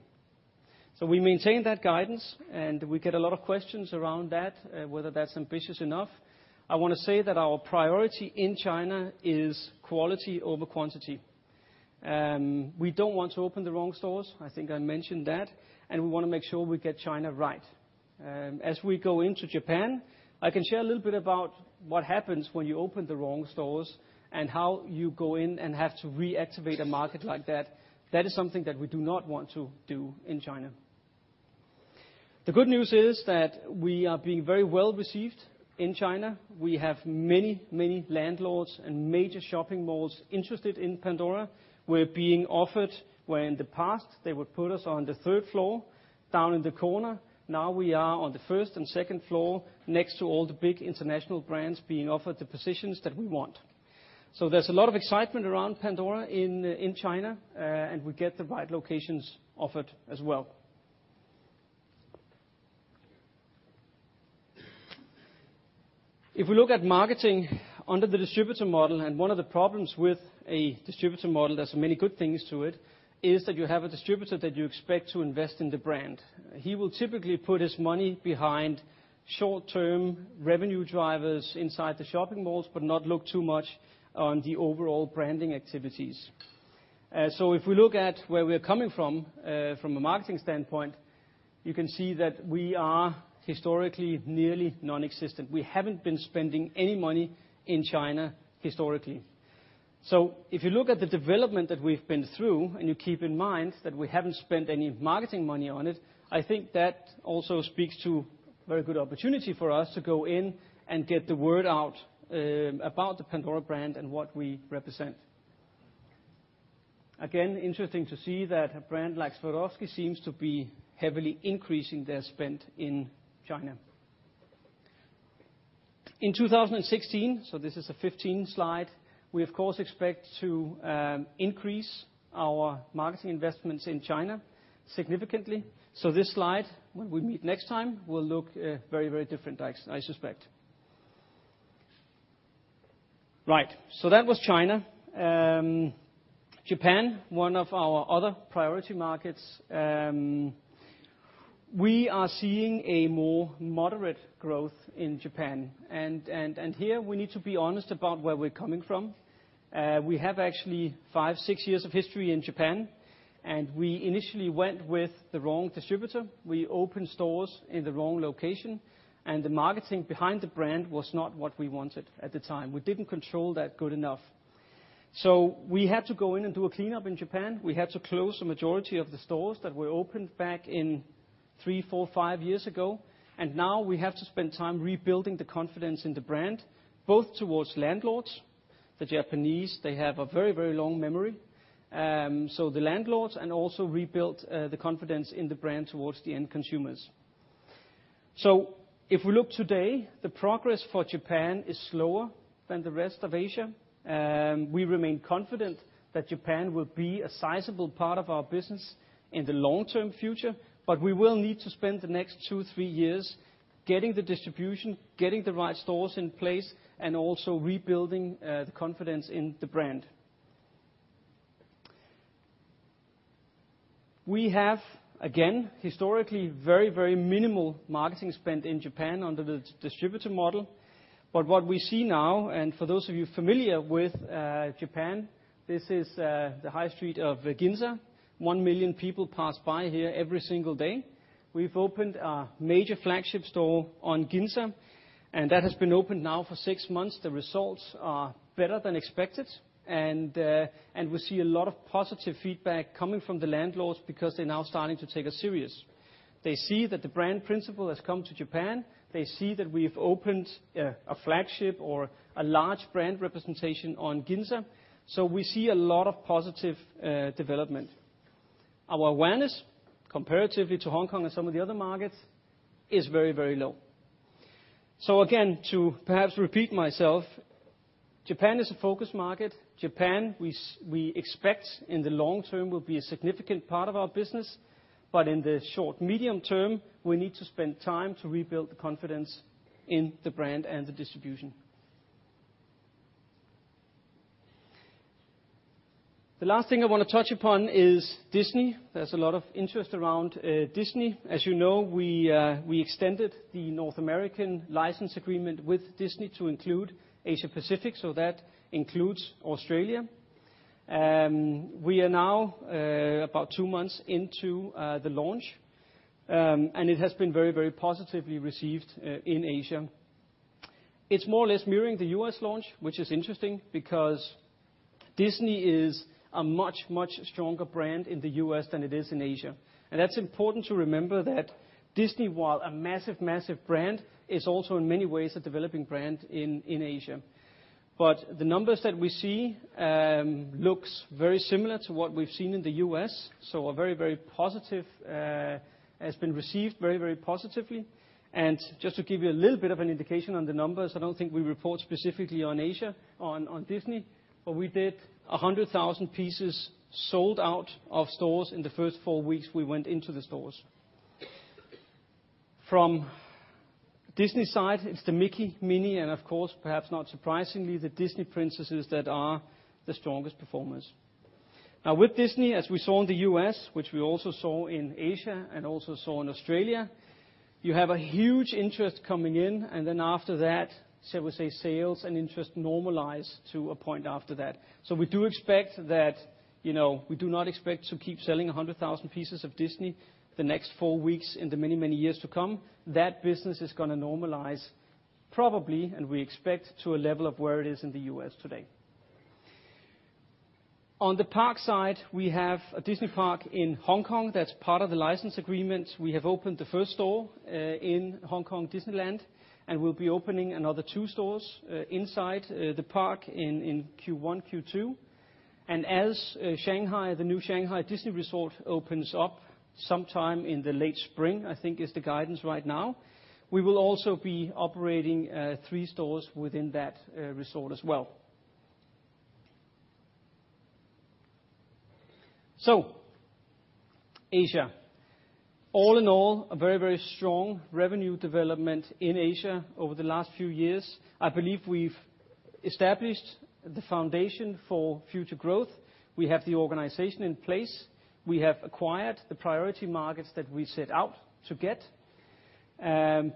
So we maintain that guidance, and we get a lot of questions around that, whether that's ambitious enough. I want to say that our priority in China is quality over quantity. We don't want to open the wrong stores, I think I mentioned that, and we want to make sure we get China right. As we go into Japan, I can share a little bit about what happens when you open the wrong stores and how you go in and have to reactivate a market like that. That is something that we do not want to do in China. The good news is that we are being very well received in China. We have many, many landlords and major shopping malls interested in Pandora. We're being offered, where in the past, they would put us on the third floor, down in the corner. Now we are on the first and second floor, next to all the big international brands, being offered the positions that we want. So there's a lot of excitement around Pandora in, in China, and we get the right locations offered as well. If we look at marketing under the distributor model, and one of the problems with a distributor model, there's many good things to it, is that you have a distributor that you expect to invest in the brand. He will typically put his money behind short-term revenue drivers inside the shopping malls, but not look too much on the overall branding activities. So if we look at where we're coming from, from a marketing standpoint, you can see that we are historically nearly nonexistent. We haven't been spending any money in China historically. So if you look at the development that we've been through, and you keep in mind that we haven't spent any marketing money on it, I think that also speaks to very good opportunity for us to go in and get the word out, about the Pandora brand and what we represent. Again, interesting to see that a brand like Swarovski seems to be heavily increasing their spend in China. In 2016, so this is a 2015 slide, we of course expect to increase our marketing investments in China significantly. So this slide, when we meet next time, will look very, very different, I suspect. Right, so that was China. Japan, one of our other priority markets, we are seeing a more moderate growth in Japan, and here we need to be honest about where we're coming from. We have actually 5-6 years of history in Japan, and we initially went with the wrong distributor. We opened stores in the wrong location, and the marketing behind the brand was not what we wanted at the time. We didn't control that good enough. So we had to go in and do a cleanup in Japan. We had to close the majority of the stores that were opened back in 3, 4, 5 years ago, and now we have to spend time rebuilding the confidence in the brand, both towards landlords, the Japanese, they have a very, very long memory. So the landlords, and also rebuilt the confidence in the brand towards the end consumers. So if we look today, the progress for Japan is slower than the rest of Asia. We remain confident that Japan will be a sizable part of our business in the long-term future, but we will need to spend the next 2, 3 years getting the distribution, getting the right stores in place, and also rebuilding the confidence in the brand. We have, again, historically, very, very minimal marketing spend in Japan under the distributor model. But what we see now, and for those of you familiar with Japan, this is the high street of Ginza. 1 million people pass by here every single day. We've opened a major flagship store on Ginza, and that has been opened now for six months. The results are better than expected, and we see a lot of positive feedback coming from the landlords because they're now starting to take us serious. They see that the brand principle has come to Japan. They see that we've opened a flagship or a large brand representation on Ginza, so we see a lot of positive development. Our awareness, comparatively to Hong Kong and some of the other markets, is very, very low. So again, to perhaps repeat myself, Japan is a focus market. Japan, we expect in the long term, will be a significant part of our business, but in the short, medium term, we need to spend time to rebuild the confidence in the brand and the distribution. The last thing I want to touch upon is Disney. There's a lot of interest around, Disney. As you know, we, we extended the North American license agreement with Disney to include Asia Pacific, so that includes Australia. We are now, about two months into, the launch, and it has been very, very positively received, in Asia. It's more or less mirroring the U.S. launch, which is interesting because Disney is a much, much stronger brand in the U.S. than it is in Asia. And that's important to remember that Disney, while a massive, massive brand, is also, in many ways, a developing brand in, in Asia. But the numbers that we see looks very similar to what we've seen in the U.S., so a very, very positive has been received very, very positively. And just to give you a little bit of an indication on the numbers, I don't think we report specifically on Asia, on, on Disney, but we did 100,000 pieces sold out of stores in the first four weeks we went into the stores. From Disney side, it's the Mickey, Minnie, and of course, perhaps not surprisingly, the Disney Princesses that are the strongest performers. Now, with Disney, as we saw in the U.S., which we also saw in Asia and also saw in Australia, you have a huge interest coming in, and then after that, shall we say, sales and interest normalize to a point after that. So we do expect that, you know, we do not expect to keep selling 100,000 pieces of Disney the next four weeks in the many, many years to come. That business is gonna normalize probably, and we expect to a level of where it is in the U.S. today. On the park side, we have a Disney park in Hong Kong that's part of the license agreement. We have opened the first store in Hong Kong Disneyland, and we'll be opening another two stores inside the park in Q1, Q2. And as Shanghai, the new Shanghai Disney Resort opens up sometime in the late spring, I think is the guidance right now, we will also be operating 3 stores within that resort as well. So, Asia. All in all, a very, very strong revenue development in Asia over the last few years. I believe we've established the foundation for future growth. We have the organization in place. We have acquired the priority markets that we set out to get.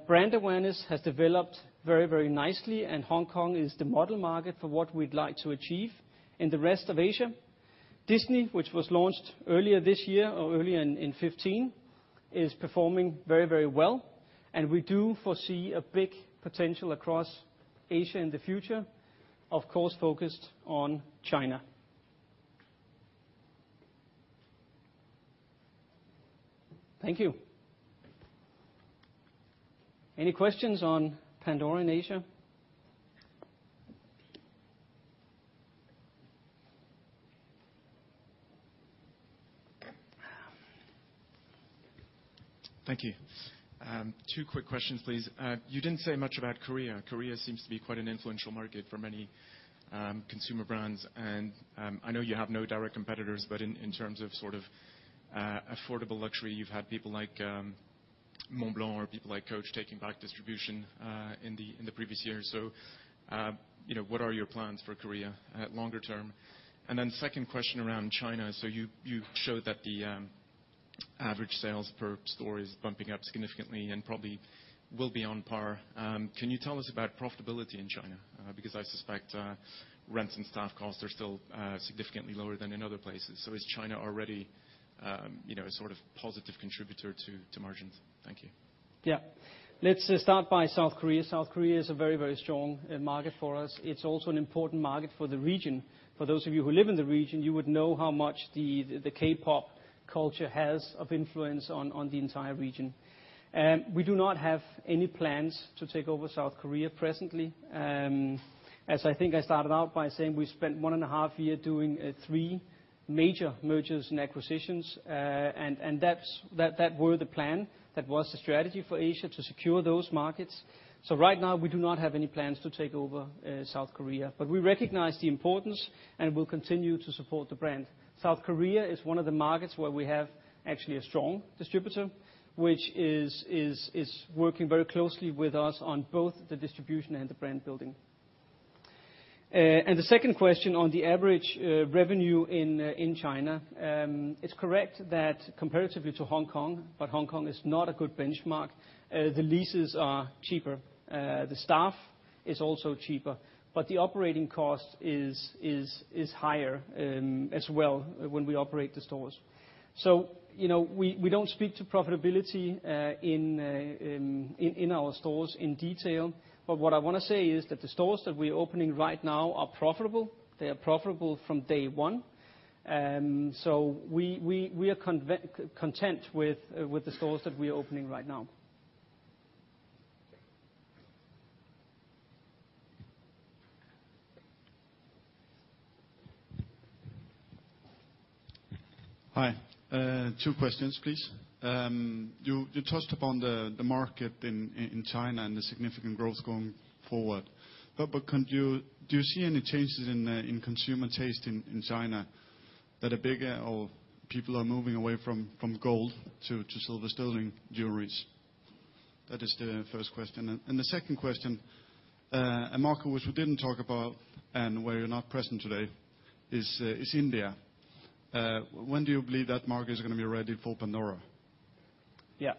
Brand awareness has developed very, very nicely, and Hong Kong is the model market for what we'd like to achieve in the rest of Asia. Disney, which was launched earlier this year or earlier in 2015, is performing very, very well, and we do foresee a big potential across Asia in the future, of course, focused on China. Thank you. Any questions on Pandora in Asia? Thank you. Two quick questions, please. You didn't say much about Korea. Korea seems to be quite an influential market for many consumer brands, and I know you have no direct competitors, but in terms of sort of affordable luxury, you've had people like Montblanc or people like Coach taking back distribution in the previous years. So you know, what are your plans for Korea longer term? And then second question around China. So you showed that the average sales per store is bumping up significantly and probably will be on par. Can you tell us about profitability in China? Because I suspect rents and staff costs are still significantly lower than in other places. So is China already you know, a sort of positive contributor to margins? Thank you. Yeah. Let's start by South Korea. South Korea is a very, very strong market for us. It's also an important market for the region. For those of you who live in the region, you would know how much the, the K-pop culture has of influence on the entire region. We do not have any plans to take over South Korea presently. As I think I started out by saying, we spent 1.5 years doing three major mergers and acquisitions, and that's—that were the plan. That was the strategy for Asia, to secure those markets. So right now, we do not have any plans to take over South Korea, but we recognize the importance and will continue to support the brand. South Korea is one of the markets where we have actually a strong distributor, which is working very closely with us on both the distribution and the brand building. And the second question on the average revenue in China. It's correct that comparatively to Hong Kong, but Hong Kong is not a good benchmark, the leases are cheaper. The staff is also cheaper, but the operating cost is higher as well when we operate the stores. So, you know, we don't speak to profitability in our stores in detail, but what I wanna say is that the stores that we're opening right now are profitable. They are profitable from day one. So we are content with the stores that we are opening right now. Hi, two questions, please. You touched upon the market in China and the significant growth going forward. Can you do you see any changes in consumer taste in China that are bigger or people are moving away from gold to sterling silver jewelry? That is the first question. The second question, a market which we didn't talk about and where you're not present today is India. When do you believe that market is gonna be ready for Pandora? Yeah.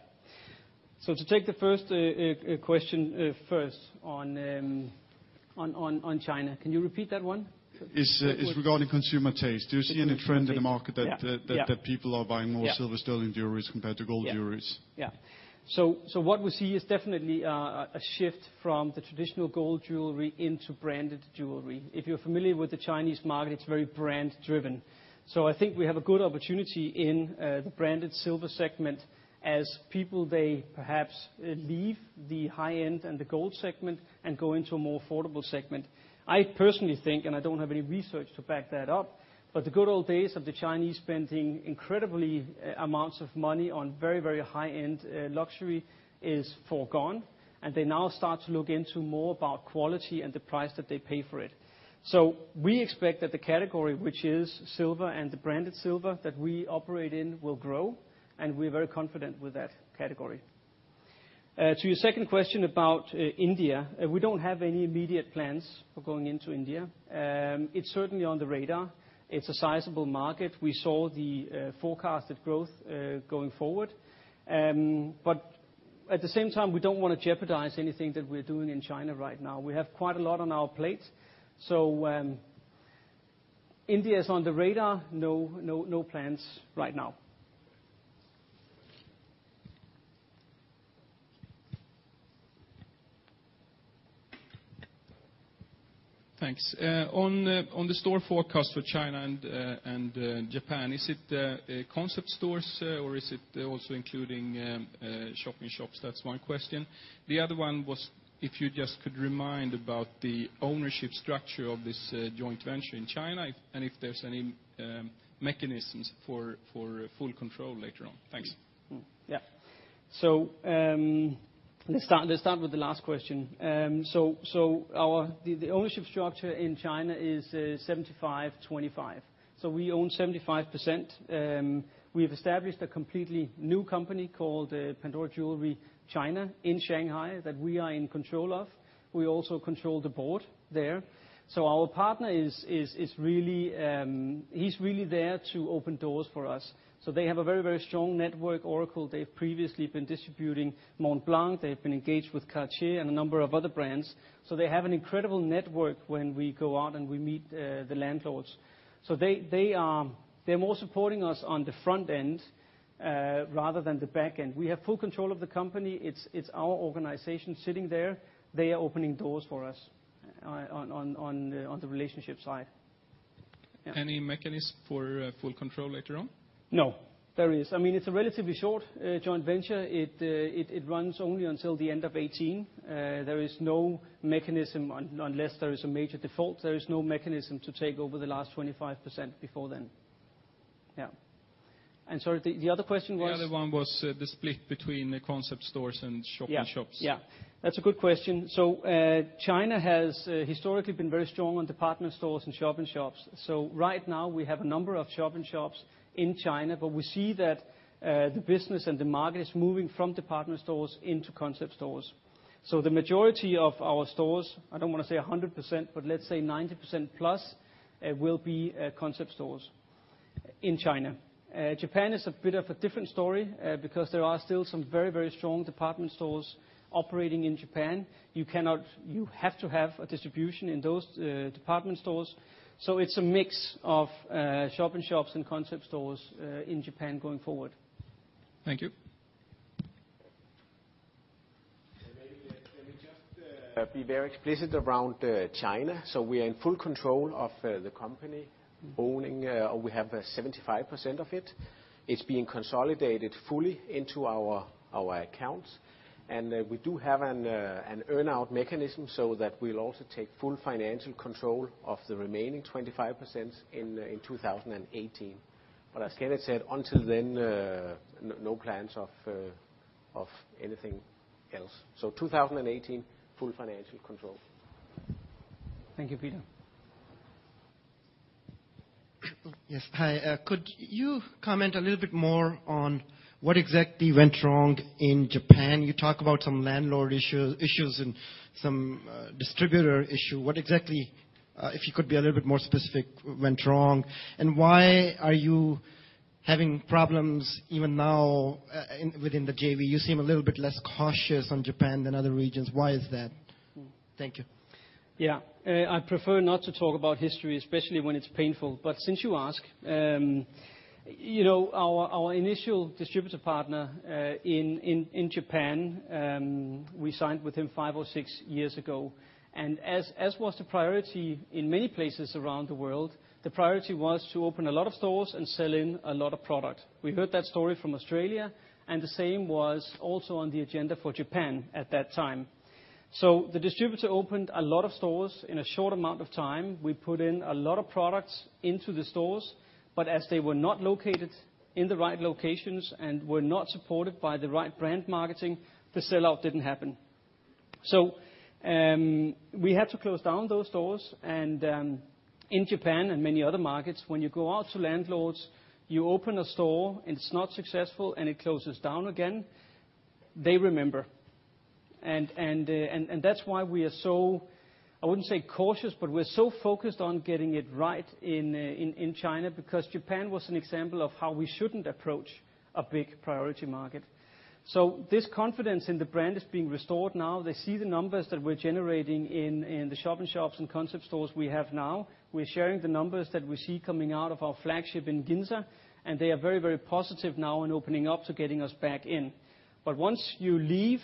So to take the first question first on China, can you repeat that one? It's, it's regarding consumer taste. Consumer taste. Do you see any trend in the market that- Yeah, yeah... that people are buying more- Yeah Sterling silver jewelries compared to gold jewelries? Yeah, yeah. So what we see is definitely a shift from the traditional gold jewelry into branded jewelry. If you're familiar with the Chinese market, it's very brand driven. So I think we have a good opportunity in the branded silver segment as people, they perhaps leave the high-end and the gold segment and go into a more affordable segment. I personally think, and I don't have any research to back that up, but the good old days of the Chinese spending incredibly amounts of money on very, very high-end luxury is forgone, and they now start to look into more about quality and the price that they pay for it. So we expect that the category, which is silver and the branded silver that we operate in, will grow, and we're very confident with that category. To your second question about India, we don't have any immediate plans for going into India. It's certainly on the radar. It's a sizable market. We saw the forecasted growth going forward. But at the same time, we don't want to jeopardize anything that we're doing in China right now. We have quite a lot on our plate. So, India is on the radar. No, no, no plans right now. Thanks. On the store forecast for China and Japan, is it concept stores, or is it also including shop-in-shops? That's one question. The other one was if you just could remind about the ownership structure of this joint venture in China, and if there's any mechanisms for full control later on? Thanks. Mm. Yeah. So, let's start, let's start with the last question. So, our... The ownership structure in China is 75-25, so we own 75%. We have established a completely new company called Pandora Jewelry China in Shanghai, that we are in control of. We also control the board there. So our partner is really, he's really there to open doors for us. So they have a very, very strong network, Oracle. They've previously been distributing Montblanc. They've been engaged with Cartier and a number of other brands, so they have an incredible network when we go out and we meet the landlords. So they are- they're more supporting us on the front end rather than the back end. We have full control of the company. It's our organization sitting there. They are opening doors for us on the relationship side. Yeah. Any mechanism for full control later on? No. There is. I mean, it's a relatively short joint venture. It runs only until the end of 2018. There is no mechanism, unless there is a major default, there is no mechanism to take over the last 25 percent before then. Yeah. And sorry, the other question was? The other one was the split between the concept stores and shop-in-shops. Yeah. Yeah, that's a good question. So, China has, historically been very strong on department stores and shop-in-shops. So right now, we have a number of shop-in-shops in China, but we see that, the business and the market is moving from department stores into concept stores. So the majority of our stores, I don't want to say 100%, but let's say 90% plus, will be, concept stores in China. Japan is a bit of a different story, because there are still some very, very strong department stores operating in Japan. You cannot... You have to have a distribution in those, department stores, so it's a mix of, shop-in-shops and concept stores, in Japan going forward. Thank you. And maybe, let me just be very explicit around China. So we are in full control of the company, owning, or we have 75% of it. It's being consolidated fully into our, our accounts, and we do have an, an earn-out mechanism so that we'll also take full financial control of the remaining 25% in 2018. But as Kenneth said, until then, no, no plans of, of anything else. So 2018, full financial control. Thank you, Peter. Yes. Hi, could you comment a little bit more on what exactly went wrong in Japan? You talk about some landlord issues and some distributor issue. What exactly, if you could be a little bit more specific, went wrong? And why are you having problems even now within the JV? You seem a little bit less cautious on Japan than other regions. Why is that? Thank you. Yeah. I prefer not to talk about history, especially when it's painful, but since you ask, you know, our initial distributor partner in Japan, we signed with him 5 or 6 years ago. As was the priority in many places around the world, the priority was to open a lot of stores and sell in a lot of product. We heard that story from Australia, and the same was also on the agenda for Japan at that time. So the distributor opened a lot of stores in a short amount of time. We put in a lot of products into the stores, but as they were not located in the right locations and were not supported by the right brand marketing, the sell-out didn't happen. So, we had to close down those stores. In Japan and many other markets, when you go out to landlords, you open a store, and it's not successful, and it closes down again, they remember. That's why we are so, I wouldn't say cautious, but we're so focused on getting it right in China, because Japan was an example of how we shouldn't approach a big priority market. So this confidence in the brand is being restored now. They see the numbers that we're generating in the shop-in-shops and concept stores we have now. We're sharing the numbers that we see coming out of our flagship in Ginza, and they are very, very positive now in opening up to getting us back in. But once you leave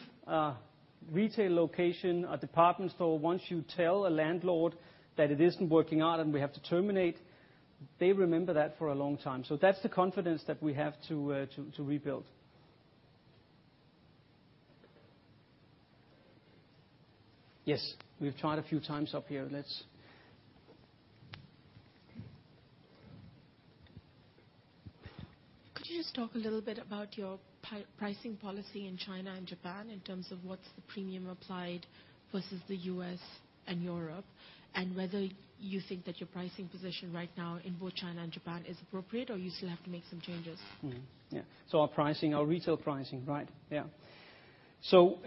a retail location, a department store, once you tell a landlord that it isn't working out and we have to terminate, they remember that for a long time. So that's the confidence that we have to rebuild. Yes, we've tried a few times up here. Let's... Could you just talk a little bit about your pricing policy in China and Japan in terms of what's the premium applied versus the U.S. and Europe, and whether you think that your pricing position right now in both China and Japan is appropriate, or you still have to make some changes? So our pricing, our retail pricing, right? So,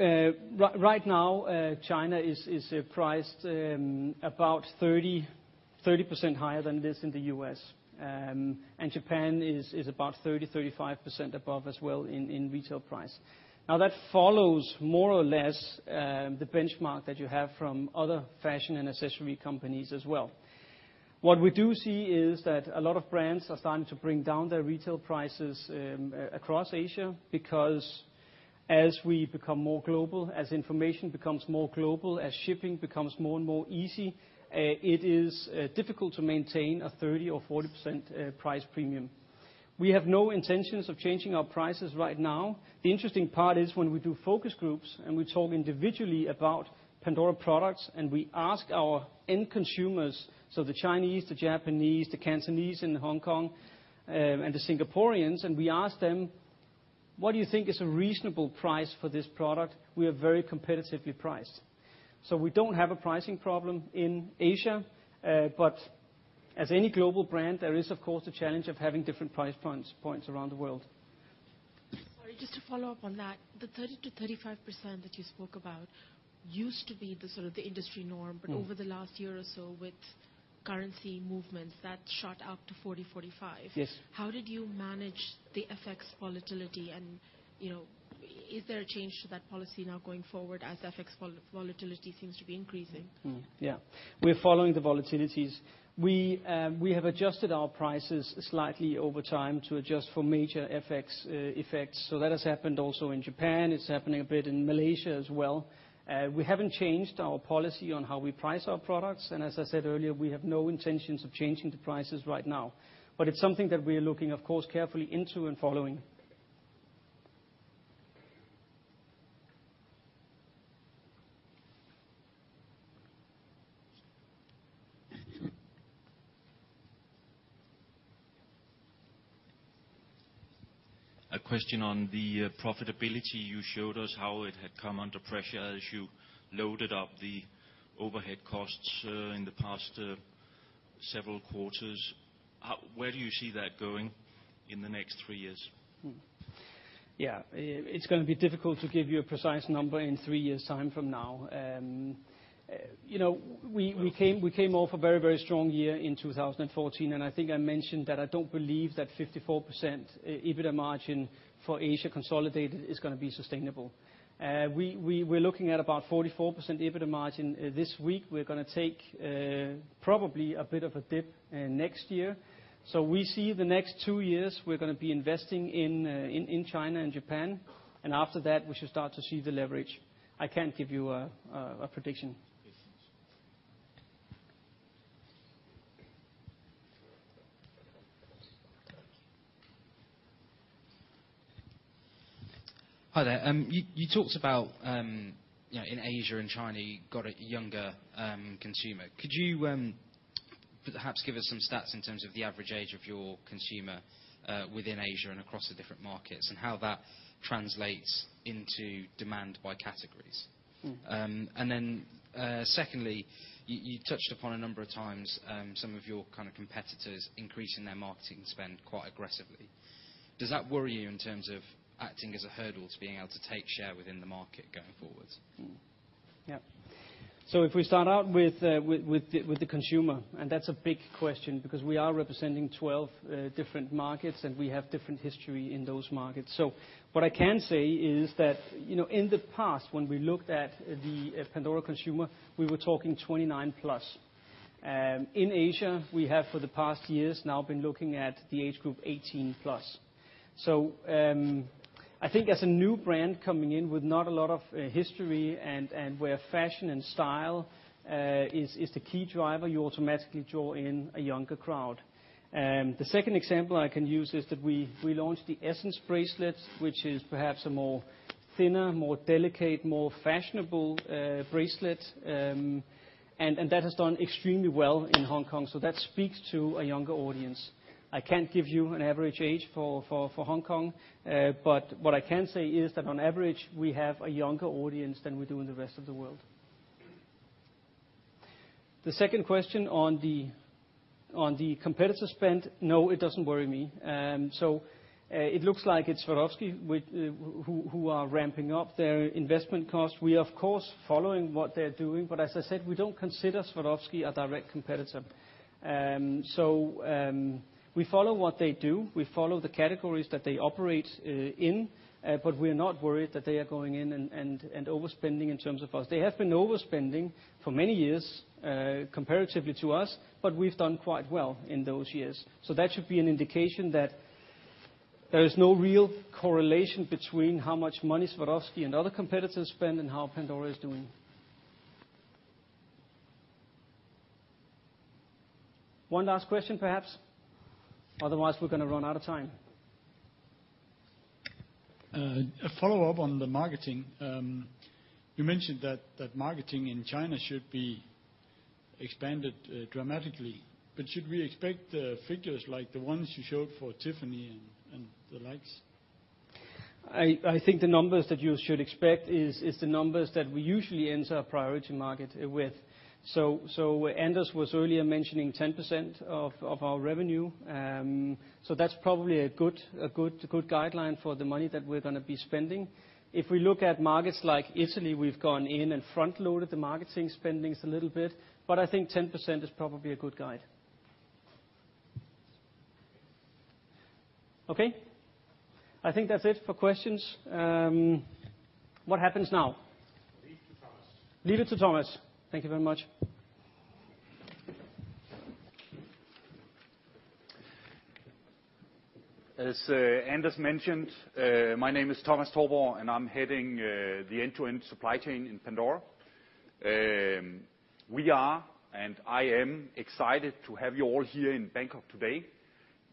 right now, China is priced about 30-30% higher than it is in the U.S. And Japan is about 30-35% above as well in retail price. Now, that follows more or less the benchmark that you have from other fashion and accessory companies as well. What we do see is that a lot of brands are starting to bring down their retail prices across Asia, because as we become more global, as information becomes more global, as shipping becomes more and more easy, it is difficult to maintain a 30 or 40% price premium. We have no intentions of changing our prices right now. The interesting part is when we do focus groups, and we talk individually about Pandora products, and we ask our end consumers, so the Chinese, the Japanese, the Cantonese in Hong Kong, and the Singaporeans, and we ask them: "What do you think is a reasonable price for this product?" We are very competitively priced. So we don't have a pricing problem in Asia, but as any global brand, there is, of course, the challenge of having different price points, points around the world. Sorry, just to follow up on that, the 30%-35% that you spoke about used to be the sort of the industry norm. Mm. But over the last year or so, with currency movements, that shot up to 40-45. Yes. How did you manage the FX volatility? And, you know, is there a change to that policy now going forward as FX volatility seems to be increasing? Mm. Yeah. We're following the volatilities. We, we have adjusted our prices slightly over time to adjust for major FX effects, so that has happened also in Japan. It's happening a bit in Malaysia as well. We haven't changed our policy on how we price our products, and as I said earlier, we have no intentions of changing the prices right now. But it's something that we are looking, of course, carefully into and following. A question on the profitability. You showed us how it had come under pressure as you loaded up the overhead costs in the past several quarters. Where do you see that going in the next three years? Yeah, it's gonna be difficult to give you a precise number in three years' time from now. You know, we came off a very, very strong year in 2014, and I think I mentioned that I don't believe that 54% EBITDA margin for Asia consolidated is gonna be sustainable. We're looking at about 44% EBITDA margin this week. We're gonna take probably a bit of a dip next year. So we see the next two years, we're gonna be investing in China and Japan, and after that, we should start to see the leverage. I can't give you a prediction. Yes. Hi there. You talked about, you know, in Asia and China, you've got a younger consumer. Could you perhaps give us some stats in terms of the average age of your consumer within Asia and across the different markets, and how that translates into demand by categories? Mm. Then, secondly, you touched upon a number of times some of your kind of competitors increasing their marketing spend quite aggressively. Does that worry you in terms of acting as a hurdle to being able to take share within the market going forward? Yeah. So if we start out with the consumer, and that's a big question because we are representing 12 different markets, and we have different history in those markets. So what I can say is that, you know, in the past, when we looked at the Pandora consumer, we were talking 29+. In Asia, we have, for the past years now, been looking at the age group 18+. So I think as a new brand coming in with not a lot of history and where fashion and style is the key driver, you automatically draw in a younger crowd. The second example I can use is that we launched the Essence bracelet, which is perhaps a more thinner, more delicate, more fashionable bracelet, and that has done extremely well in Hong Kong, so that speaks to a younger audience. I can't give you an average age for Hong Kong, but what I can say is that on average, we have a younger audience than we do in the rest of the world. The second question on the competitor spend, no, it doesn't worry me. It looks like it's Swarovski, who are ramping up their investment cost. We are, of course, following what they're doing, but as I said, we don't consider Swarovski a direct competitor. We follow what they do. We follow the categories that they operate in, but we're not worried that they are going in and overspending in terms of us. They have been overspending for many years, comparatively to us, but we've done quite well in those years. So that should be an indication that there is no real correlation between how much money Swarovski and other competitors spend and how Pandora is doing. One last question, perhaps? Otherwise, we're gonna run out of time. A follow-up on the marketing. You mentioned that marketing in China should be expanded dramatically, but should we expect figures like the ones you showed for Tiffany and the likes?... I think the numbers that you should expect is the numbers that we usually enter a priority market with. So Anders was earlier mentioning 10% of our revenue. So that's probably a good guideline for the money that we're gonna be spending. If we look at markets like Italy, we've gone in and front-loaded the marketing spending a little bit, but I think 10% is probably a good guide. Okay? I think that's it for questions. What happens now? Leave to Thomas. Leave it to Thomas. Thank you very much. As Anders mentioned, my name is Thomas Touborg, and I'm heading the end-to-end supply chain in Pandora. We are, and I am excited to have you all here in Bangkok today,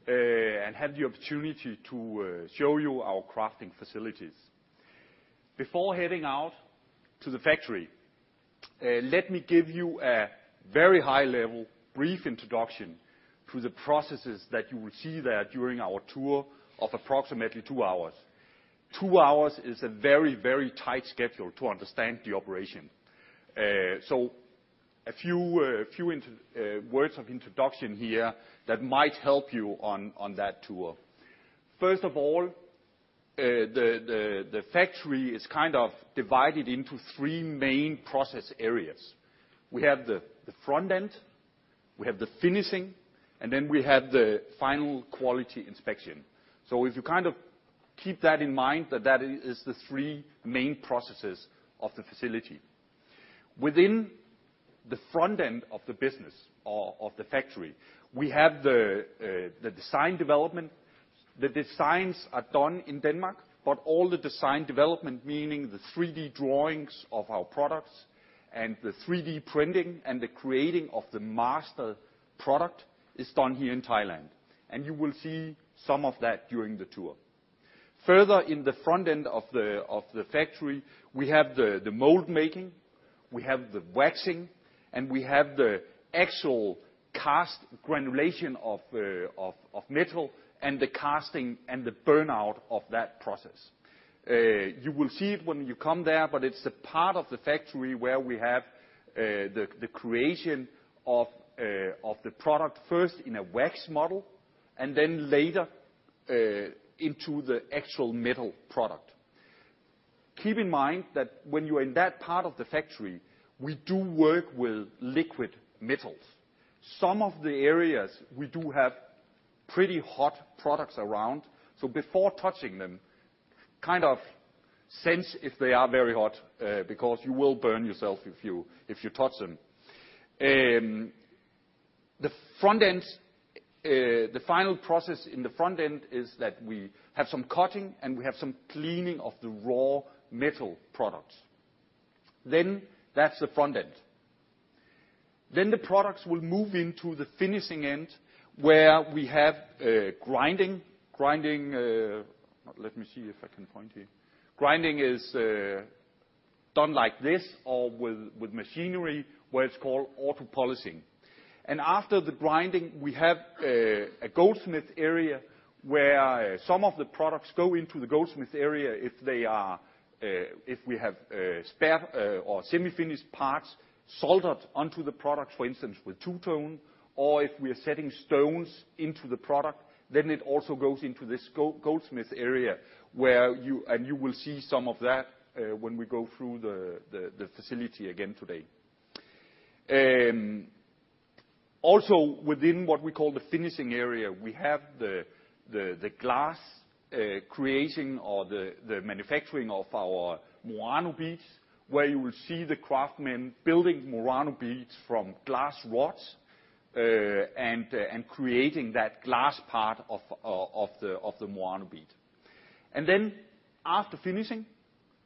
and have the opportunity to show you our crafting facilities. Before heading out to the factory, let me give you a very high level, brief introduction to the processes that you will see there during our tour of approximately two hours. Two hours is a very, very tight schedule to understand the operation. So a few words of introduction here that might help you on that tour. First of all, the factory is kind of divided into three main process areas. We have the front end, we have the finishing, and then we have the final quality inspection. So if you kind of keep that in mind, that is the three main processes of the facility. Within the front end of the business or of the factory, we have the design development. The designs are done in Denmark, but all the design development, meaning the 3D drawings of our products and the 3D printing and the creating of the master product, is done here in Thailand, and you will see some of that during the tour. Further, in the front end of the factory, we have the mold making, we have the waxing, and we have the actual cast granulation of metal, and the casting and the burnout of that process. You will see it when you come there, but it's the part of the factory where we have the creation of the product, first in a wax model, and then later into the actual metal product. Keep in mind that when you're in that part of the factory, we do work with liquid metals. Some of the areas, we do have pretty hot products around, so before touching them, kind of sense if they are very hot, because you will burn yourself if you touch them. The front end, the final process in the front end is that we have some cutting, and we have some cleaning of the raw metal products. Then that's the front end. Then the products will move into the finishing end, where we have grinding. Let me see if I can point here. Grinding is done like this or with machinery, where it's called auto-polishing. And after the grinding, we have a goldsmith area, where some of the products go into the goldsmith area if they are, if we have spare or semi-finished parts soldered onto the product, for instance, with two-tone, or if we are setting stones into the product, then it also goes into this goldsmith area, where you... And you will see some of that when we go through the facility again today. Also, within what we call the finishing area, we have the glass creating or the manufacturing of our Murano beads, where you will see the craftsmen building Murano beads from glass rods, and creating that glass part of the Murano bead. And then, after finishing,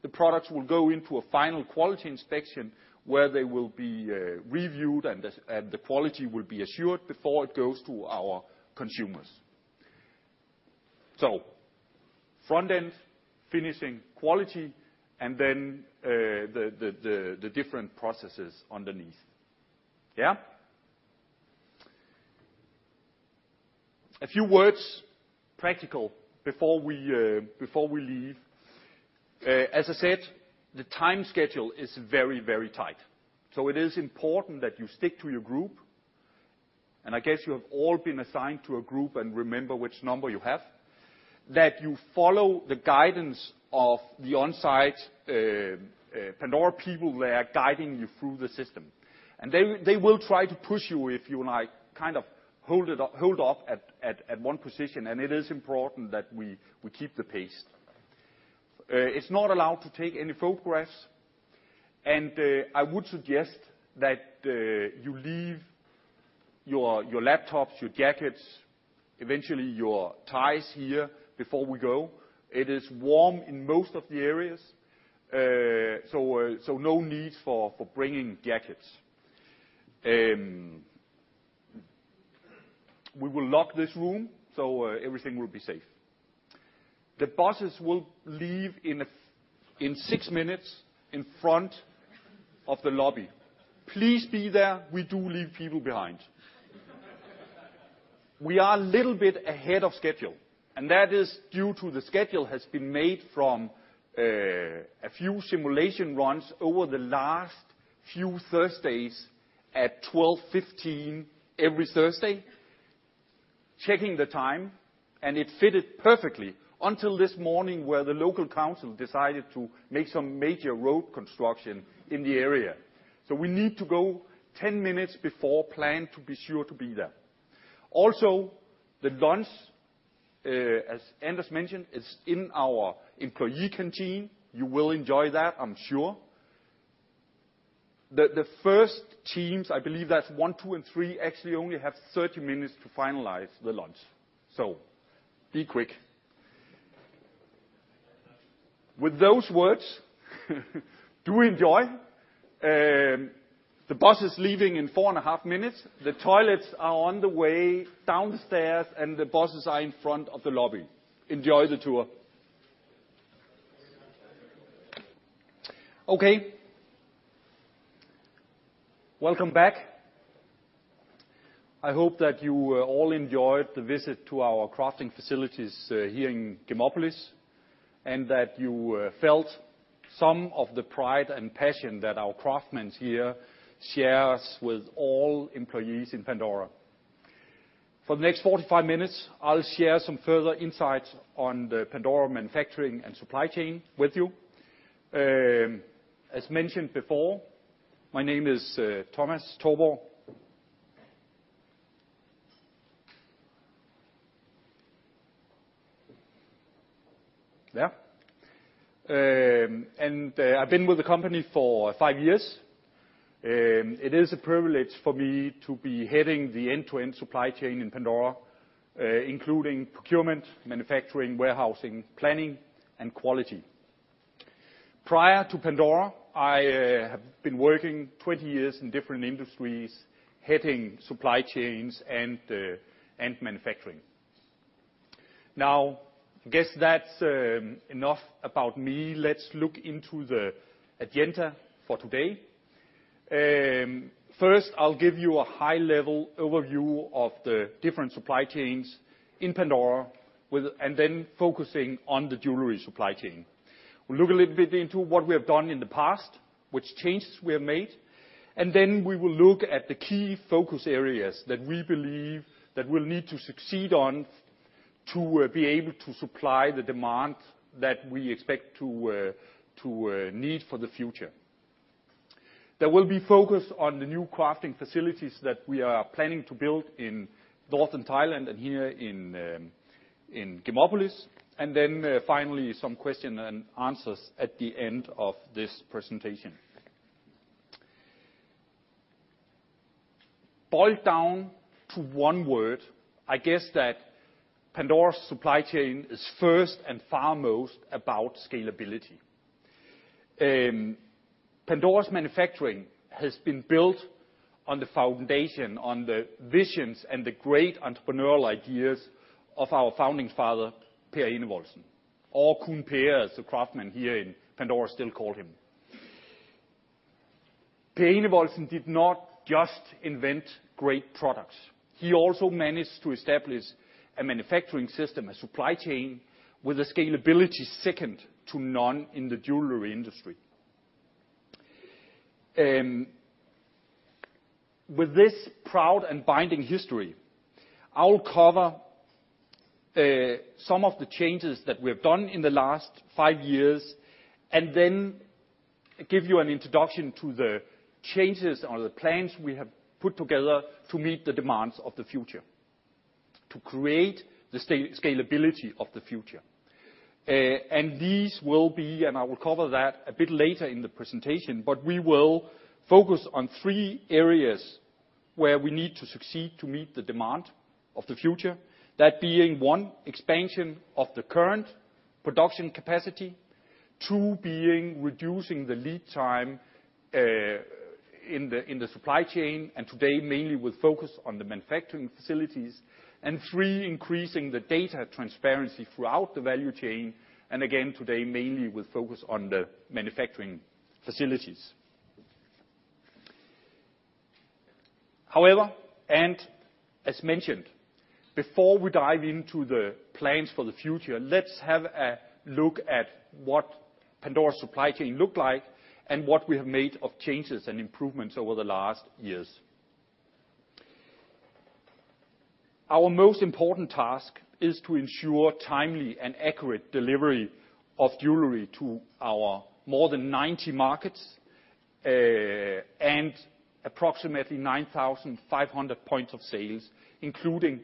the products will go into a final quality inspection, where they will be reviewed, and the quality will be assured before it goes to our consumers. So front end, finishing, quality, and then the different processes underneath. Yeah? A few words, practical, before we leave. As I said, the time schedule is very, very tight, so it is important that you stick to your group, and I guess you have all been assigned to a group and remember which number you have, that you follow the guidance of the on-site Pandora people there, guiding you through the system. And they will try to push you if you, like, kind of hold up at one position, and it is important that we keep the pace. It's not allowed to take any photographs, and I would suggest that you leave your laptops, your jackets, eventually your ties here before we go. It is warm in most of the areas, so no need for bringing jackets. We will lock this room, so everything will be safe. The buses will leave in 6 minutes in front of the lobby. Please be there. We do leave people behind. We are a little bit ahead of schedule, and that is due to the schedule has been made from a few simulation runs over the last few Thursdays at 12:15 every Thursday, checking the time, and it fitted perfectly until this morning, where the local council decided to make some major road construction in the area. So we need to go 10 minutes before plan to be sure to be there. Also, the lunch, as Anders mentioned, is in our employee canteen. You will enjoy that, I'm sure. The first teams, I believe that's 1, 2, and 3, actually only have 30 minutes to finalize the lunch, so be quick. With those words, do enjoy. The bus is leaving in 4.5 minutes. The toilets are on the way downstairs, and the buses are in front of the lobby. Enjoy the tour. Okay. Welcome back. I hope that you all enjoyed the visit to our crafting facilities here in Gemopolis, and that you felt some of the pride and passion that our craftsmen here share with all employees in Pandora. For the next 45 minutes, I'll share some further insights on the Pandora manufacturing and supply chain with you. As mentioned before, my name is Thomas Touborg. I've been with the company for 5 years. It is a privilege for me to be heading the end-to-end supply chain in Pandora, including procurement, manufacturing, warehousing, planning, and quality. Prior to Pandora, I have been working 20 years in different industries, heading supply chains and manufacturing. Now, I guess that's enough about me. Let's look into the agenda for today. First, I'll give you a high-level overview of the different supply chains in Pandora and then focusing on the jewelry supply chain. We'll look a little bit into what we have done in the past, which changes we have made, and then we will look at the key focus areas that we believe that we'll need to succeed on to be able to supply the demand that we expect to need for the future. There will be focus on the new crafting facilities that we are planning to build in northern Thailand and here in Gemopolis, and then, finally, some question and answers at the end of this presentation. Boiled down to one word, I guess that Pandora's supply chain is first and foremost about scalability. Pandora's manufacturing has been built on the foundation, on the visions, and the great entrepreneurial ideas of our founding father, Per Enevoldsen, or Khun Per, as the craftsmen here in Pandora still call him. Per Enevoldsen did not just invent great products. He also managed to establish a manufacturing system, a supply chain, with a scalability second to none in the jewelry industry. With this proud and binding history, I'll cover some of the changes that we've done in the last five years, and then give you an introduction to the changes or the plans we have put together to meet the demands of the future, to create the scalability of the future. And these will be, and I will cover that a bit later in the presentation, but we will focus on three areas where we need to succeed to meet the demand of the future. That being, one, expansion of the current production capacity. Two, being reducing the lead time in the supply chain, and today, mainly with focus on the manufacturing facilities. And three, increasing the data transparency throughout the value chain, and again, today, mainly with focus on the manufacturing facilities. However, and as mentioned, before we dive into the plans for the future, let's have a look at what Pandora's supply chain look like and what we have made of changes and improvements over the last years. Our most important task is to ensure timely and accurate delivery of jewelry to our more than 90 markets, and approximately 9,500 points of sales, including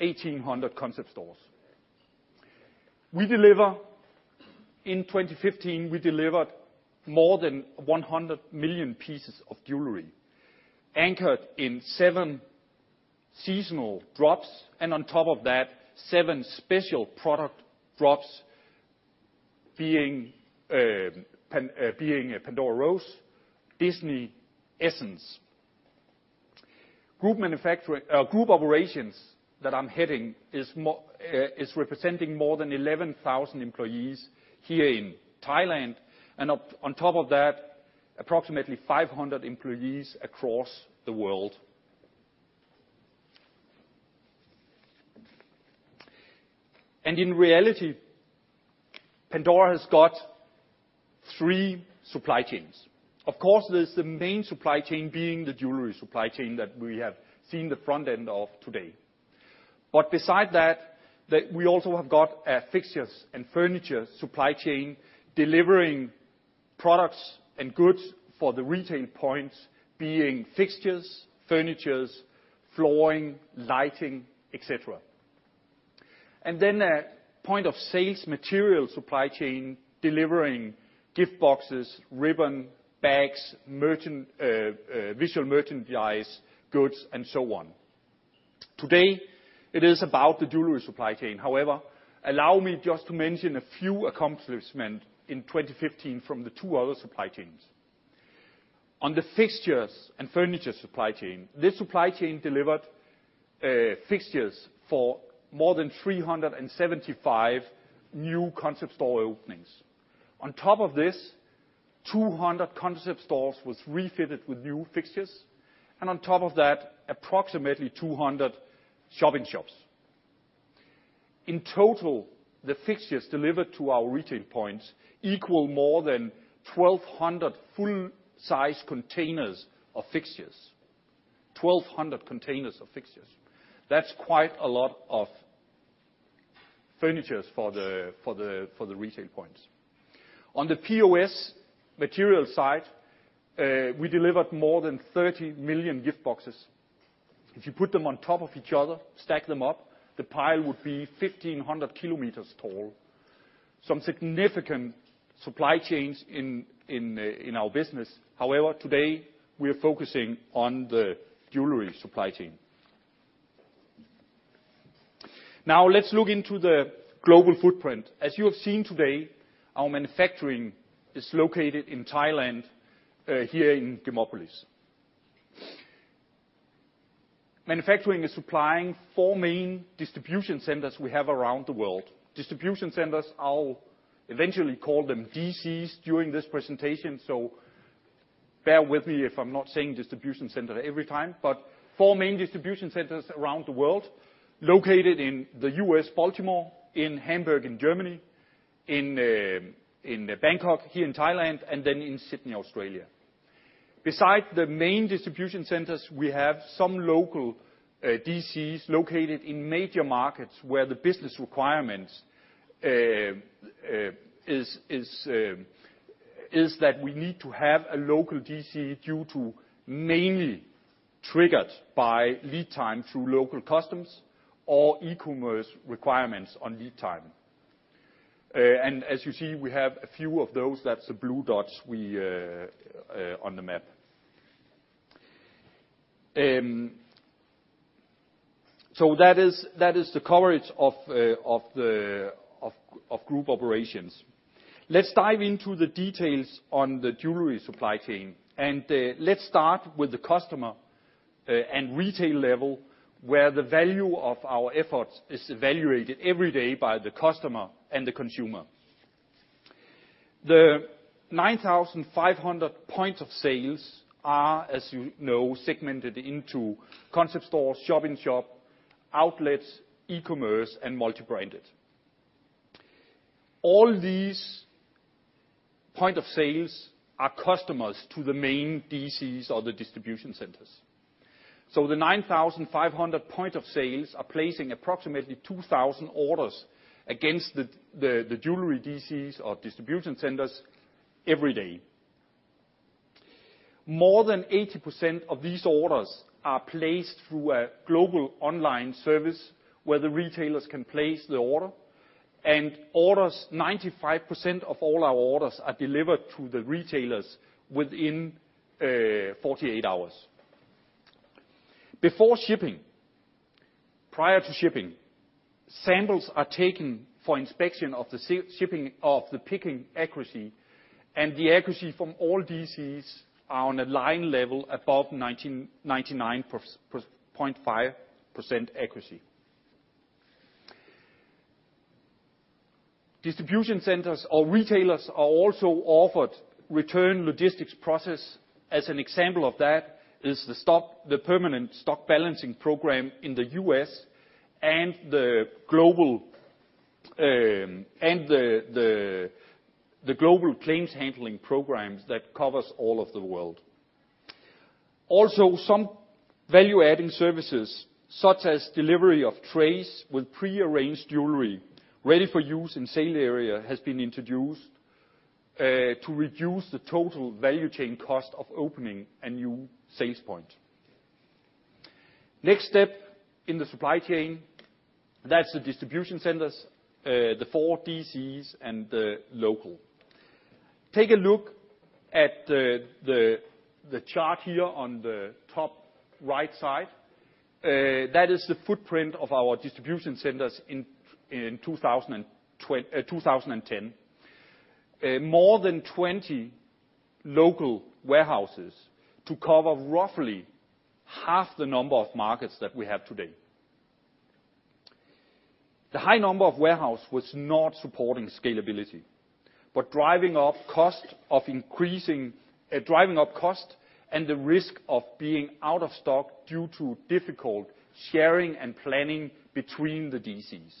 1,800 concept stores. In 2015, we delivered more than 100 million pieces of jewelry, anchored in 7 seasonal drops, and on top of that, 7 special product drops, being Pandora Rose, Disney, Essence. Group Operations that I'm heading is representing more than 11,000 employees here in Thailand, and on top of that approximately 500 employees across the world. In reality, Pandora has got three supply chains. Of course, there's the main supply chain being the jewelry supply chain that we have seen the front end of today. But beside that, we also have got a fixtures and furniture supply chain, delivering products and goods for the retail points, being fixtures, furniture, flooring, lighting, et cetera. And then a point of sales material supply chain, delivering gift boxes, ribbon, bags, visual merchandise, goods, and so on. Today, it is about the jewelry supply chain. However, allow me just to mention a few accomplishments in 2015 from the two other supply chains. On the fixtures and furniture supply chain, this supply chain delivered fixtures for more than 375 new concept store openings. On top of this, 200 concept stores was refitted with new fixtures, and on top of that, approximately 200 shop-in-shops. In total, the fixtures delivered to our retail points equal more than 1,200 full-size containers of fixtures. 1,200 containers of fixtures. That's quite a lot of furnitures for the retail points. On the POS material side, we delivered more than 30 million gift boxes. If you put them on top of each other, stack them up, the pile would be 1,500 kilometers tall. Some significant supply chains in our business. However, today we are focusing on the jewelry supply chain. Now, let's look into the global footprint. As you have seen today, our manufacturing is located in Thailand, here in Gemopolis. Manufacturing is supplying 4 main distribution centers we have around the world. Distribution centers, I'll eventually call them DCs during this presentation, so bear with me if I'm not saying distribution center every time. But four main distribution centers around the world, located in the U.S., Baltimore, in Hamburg, in Germany, in Bangkok, here in Thailand, and then in Sydney, Australia. Besides the main distribution centers, we have some local DCs located in major markets, where the business requirements is that we need to have a local DC due to mainly triggered by lead time through local customs or e-commerce requirements on lead time. And as you see, we have a few of those, that's the blue dots we on the map. So that is the coverage of the Group Operations. Let's dive into the details on the jewelry supply chain, and let's start with the customer and retail level, where the value of our efforts is evaluated every day by the customer and the consumer. The 9,500 points of sale are, as you know, segmented into concept stores, shop-in-shop, outlets, e-commerce, and multi-branded. All these points of sale are customers to the main DCs or the distribution centers. So the 9,500 points of sale are placing approximately 2,000 orders against the, the jewelry DCs or distribution centers every day. More than 80% of these orders are placed through a global online service, where the retailers can place the order. And orders, 95% of all our orders are delivered to the retailers within 48 hours. Before shipping, prior to shipping, samples are taken for inspection of the shipping, of the picking accuracy, and the accuracy from all DCs are on a line level above 99.5% accuracy. Distribution centers or retailers are also offered return logistics process. As an example of that is the stock, the permanent stock balancing program in the US and the global, and the global claims handling programs that covers all of the world. Also, some value-adding services, such as delivery of trays with pre-arranged jewelry, ready for use in sale area, has been introduced, to reduce the total value chain cost of opening a new sales point. Next step in the supply chain, that's the distribution centers, the four DCs and the local. Take a look at the chart here on the top right side. That is the footprint of our distribution centers in 2010. More than 20 local warehouses to cover roughly half the number of markets that we have today. The high number of warehouses was not supporting scalability, but driving up cost of increasing, driving up cost and the risk of being out of stock due to difficult sharing and planning between the DCs.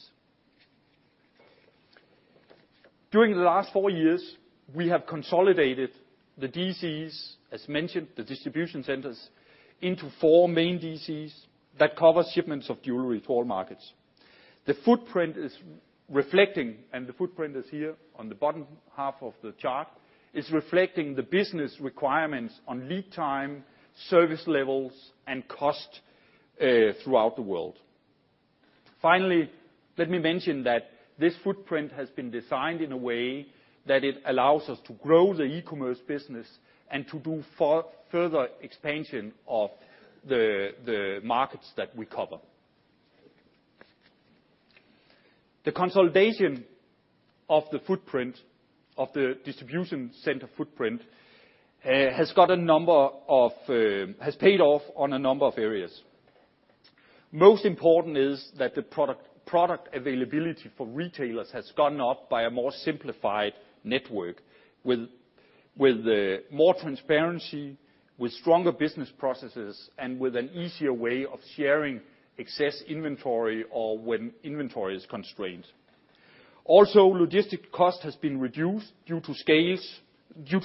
During the last 4 years, we have consolidated the DCs, as mentioned, the distribution centers, into 4 main DCs that cover shipments of jewelry to all markets. The footprint is reflecting, and the footprint is here on the bottom half of the chart, is reflecting the business requirements on lead time, service levels, and cost throughout the world. Finally, let me mention that this footprint has been designed in a way that it allows us to grow the e-commerce business and to do further expansion of the markets that we cover. The consolidation of the footprint, of the distribution center footprint, has paid off on a number of areas. Most important is that the product availability for retailers has gone up by a more simplified network, with more transparency, with stronger business processes, and with an easier way of sharing excess inventory or when inventory is constrained. Also, logistic cost has been reduced due to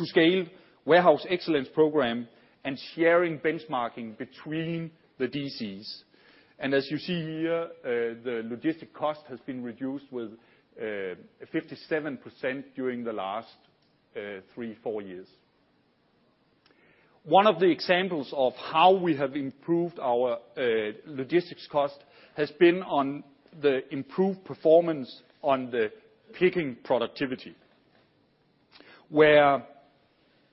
scale, warehouse excellence program, and sharing benchmarking between the DCs. And as you see here, the logistic cost has been reduced with 57% during the last 3-4 years. One of the examples of how we have improved our logistics cost has been on the improved performance on the picking productivity, where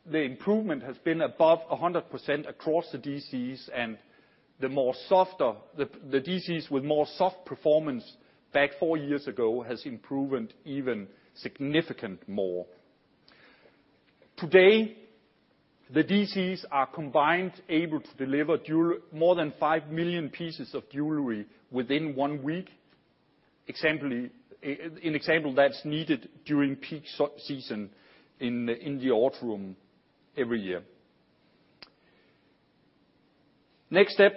the improvement has been above 100% across the DCs, and the more softer, the DCs with more soft performance back four years ago, has improved even significant more. Today, the DCs are combined, able to deliver more than 5 million pieces of jewelry within one week. Example, an example that's needed during peak season in the autumn every year. Next step,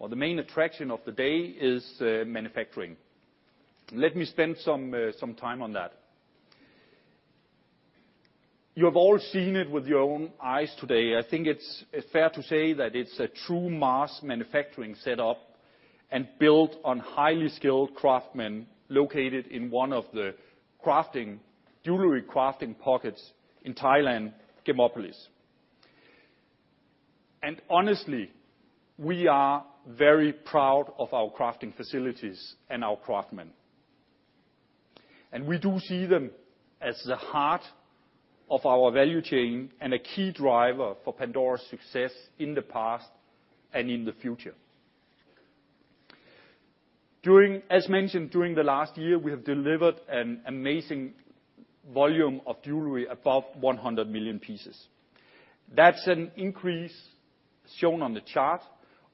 or the main attraction of the day, is manufacturing. Let me spend some time on that. You have all seen it with your own eyes today. I think it's, it's fair to say that it's a true mass manufacturing setup and built on highly skilled craftsmen located in one of the crafting, jewelry crafting pockets in Thailand, Gemopolis. And honestly, we are very proud of our crafting facilities and our craftsmen, and we do see them as the heart of our value chain and a key driver for Pandora's success in the past and in the future. During, as mentioned, during the last year, we have delivered an amazing volume of jewelry above 100 million pieces. That's an increase, shown on the chart,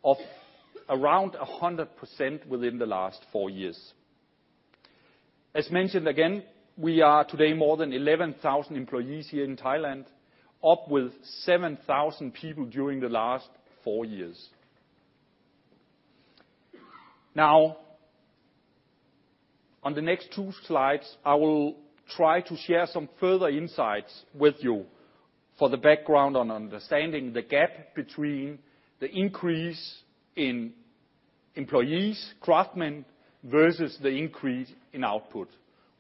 of around 100% within the last four years. As mentioned again, we are today more than 11,000 employees here in Thailand, up with 7,000 people during the last four years. Now, on the next 2 slides, I will try to share some further insights with you for the background on understanding the gap between the increase in employees, craftsmen, versus the increase in output,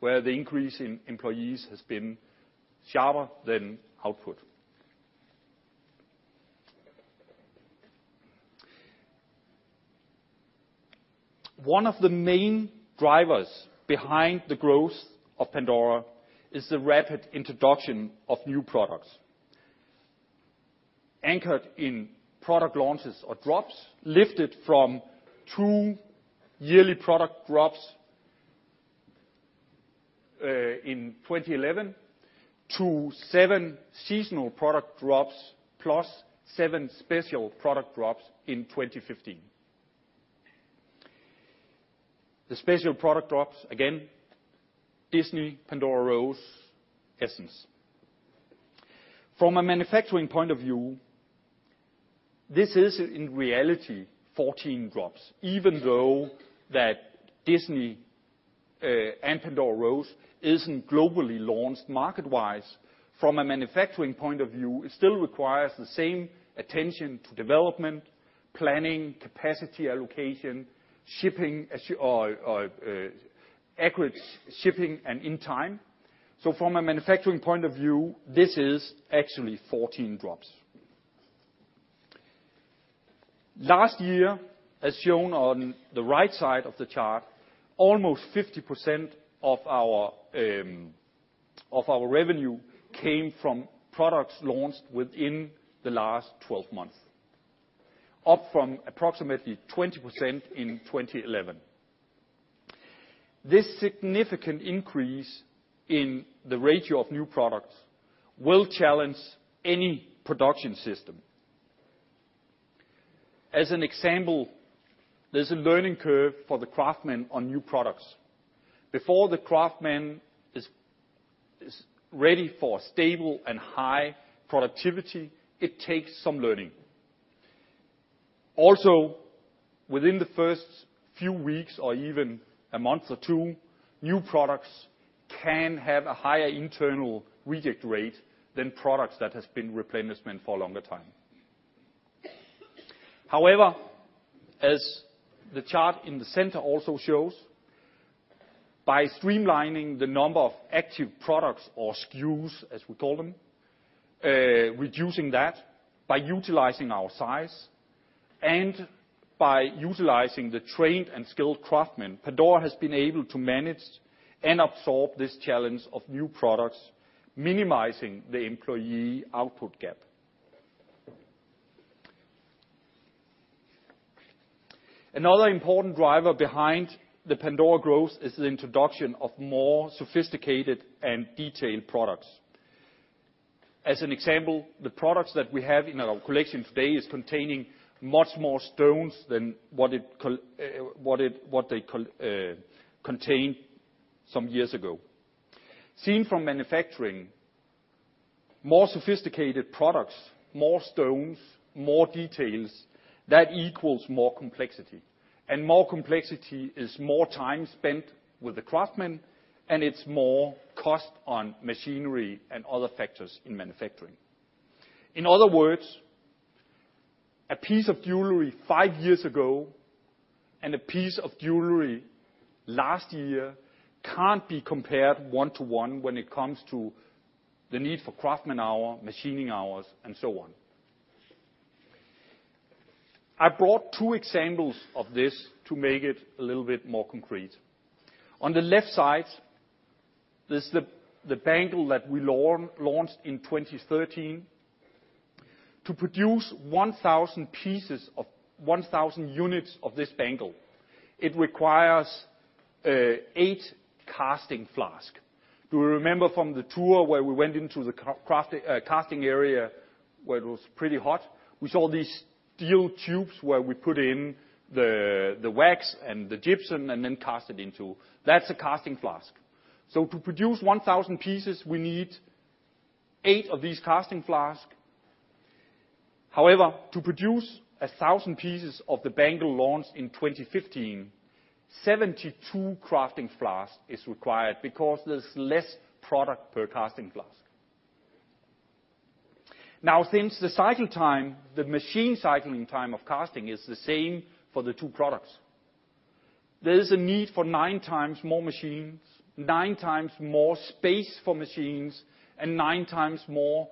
where the increase in employees has been sharper than output. One of the main drivers behind the growth of Pandora is the rapid introduction of new products, anchored in product launches or drops, lifted from 2 yearly product drops in 2011 to 7 seasonal product drops, plus 7 special product drops in 2015. The special product drops, again, Disney, Pandora Rose, Essence. From a manufacturing point of view, this is, in reality, 14 drops, even though that Disney and Pandora Rose isn't globally launched market-wise. From a manufacturing point of view, it still requires the same attention to development, planning, capacity allocation, shipping, as accurate shipping, and in time. So from a manufacturing point of view, this is actually 14 drops. Last year, as shown on the right side of the chart, almost 50% of our revenue came from products launched within the last 12 months, up from approximately 20% in 2011. This significant increase in the ratio of new products will challenge any production system. As an example, there's a learning curve for the craftsmen on new products. Before the craftsman is ready for stable and high productivity, it takes some learning. Also, within the first few weeks or even a month or two, new products can have a higher internal reject rate than products that has been replenishment for a longer time. However, as the chart in the center also shows, by streamlining the number of active products or SKUs, as we call them, reducing that by utilizing our size and by utilizing the trained and skilled craftsmen, Pandora has been able to manage and absorb this challenge of new products, minimizing the employee output gap. Another important driver behind the Pandora growth is the introduction of more sophisticated and detailed products. As an example, the products that we have in our collection today is containing much more stones than what they contained some years ago. Seen from manufacturing, more sophisticated products, more stones, more details, that equals more complexity. And more complexity is more time spent with the craftsmen, and it's more cost on machinery and other factors in manufacturing. In other words, a piece of jewelry five years ago and a piece of jewelry last year can't be compared one-to-one when it comes to the need for craftsman hour, machining hours, and so on. I brought two examples of this to make it a little bit more concrete. On the left side, this is the bangle that we launched in 2013. To produce 1,000 units of this bangle, it requires eight casting flask. Do you remember from the tour where we went into the crafting casting area, where it was pretty hot? We saw these steel tubes where we put in the wax and the gypsum, and then cast it into... That's a casting flask. So to produce 1,000 pieces, we need eight of these casting flask. However, to produce 1,000 pieces of the bangle launched in 2015, 72 casting flasks is required because there's less product per casting flask. Now, since the cycle time, the machine cycling time of casting, is the same for the two products, there is a need for 9 times more machines, 9 times more space for machines, and 9 times more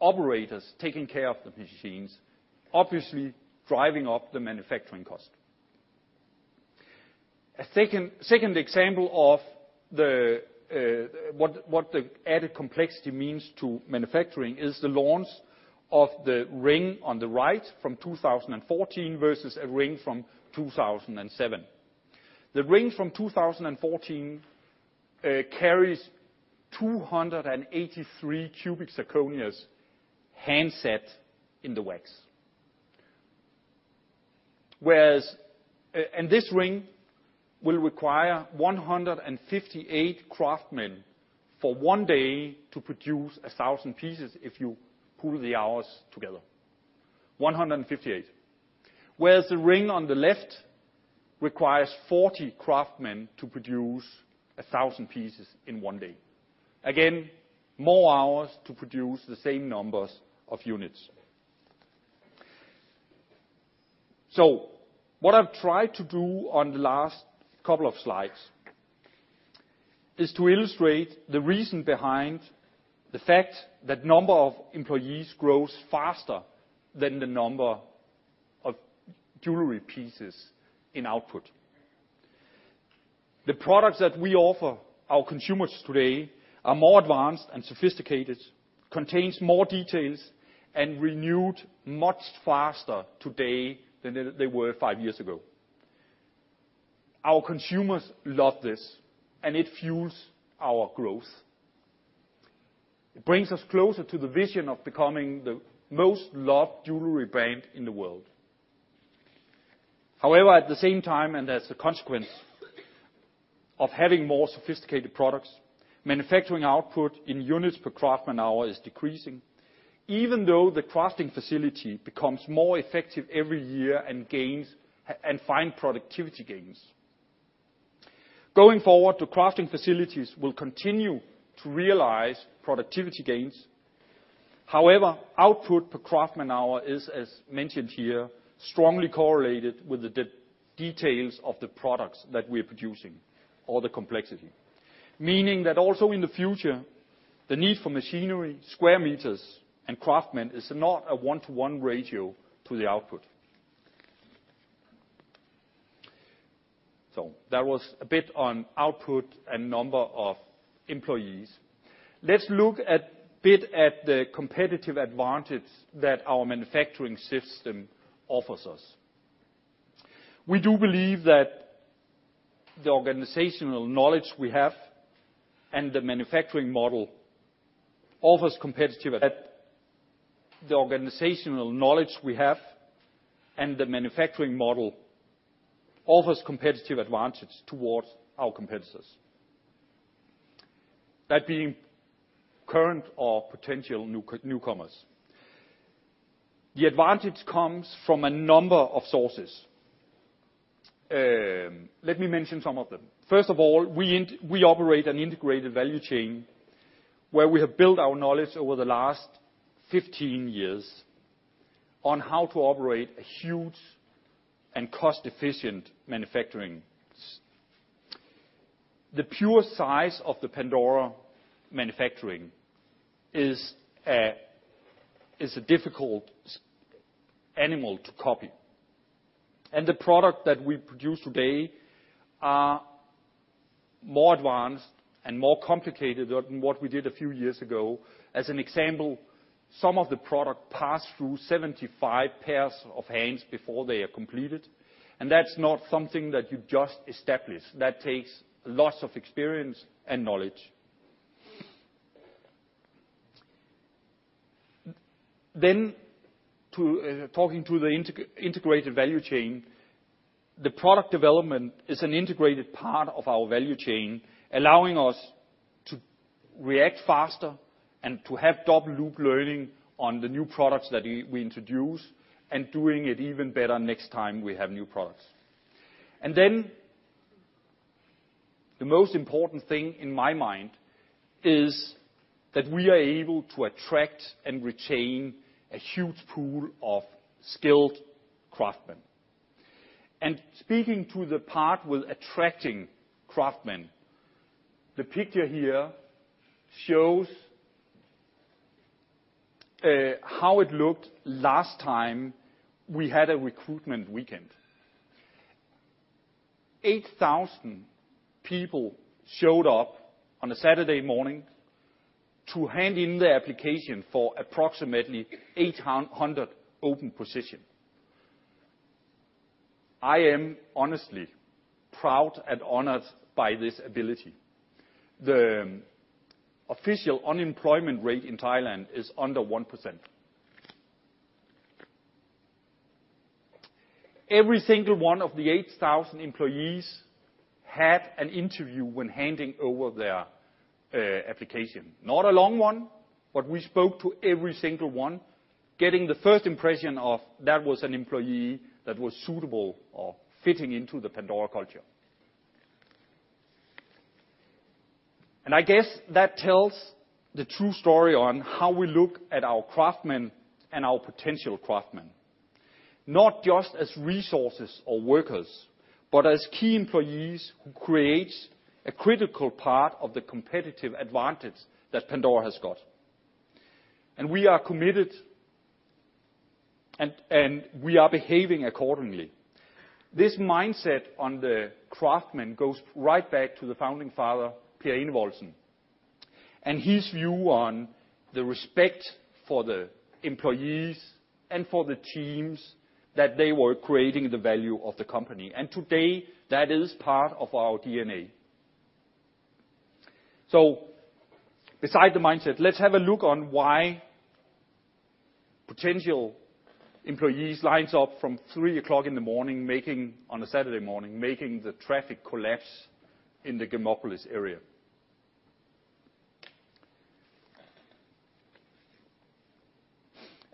operators taking care of the machines, obviously driving up the manufacturing cost. A second example of what the added complexity means to manufacturing is the launch of the ring on the right from 2014 versus a ring from 2007. The ring from 2014 carries 283 cubic zirconias handset in the wax. Whereas,... This ring will require 158 craftsmen for one day to produce 1,000 pieces if you pool the hours together. 158. Whereas the ring on the left requires 40 craftsmen to produce 1,000 pieces in one day. Again, more hours to produce the same numbers of units. What I've tried to do on the last couple of slides is to illustrate the reason behind the fact that number of employees grows faster than the number of jewelry pieces in output. The products that we offer our consumers today are more advanced and sophisticated, contains more details, and renewed much faster today than they, they were 5 years ago. Our consumers love this, and it fuels our growth. It brings us closer to the vision of becoming the most loved jewelry brand in the world. However, at the same time, and as a consequence of having more sophisticated products, manufacturing output in units per craftsman hour is decreasing, even though the crafting facility becomes more effective every year and gains and finds productivity gains. Going forward, the crafting facilities will continue to realize productivity gains. However, output per craftsman hour is, as mentioned here, strongly correlated with the details of the products that we're producing or the complexity. Meaning that also in the future, the need for machinery, square meters, and craftsmen is not a one-to-one ratio to the output. So that was a bit on output and number of employees. Let's look a bit at the competitive advantage that our manufacturing system offers us. We do believe that the organizational knowledge we have, and the manufacturing model offers competitive advantage towards our competitors. That being current or potential new newcomers. The advantage comes from a number of sources. Let me mention some of them. First of all, we operate an integrated value chain, where we have built our knowledge over the last 15 years on how to operate a huge and cost-efficient manufacturing. The sheer size of the Pandora manufacturing is a difficult animal to copy, and the product that we produce today are more advanced and more complicated than what we did a few years ago. As an example, some of the product pass through 75 pairs of hands before they are completed, and that's not something that you just establish. That takes lots of experience and knowledge. Then, talking to the integrated value chain, the product development is an integrated part of our value chain, allowing us to react faster and to have double loop learning on the new products that we introduce, and doing it even better next time we have new products. The most important thing, in my mind, is that we are able to attract and retain a huge pool of skilled craftsmen. Speaking to the part with attracting craftsmen, the picture here shows how it looked last time we had a recruitment weekend. 8,000 people showed up on a Saturday morning to hand in their application for approximately 800 open positions. I am honestly proud and honored by this ability. The official unemployment rate in Thailand is under 1%. Every single one of the 8,000 employees had an interview when handing over their application. Not a long one, but we spoke to every single one, getting the first impression of that was an employee that was suitable or fitting into the Pandora culture. And I guess that tells the true story on how we look at our craftsmen and our potential craftsmen, not just as resources or workers, but as key employees who creates a critical part of the competitive advantage that Pandora has got. And we are committed, and we are behaving accordingly. This mindset on the craftsmen goes right back to the founding father, Per Enevoldsen, and his view on the respect for the employees and for the teams, that they were creating the value of the company, and today, that is part of our DNA. So beside the mindset, let's have a look on why potential employees line up from 3:00 A.M. on a Saturday morning, making the traffic collapse in the Gemopolis area.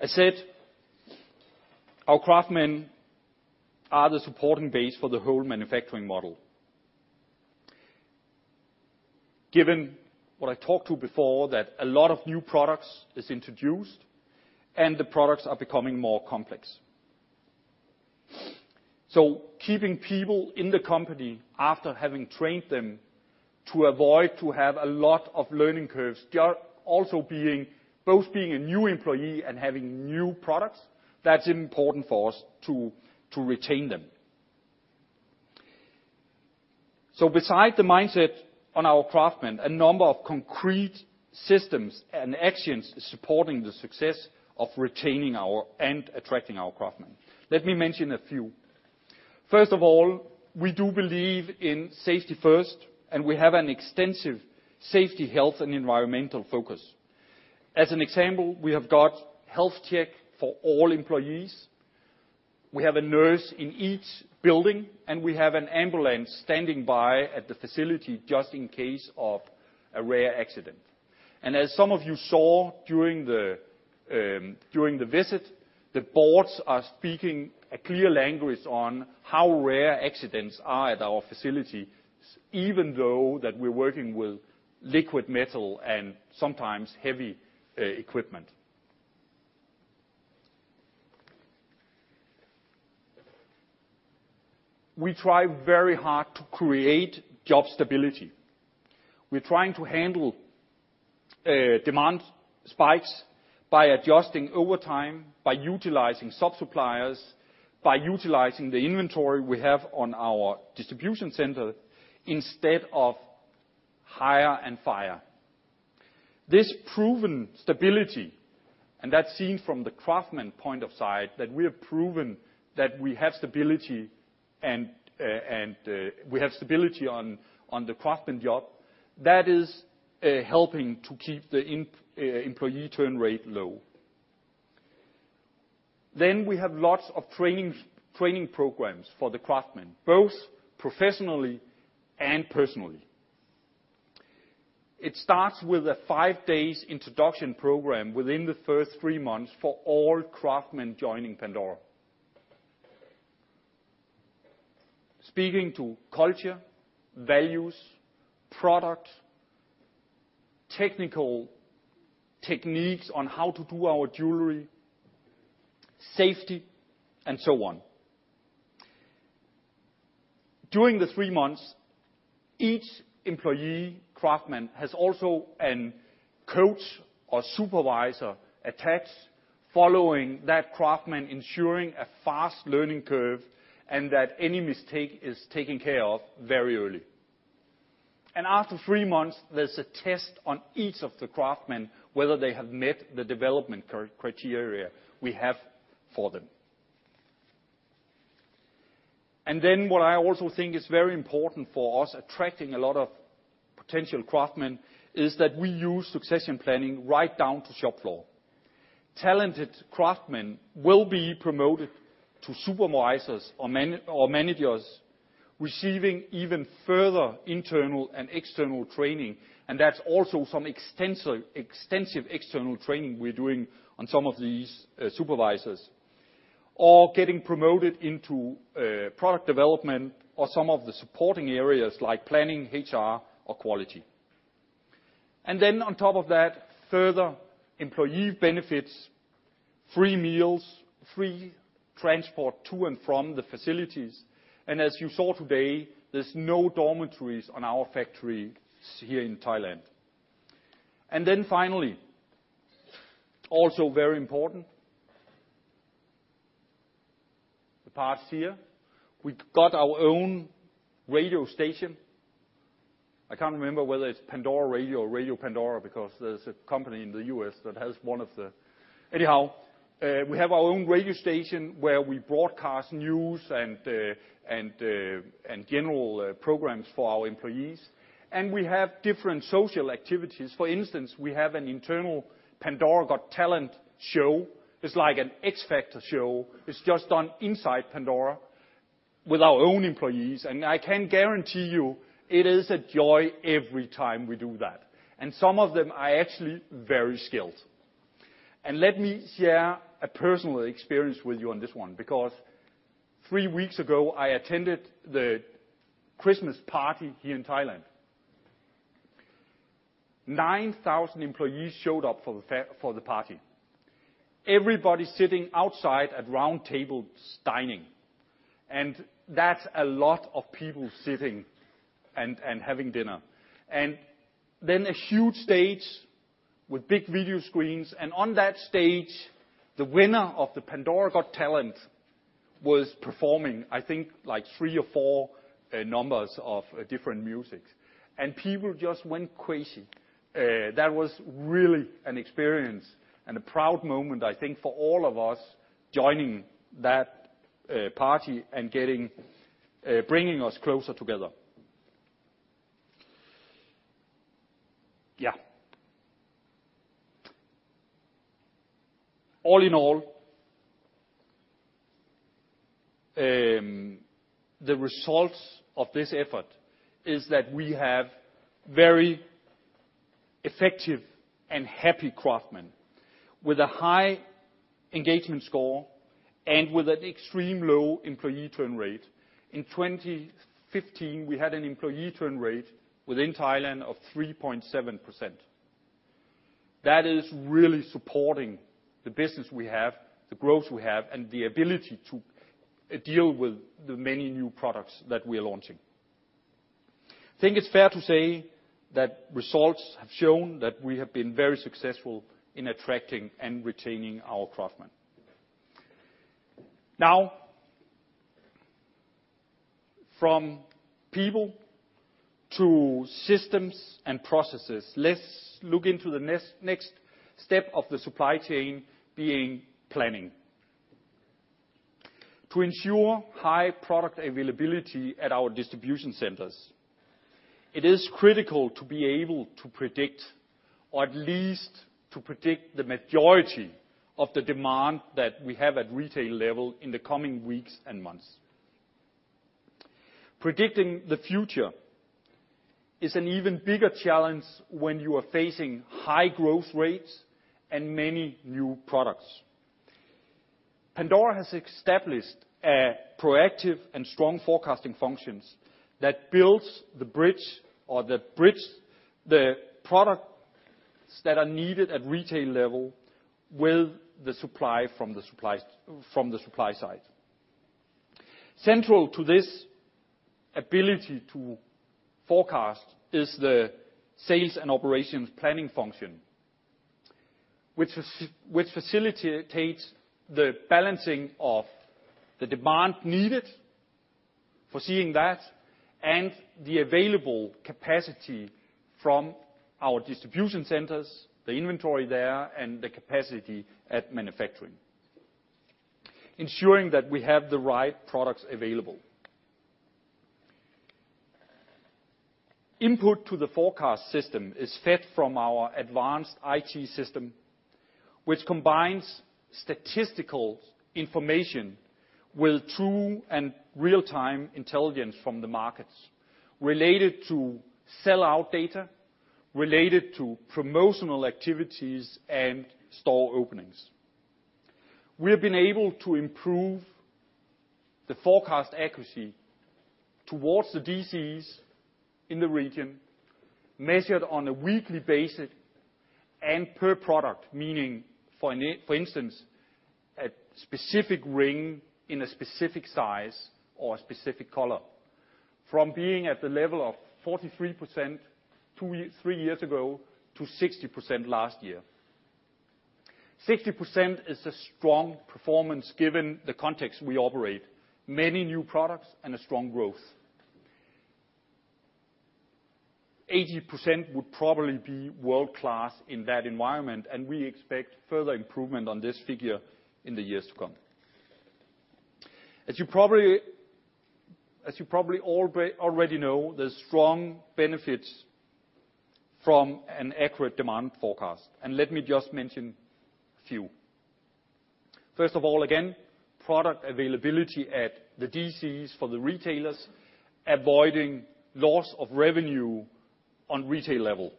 I said our craftsmen are the supporting base for the whole manufacturing model. Given what I talked to before, that a lot of new products are introduced, and the products are becoming more complex. So keeping people in the company after having trained them to avoid having a lot of learning curves, also being both a new employee and having new products, that's important for us to retain them. So beside the mindset on our craftsmen, a number of concrete systems and actions are supporting the success of retaining our craftsmen and attracting our craftsmen. Let me mention a few. First of all, we do believe in safety first, and we have an extensive safety, health, and environmental focus. As an example, we have got health check for all employees, we have a nurse in each building, and we have an ambulance standing by at the facility just in case of a rare accident. And as some of you saw during the visit, the boards are speaking a clear language on how rare accidents are at our facility, even though that we're working with liquid metal and sometimes heavy equipment. We try very hard to create job stability. We're trying to handle demand spikes by adjusting overtime, by utilizing sub-suppliers, by utilizing the inventory we have on our distribution center, instead of hire and fire. This proven stability, and that's seen from the craftsman point of view, that we have proven that we have stability and, and, we have stability on, on the craftsman job, that is, helping to keep the employee turn rate low. Then we have lots of training, training programs for the craftsmen, both professionally and personally. It starts with a five days introduction program within the first three months for all craftsmen joining Pandora. Speaking to culture, values, product, technical techniques on how to do our jewelry, safety, and so on. During the three months, each employee, craftsman, has also a coach or supervisor attached, following that craftsman, ensuring a fast learning curve, and that any mistake is taken care of very early. After three months, there's a test on each of the craftsmen, whether they have met the development criteria we have for them. Then what I also think is very important for us, attracting a lot of potential craftsmen, is that we use succession planning right down to shop floor. Talented craftsmen will be promoted to supervisors or managers, receiving even further internal and external training, and that's also some extensive external training we're doing on some of these supervisors, or getting promoted into product development or some of the supporting areas like planning, HR, or quality. Then on top of that, further employee benefits, free meals, free transport to and from the facilities, and as you saw today, there's no dormitories on our factory here in Thailand. And then finally, also very important, the past year, we've got our own radio station. I can't remember whether it's Pandora Radio or Radio Pandora, because there's a company in the U.S. that has one of the... Anyhow, we have our own radio station where we broadcast news and general programs for our employees, and we have different social activities. For instance, we have an internal Pandora Got Talent show. It's like an X Factor show. It's just on inside Pandora with our own employees, and I can guarantee you, it is a joy every time we do that, and some of them are actually very skilled. And let me share a personal experience with you on this one, because three weeks ago, I attended the Christmas party here in Thailand. 9,000 employees showed up for the party. Everybody sitting outside at round tables, dining, and that's a lot of people sitting and having dinner. And then a huge stage with big video screens, and on that stage, the winner of the Pandora Got Talent was performing, I think, like 3 or 4 numbers of different music, and people just went crazy. That was really an experience and a proud moment, I think, for all of us joining that party and bringing us closer together. Yeah. All in all, the results of this effort is that we have very effective and happy craftsmen, with a high engagement score and with an extreme low employee turn rate. In 2015, we had an employee turn rate within Thailand of 3.7%. That is really supporting the business we have, the growth we have, and the ability to deal with the many new products that we are launching. I think it's fair to say that results have shown that we have been very successful in attracting and retaining our craftsmen. Now, from people to systems and processes, let's look into the next step of the supply chain being planning. To ensure high product availability at our distribution centers, it is critical to be able to predict, or at least to predict the majority of the demand that we have at retail level in the coming weeks and months. Predicting the future is an even bigger challenge when you are facing high growth rates and many new products. Pandora has established a proactive and strong forecasting functions that builds the bridge, or that bridge the products that are needed at retail level with the supply from the supplies, from the supply side. Central to this ability to forecast is the Sales and Operations Planning function, which facilitates the balancing of the demand needed for seeing that, and the available capacity from our distribution centers, the inventory there, and the capacity at manufacturing, ensuring that we have the right products available. Input to the forecast system is fed from our advanced IT system, which combines statistical information with true and real-time intelligence from the markets, related to sell-out data, related to promotional activities, and store openings. We have been able to improve the forecast accuracy towards the DCs in the region, measured on a weekly basis and per product, meaning for instance, a specific ring in a specific size or a specific color, from being at the level of 43%, two years, three years ago, to 60% last year. 60% is a strong performance given the context we operate, many new products and a strong growth. 80% would probably be world-class in that environment, and we expect further improvement on this figure in the years to come. As you probably already know, there's strong benefits from an accurate demand forecast, and let me just mention a few. First of all, again, product availability at the DCs for the retailers, avoiding loss of revenue on retail level.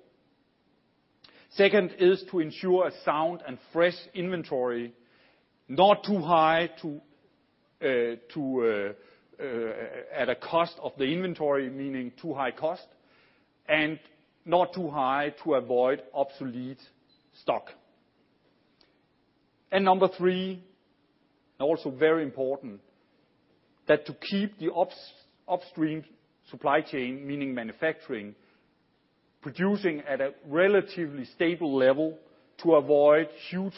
Second, is to ensure a sound and fresh inventory, not too high to at a cost of the inventory, meaning too high cost, and not too high to avoid obsolete stock. Number three, and also very important, that to keep the upstream supply chain, meaning manufacturing, producing at a relatively stable level to avoid huge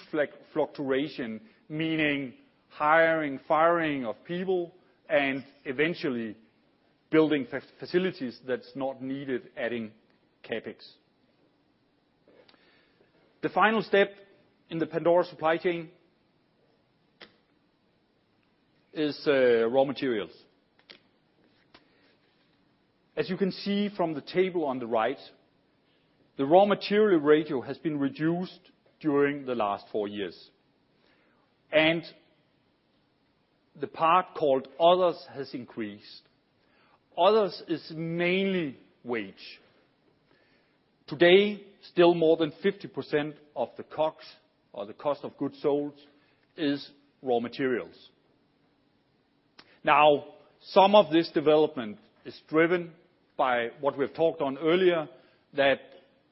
fluctuation, meaning hiring, firing of people, and eventually building facilities that's not needed, adding CapEx. The final step in the Pandora supply chain is raw materials. As you can see from the table on the right, the raw material ratio has been reduced during the last four years, and the part called others has increased. Others is mainly wage. Today, still more than 50% of the COGS, or the cost of goods sold, is raw materials. Now, some of this development is driven by what we've talked on earlier, that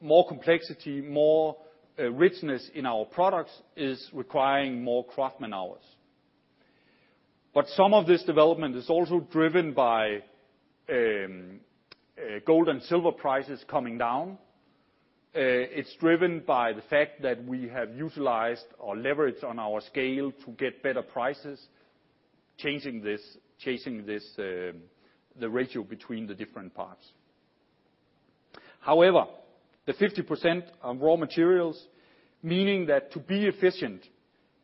more complexity, more richness in our products is requiring more craftsman hours. But some of this development is also driven by gold and silver prices coming down. It's driven by the fact that we have utilized or leveraged on our scale to get better prices, changing this, the ratio between the different parts. However, the 50% on raw materials, meaning that to be efficient,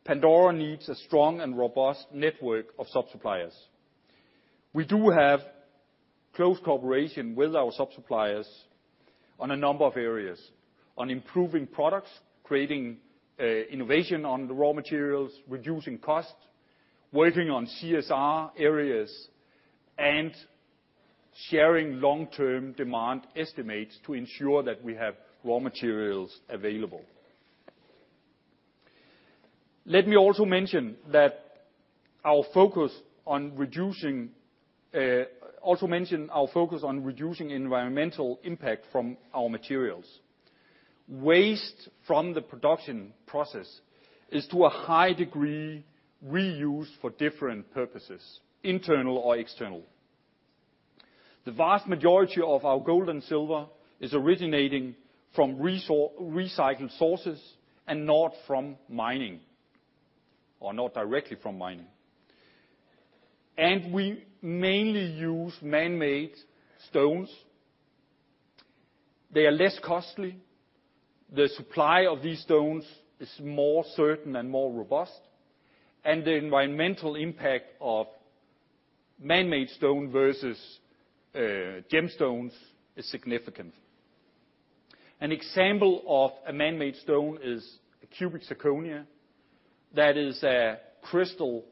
Pandora needs a strong and robust network of sub-suppliers. We do have close cooperation with our sub-suppliers on a number of areas, on improving products, creating innovation on the raw materials, reducing cost, working on CSR areas, and sharing long-term demand estimates to ensure that we have raw materials available. Let me also mention that our focus on reducing environmental impact from our materials. Waste from the production process is, to a high degree, reused for different purposes, internal or external. The vast majority of our gold and silver is originating from recycled sources and not from mining, or not directly from mining. And we mainly use man-made stones. They are less costly, the supply of these stones is more certain and more robust, and the environmental impact of man-made stone versus gemstones is significant. An example of a man-made stone is a cubic zirconia, that is a crystal.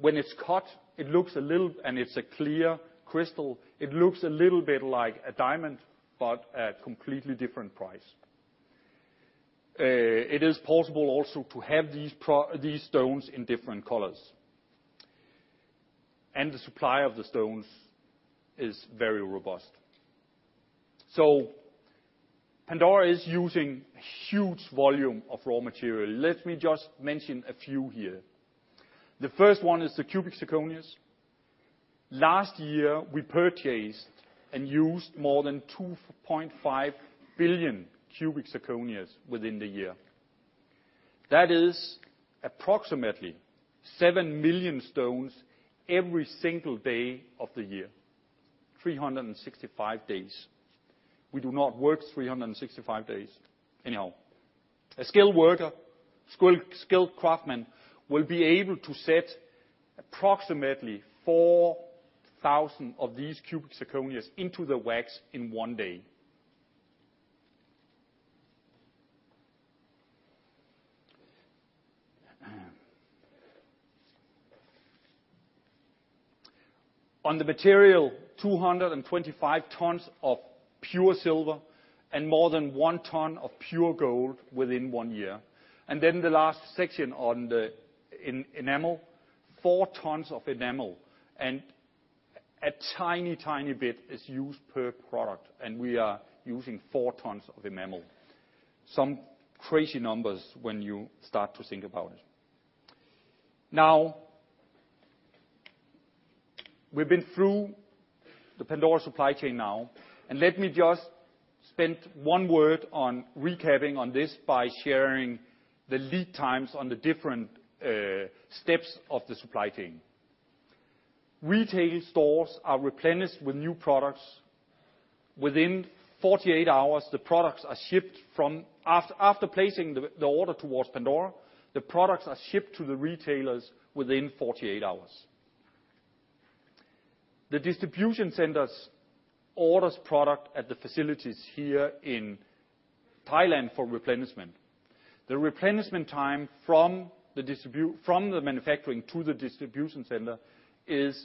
When it's cut, it looks a little. And it's a clear crystal, it looks a little bit like a diamond, but at a completely different price. It is possible also to have these stones in different colors. The supply of the stones is very robust.... So Pandora is using a huge volume of raw material. Let me just mention a few here. The first one is the cubic zirconias. Last year, we purchased and used more than 2.5 billion cubic zirconias within the year. That is approximately 7 million stones every single day of the year, 365 days. We do not work 365 days, anyhow. A skilled craftsman will be able to set approximately 4,000 of these cubic zirconias into the wax in 1 day. On the material, 225 tons of pure silver and more than 1 ton of pure gold within 1 year. Then the last section on the enamel, four tons of enamel, and a tiny, tiny bit is used per product, and we are using four tons of enamel. Some crazy numbers when you start to think about it. Now, we've been through the Pandora supply chain now, and let me just spend one word on recapping on this by sharing the lead times on the different steps of the supply chain. Retail stores are replenished with new products within 48 hours, the products are shipped from... After placing the order towards Pandora, the products are shipped to the retailers within 48 hours. The distribution centers orders product at the facilities here in Thailand for replenishment. The replenishment time from the manufacturing to the distribution center is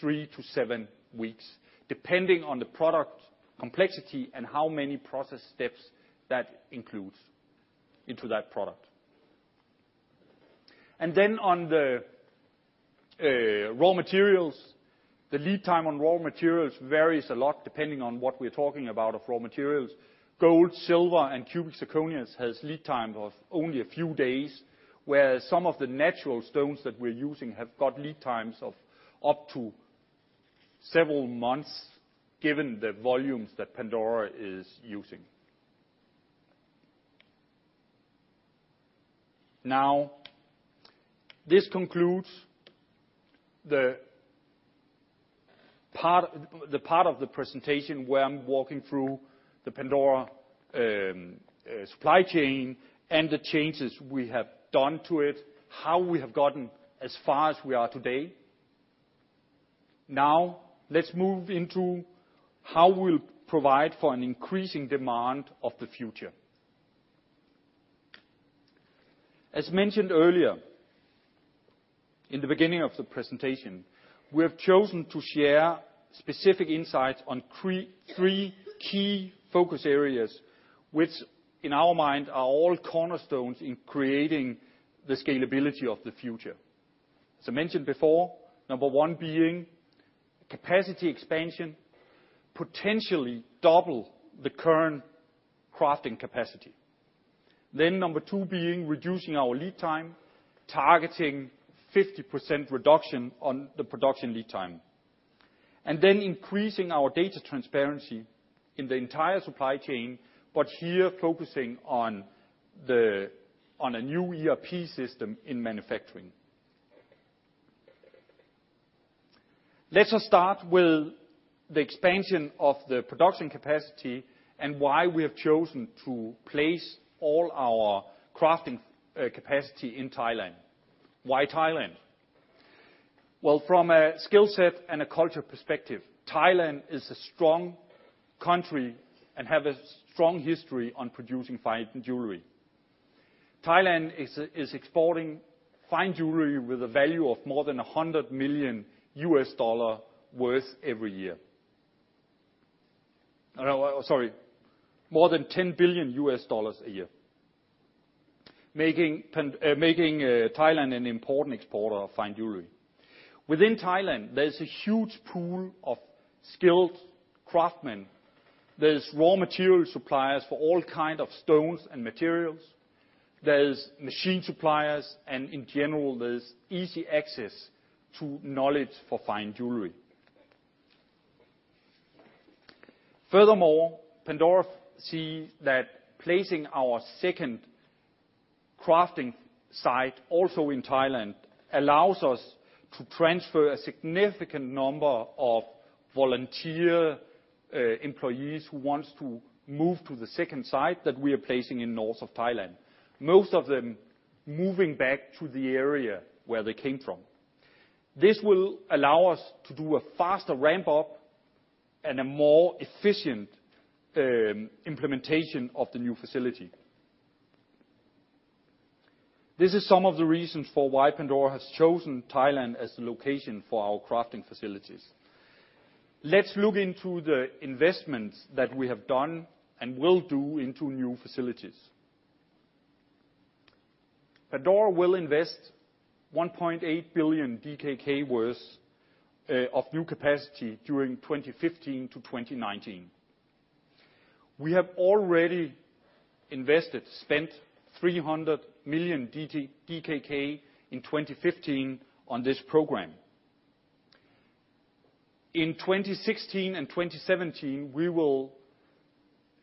three to seven weeks, depending on the product complexity and how many process steps that includes into that product. And then on the raw materials, the lead time on raw materials varies a lot depending on what we're talking about of raw materials. Gold, silver, and cubic zirconias has lead time of only a few days, whereas some of the natural stones that we're using have got lead times of up to several months, given the volumes that Pandora is using. Now, this concludes the part, the part of the presentation where I'm walking through the Pandora supply chain and the changes we have done to it, how we have gotten as far as we are today. Now, let's move into how we'll provide for an increasing demand of the future. As mentioned earlier, in the beginning of the presentation, we have chosen to share specific insights on three key focus areas, which, in our mind, are all cornerstones in creating the scalability of the future. As I mentioned before, number one being capacity expansion, potentially double the current crafting capacity. Number two being reducing our lead time, targeting 50% reduction on the production lead time, and then increasing our data transparency in the entire supply chain, but here focusing on a new ERP system in manufacturing. Let us start with the expansion of the production capacity and why we have chosen to place all our crafting capacity in Thailand. Why Thailand? Well, from a skill set and a culture perspective, Thailand is a strong country and have a strong history on producing fine jewelry. Thailand is exporting fine jewelry with a value of more than $100 million worth every year, more than $10 billion a year, making Thailand an important exporter of fine jewelry. Within Thailand, there is a huge pool of skilled craftsmen. There's raw material suppliers for all kind of stones and materials, there's machine suppliers, and in general, there's easy access to knowledge for fine jewelry. Furthermore, Pandora see that placing our second crafting site also in Thailand, allows us to transfer a significant number of volunteer employees who wants to move to the second site that we are placing in north of Thailand, most of them moving back to the area where they came from. This will allow us to do a faster ramp-up and a more efficient implementation of the new facility. This is some of the reasons for why Pandora has chosen Thailand as the location for our crafting facilities. Let's look into the investments that we have done and will do into new facilities. Pandora will invest 1.8 billion DKK worth of new capacity during 2015 to 2019. We have already invested, spent 300 million DKK in 2015 on this program. In 2016 and 2017, we will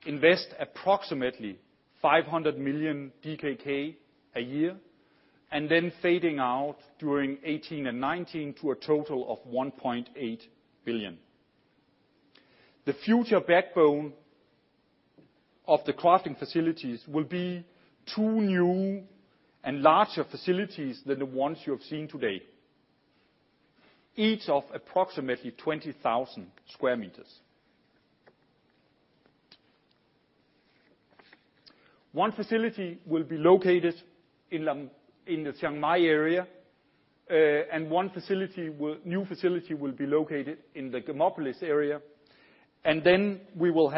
invest approximately 500 million DKK a year, and then fading out during 2018 and 2019 to a total of 1.8 billion. The future backbone of the crafting facilities will be two new and larger facilities than the ones you have seen today, each of approximately 20,000 square meters. One facility will be located in Lamphun in the Chiang Mai area, and one new facility will be located in the Gemopolis area, and then we will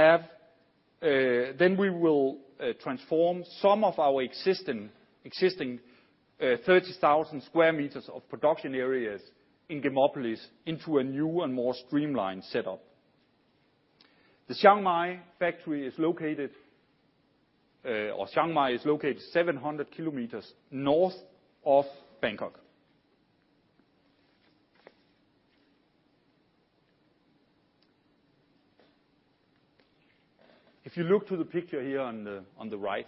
transform some of our existing 30,000 sq m of production areas in Gemopolis into a new and more streamlined setup. The Chiang Mai factory is located, or Chiang Mai is located 700 km north of Bangkok. If you look to the picture here on the right,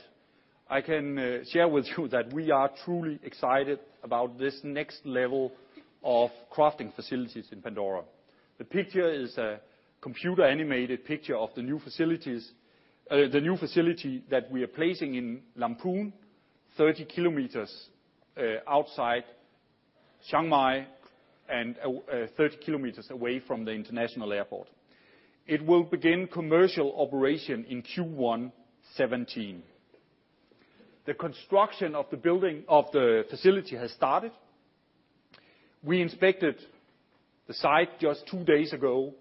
I can share with you that we are truly excited about this next level of crafting facilities in Pandora. The picture is a computer-animated picture of the new facilities, the new facility that we are placing in Lamphun, 30 km outside Chiang Mai, and 30 km away from the international airport. It will begin commercial operation in Q1 2017. The construction of the building, of the facility has started. We inspected the site just two days ago,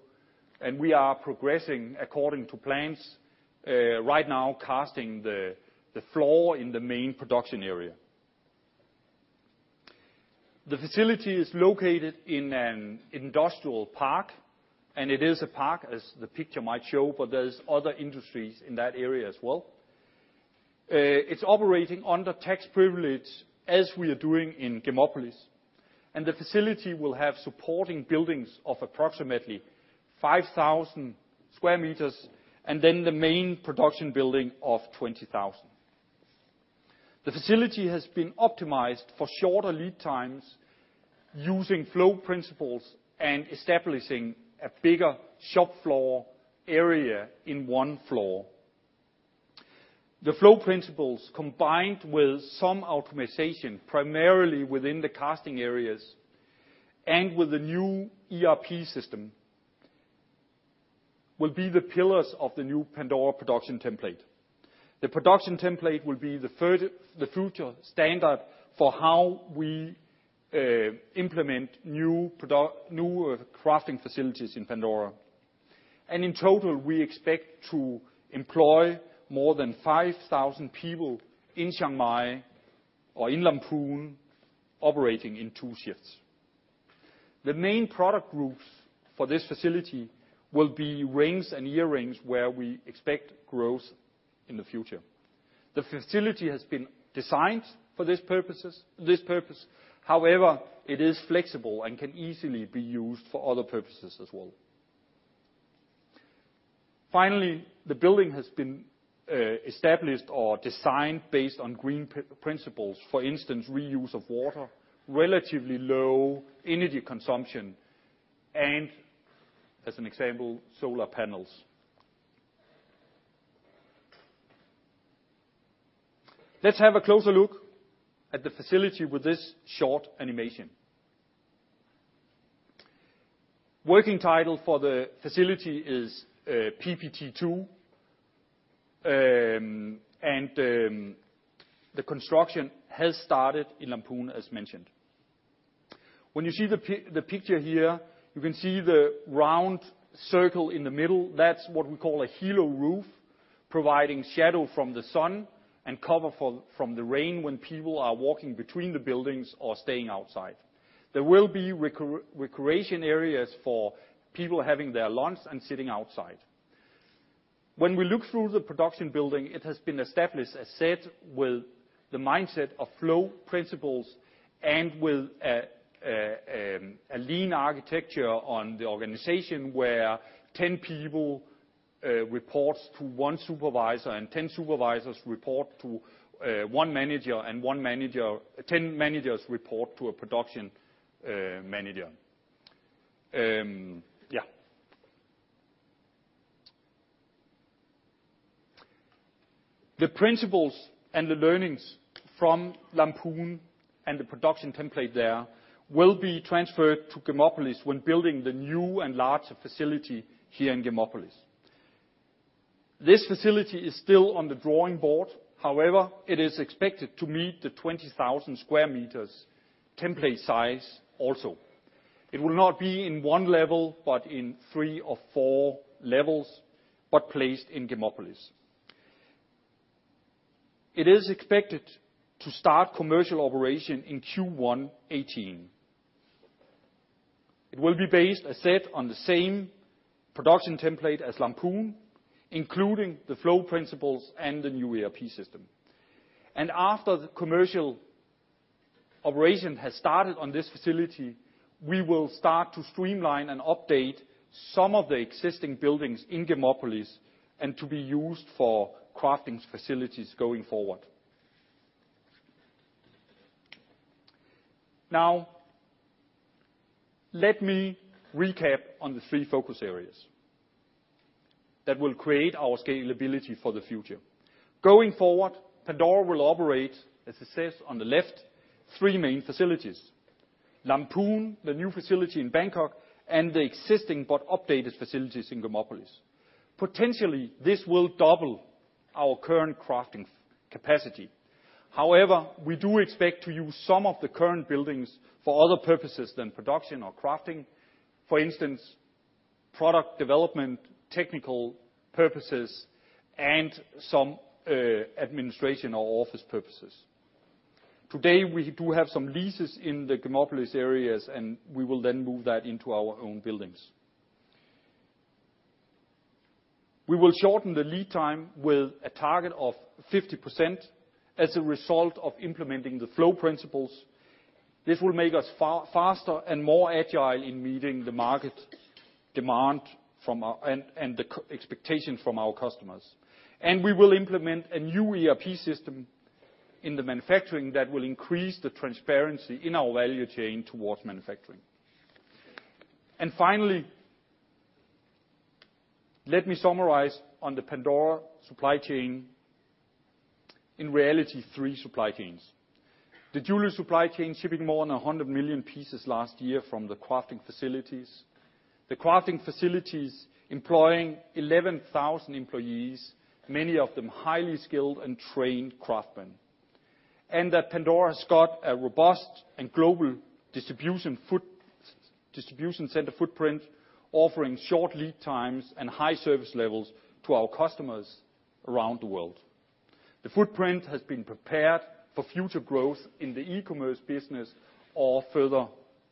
and we are progressing according to plans right now, casting the floor in the main production area. The facility is located in an industrial park, and it is a park, as the picture might show, but there's other industries in that area as well. It's operating under tax privilege, as we are doing in Gemopolis, and the facility will have supporting buildings of approximately 5,000 square meters, and then the main production building of 20,000. The facility has been optimized for shorter lead times using flow principles and establishing a bigger shop floor area in one floor. The flow principles, combined with some optimization, primarily within the casting areas, and with the new ERP system, will be the pillars of the new Pandora production template. The production template will be the future standard for how we implement new crafting facilities in Pandora. In total, we expect to employ more than 5,000 people in Chiang Mai or in Lamphun, operating in two shifts. The main product groups for this facility will be rings and earrings, where we expect growth in the future. The facility has been designed for this purpose; however, it is flexible and can easily be used for other purposes as well. Finally, the building has been established or designed based on green principles. For instance, reuse of water, relatively low energy consumption, and as an example, solar panels. Let's have a closer look at the facility with this short animation. Working title for the facility is PPT2, and the construction has started in Lamphun, as mentioned. When you see the picture here, you can see the round circle in the middle. That's what we call a halo roof, providing shadow from the sun and cover from the rain when people are walking between the buildings or staying outside. There will be recreation areas for people having their lunch and sitting outside. When we look through the production building, it has been established, as said, with the mindset of flow principles and with a lean architecture on the organization, where 10 people reports to one supervisor, and 10 supervisors report to one manager, and 10 managers report to a production manager. Yeah. The principles and the learnings from Lamphun and the production template there will be transferred to Gemopolis when building the new and larger facility here in Gemopolis. This facility is still on the drawing board; however, it is expected to meet the 20,000 square meters template size also. It will not be in one level, but in three or four levels, but placed in Gemopolis. It is expected to start commercial operation in Q1 2018. It will be based, as said, on the same production template as Lamphun, including the flow principles and the new ERP system. After the commercial operation has started on this facility, we will start to streamline and update some of the existing buildings in Gemopolis, and to be used for crafting facilities going forward. Now, let me recap on the three focus areas that will create our scalability for the future. Going forward, Pandora will operate, as it says on the left, three main facilities: Lamphun, the new facility in Bangkok, and the existing but updated facilities in Gemopolis. Potentially, this will double our current crafting capacity. However, we do expect to use some of the current buildings for other purposes than production or crafting. For instance, product development, technical purposes, and some administration or office purposes. Today, we do have some leases in the Gemopolis areas, and we will then move that into our own buildings. We will shorten the lead time with a target of 50% as a result of implementing the flow principles. This will make us faster and more agile in meeting the market demand from our customers and the expectation from our customers. We will implement a new ERP system in the manufacturing that will increase the transparency in our value chain towards manufacturing. Finally, let me summarize on the Pandora supply chain. In reality, three supply chains. The jewelry supply chain, shipping more than 100 million pieces last year from the crafting facilities. The crafting facilities employing 11,000 employees, many of them highly skilled and trained craftsmen. And that Pandora's got a robust and global distribution center footprint, offering short lead times and high service levels to our customers around the world. The footprint has been prepared for future growth in the e-commerce business or further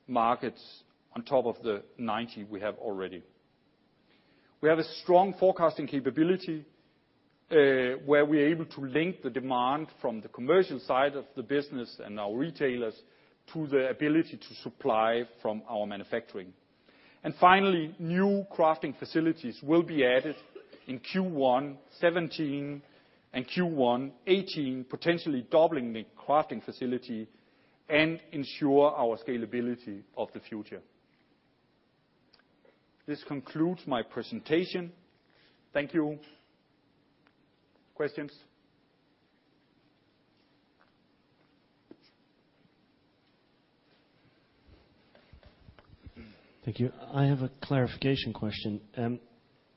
markets on top of the 90 we have already. We have a strong forecasting capability, where we're able to link the demand from the commercial side of the business and our retailers to the ability to supply from our manufacturing. Finally, new crafting facilities will be added in Q1 2017 and Q1 2018, potentially doubling the crafting facility and ensure our scalability of the future. This concludes my presentation. Thank you. Questions? Thank you. I have a clarification question.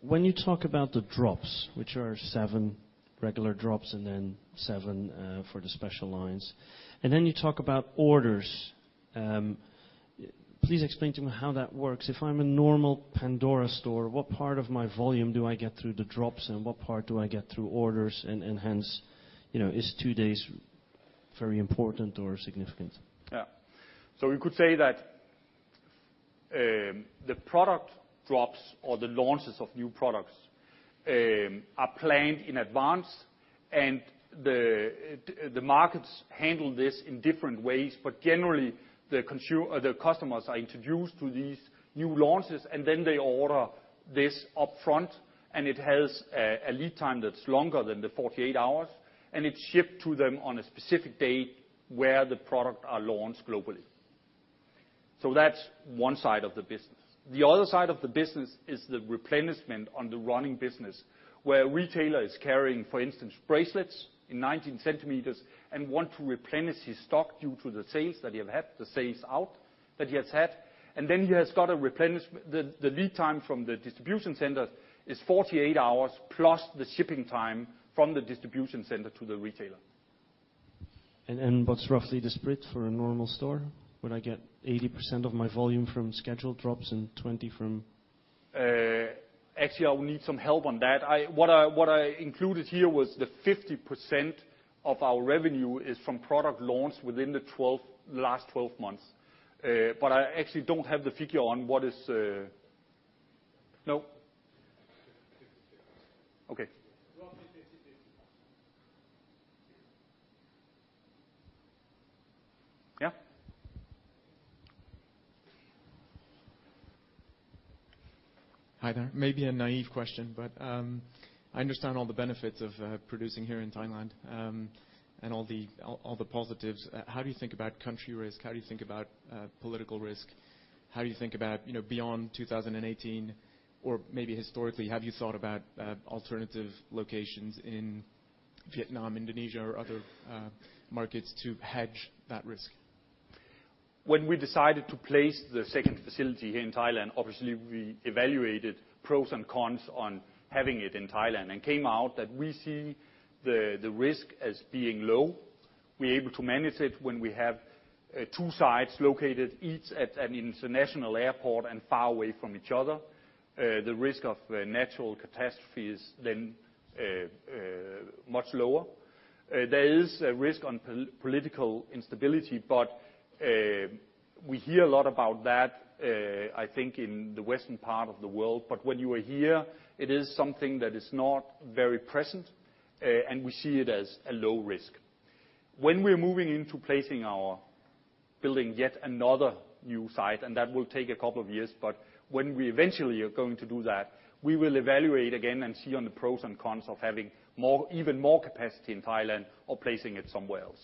When you talk about the drops, which are 7 regular drops and then 7 for the special lines, and then you talk about orders, please explain to me how that works. If I'm a normal Pandora store, what part of my volume do I get through the drops, and what part do I get through orders? And hence, you know, is two days very important or significant? Yeah. So we could say that the product drops or the launches of new products are planned in advance, and the markets handle this in different ways. But generally, the customers are introduced to these new launches, and then they order this up front, and it has a lead time that's longer than the 48 hours, and it's shipped to them on a specific date where the product are launched globally. So that's one side of the business. The other side of the business is the replenishment on the running business, where a retailer is carrying, for instance, bracelets in 19 centimeters and want to replenish his stock due to the sales that he have had, the sales out that he has had, and then he has got a replenishment... The lead time from the distribution center is 48 hours, plus the shipping time from the distribution center to the retailer. And what's roughly the split for a normal store? Would I get 80% of my volume from scheduled drops and 20 from- Actually, I will need some help on that. What I included here was the 50% of our revenue is from product launch within the last 12 months. But I actually don't have the figure on what is... Fifty-fifty. Okay. Roughly fifty-fifty. Yeah. Hi there. Maybe a naive question, but I understand all the benefits of producing here in Thailand, and all the positives. How do you think about country risk? How do you think about political risk? How do you think about, you know, beyond 2018, or maybe historically, have you thought about alternative locations in Vietnam, Indonesia, or other markets to hedge that risk? When we decided to place the second facility here in Thailand, obviously, we evaluated pros and cons on having it in Thailand and came out that we see the risk as being low. We're able to manage it when we have two sites located each at an international airport and far away from each other. The risk of natural catastrophe is then much lower. There is a risk on political instability, but we hear a lot about that, I think in the western part of the world, but when you are here, it is something that is not very present, and we see it as a low risk. When we're moving into placing our building yet another new site, and that will take a couple of years, but when we eventually are going to do that, we will evaluate again and see on the pros and cons of having more, even more capacity in Thailand or placing it somewhere else.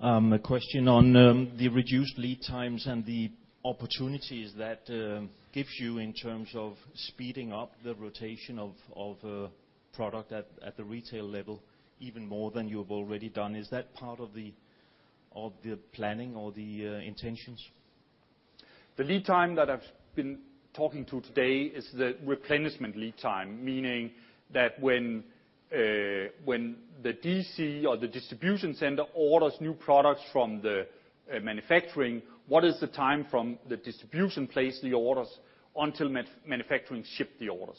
A question on the reduced lead times and the opportunities that gives you in terms of speeding up the rotation of product at the retail level, even more than you have already done. Is that part of the planning or the intentions? The lead time that I've been talking to today is the replenishment lead time, meaning that when the DC or the distribution center orders new products from the manufacturing, what is the time from the distribution place the orders until manufacturing ship the orders?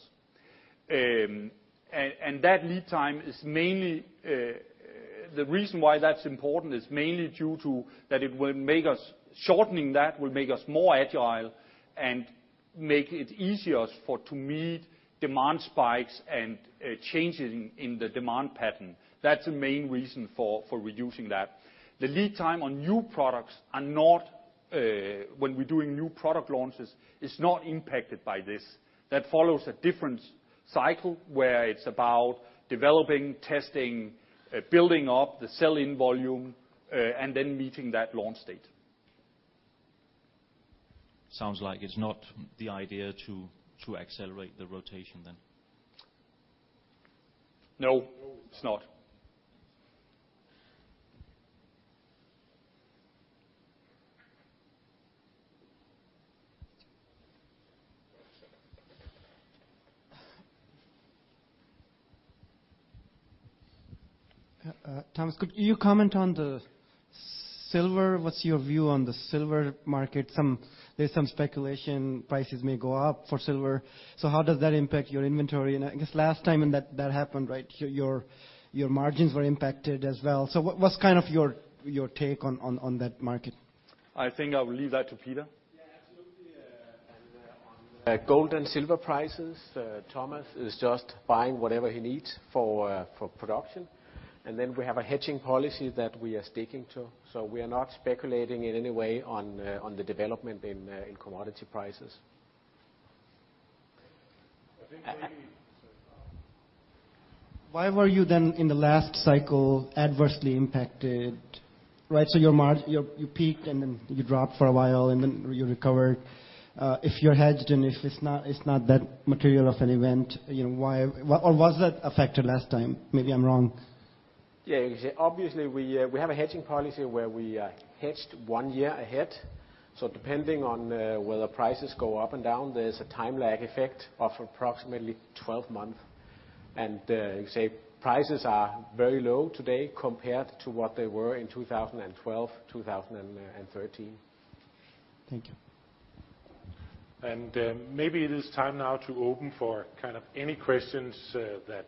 That lead time is mainly. The reason why that's important is mainly due to that. Shortening that will make us more agile and make it easier for to meet demand spikes and changes in the demand pattern. That's the main reason for reducing that. The lead time on new products, when we're doing new product launches, is not impacted by this. That follows a different cycle, where it's about developing, testing, building up the sell-in volume, and then meeting that launch date. Sounds like it's not the idea to, to accelerate the rotation then? No, it's not. Thomas, could you comment on the silver? What's your view on the silver market? There's some speculation prices may go up for silver, so how does that impact your inventory? And I guess last time when that happened, right, your margins were impacted as well. So what's kind of your take on that market? I think I'll leave that to Peter. Yeah, absolutely, and on the gold and silver prices, Thomas is just buying whatever he needs for production, and then we have a hedging policy that we are sticking to, so we are not speculating in any way on the development in commodity prices. I think why were you then in the last cycle adversely impacted, right? So your margins, you peaked, and then you dropped for a while, and then you recovered. If you're hedged, and if it's not, it's not that material of an event, you know, why? Or was that a factor last time? Maybe I'm wrong. Yeah, obviously, we have a hedging policy where we hedged one year ahead. So depending on whether prices go up and down, there's a time lag effect of approximately 12 months. And you say prices are very low today compared to what they were in 2012, 2013. Thank you. Maybe it is time now to open for kind of any questions that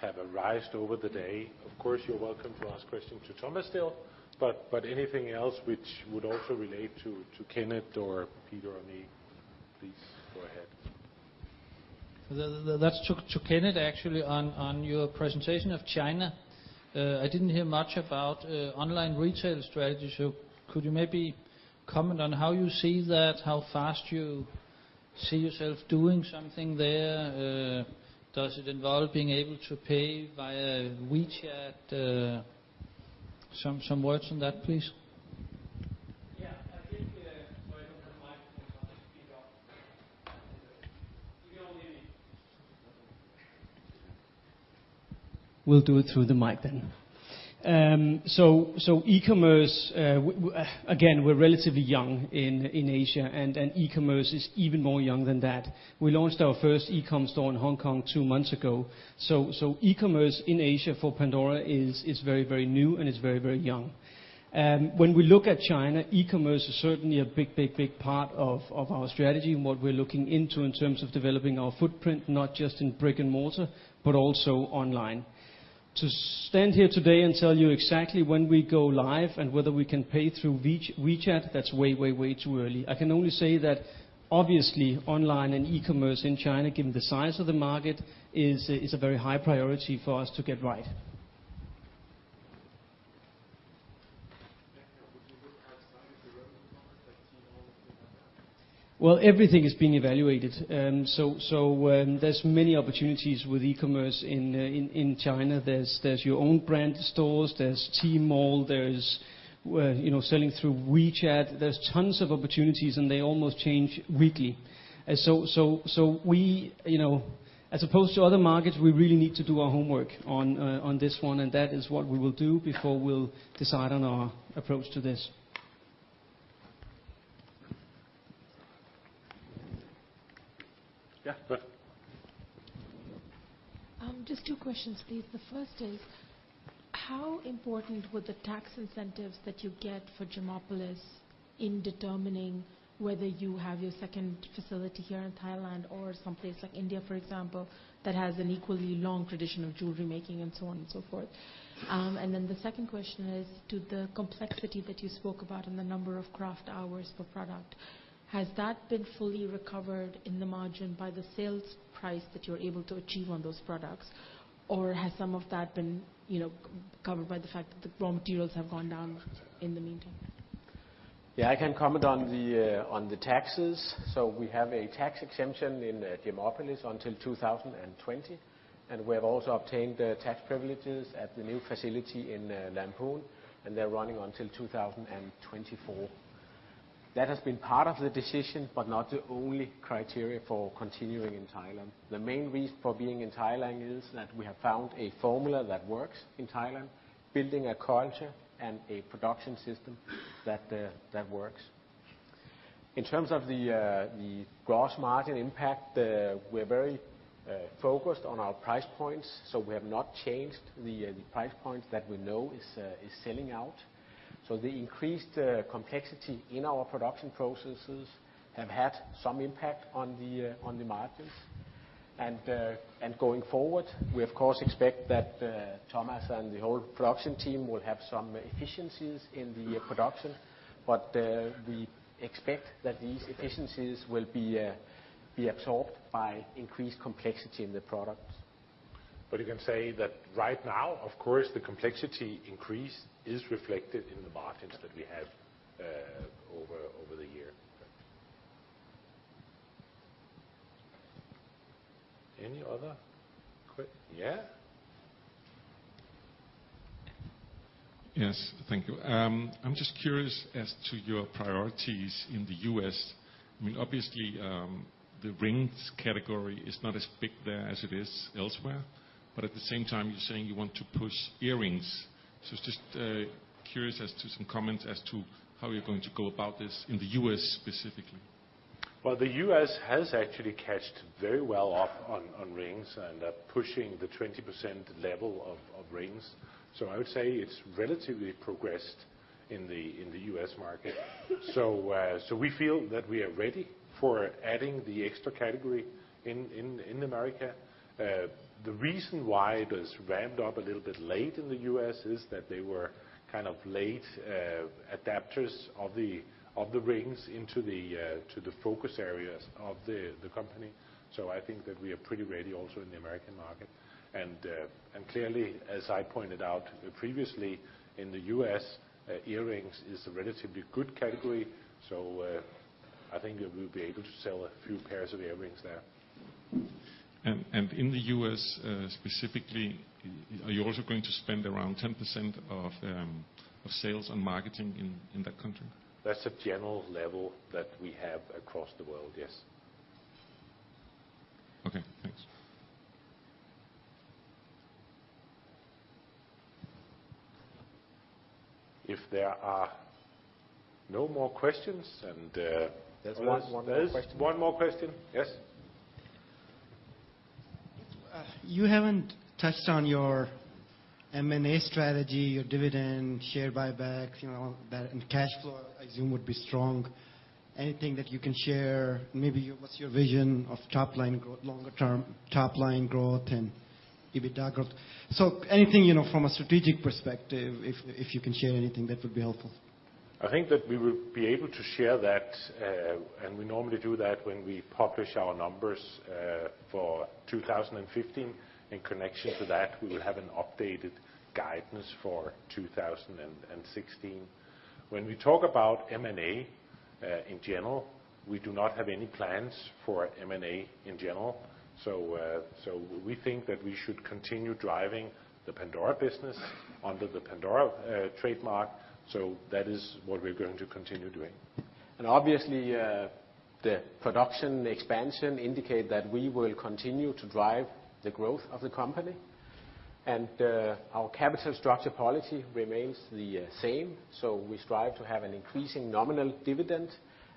have arisen over the day. Of course, you're welcome to ask questions to Thomas still, but anything else which would also relate to Kenneth or Peter or me, please go ahead. That's to Kenneth, actually, on your presentation of China, I didn't hear much about online retail strategy, so could you maybe comment on how you see that, how fast you see yourself doing something there? Does it involve being able to pay via WeChat? Some words on that, please. Yeah, I think, sorry, I don't have a mic, so I'll just speak up. You can all hear me? We'll do it through the mic then. So, e-commerce again, we're relatively young in Asia, and e-commerce is even more young than that. We launched our first e-com store in Hong Kong two months ago. So, e-commerce in Asia for Pandora is very, very new, and it's very, very young. When we look at China, e-commerce is certainly a big, big, big part of our strategy and what we're looking into in terms of developing our footprint, not just in brick and mortar, but also online. To stand here today and tell you exactly when we go live and whether we can pay through WeChat, that's way, way, way too early. I can only say that, obviously, online and e-commerce in China, given the size of the market, is a very high priority for us to get right. ... Well, everything is being evaluated. So, there's many opportunities with e-commerce in China. There's your own brand stores, there's Tmall, there's, you know, selling through WeChat. There's tons of opportunities, and they almost change weekly. So we, you know, as opposed to other markets, we really need to do our homework on this one, and that is what we will do before we'll decide on our approach to this. ... Yeah, go ahead. Just two questions, please. The first is: how important were the tax incentives that you get for Gemopolis in determining whether you have your second facility here in Thailand or someplace like India, for example, that has an equally long tradition of jewelry making, and so on and so forth? And then the second question is, to the complexity that you spoke about and the number of craft hours per product, has that been fully recovered in the margin by the sales price that you're able to achieve on those products? Or has some of that been, you know, covered by the fact that the raw materials have gone down in the meantime? Yeah, I can comment on the taxes. So we have a tax exemption in Gemopolis until 2020, and we have also obtained tax privileges at the new facility in Lamphun, and they're running until 2024. That has been part of the decision, but not the only criteria for continuing in Thailand. The main reason for being in Thailand is that we have found a formula that works in Thailand, building a culture and a production system that works. In terms of the gross margin impact, we're very focused on our price points, so we have not changed the price points that we know is selling out. So the increased complexity in our production processes have had some impact on the margins. Going forward, we of course expect that Thomas and the whole production team will have some efficiencies in the production, but we expect that these efficiencies will be absorbed by increased complexity in the products. But you can say that right now, of course, the complexity increase is reflected in the margins that we have over the year. Any other yeah? Yes. Thank you. I'm just curious as to your priorities in the U.S. I mean, obviously, the rings category is not as big there as it is elsewhere, but at the same time, you're saying you want to push earrings. So, just curious as to some comments as to how you're going to go about this in the U.S., specifically. Well, the U.S. has actually caught on very well on rings and are pushing the 20% level of rings. So I would say it's relatively progressed in the U.S. market. So we feel that we are ready for adding the extra category in America. The reason why it is ramped up a little bit late in the U.S. is that they were kind of late adopters of the rings into the focus areas of the company. So I think that we are pretty ready also in the American market. And clearly, as I pointed out previously, in the U.S., earrings is a relatively good category, so I think that we'll be able to sell a few pairs of earrings there. In the U.S., specifically, are you also going to spend around 10% of sales on marketing in that country? That's a general level that we have across the world, yes. Okay, thanks. If there are no more questions, and There's one more question. There is one more question. Yes? You haven't touched on your M&A strategy, your dividend, share buybacks, you know, that, and cash flow, I assume, would be strong. Anything that you can share? Maybe what's your vision of top line growth, longer term top line growth and EBITDA growth? So anything, you know, from a strategic perspective, if, if you can share anything, that would be helpful. I think that we will be able to share that, and we normally do that when we publish our numbers for 2015. In connection to that, we will have an updated guidance for 2016. When we talk about M&A, in general, we do not have any plans for M&A in general. So we think that we should continue driving the Pandora business under the Pandora trademark. So that is what we're going to continue doing. Obviously, the production expansion indicate that we will continue to drive the growth of the company, and our capital structure policy remains the same, so we strive to have an increasing nominal dividend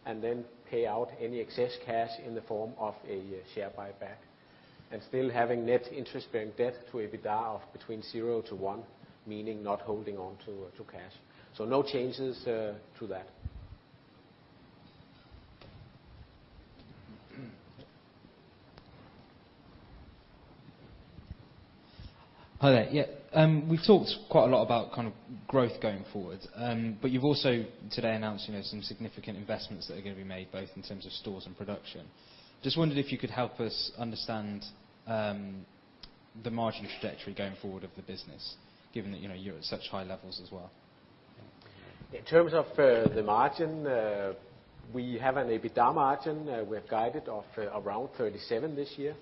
and then pay out any excess cash in the form of a share buyback, and still having net interest-bearing debt to EBITDA of between 0-1, meaning not holding on to cash. So no changes to that. Hi there. Yeah, we've talked quite a lot about kind of growth going forward, but you've also today announced, you know, some significant investments that are going to be made, both in terms of stores and production. Just wondered if you could help us understand, the margin trajectory going forward of the business, given that, you know, you're at such high levels as well. In terms of the margin, we have an EBITDA margin we've guided of around 37% this year,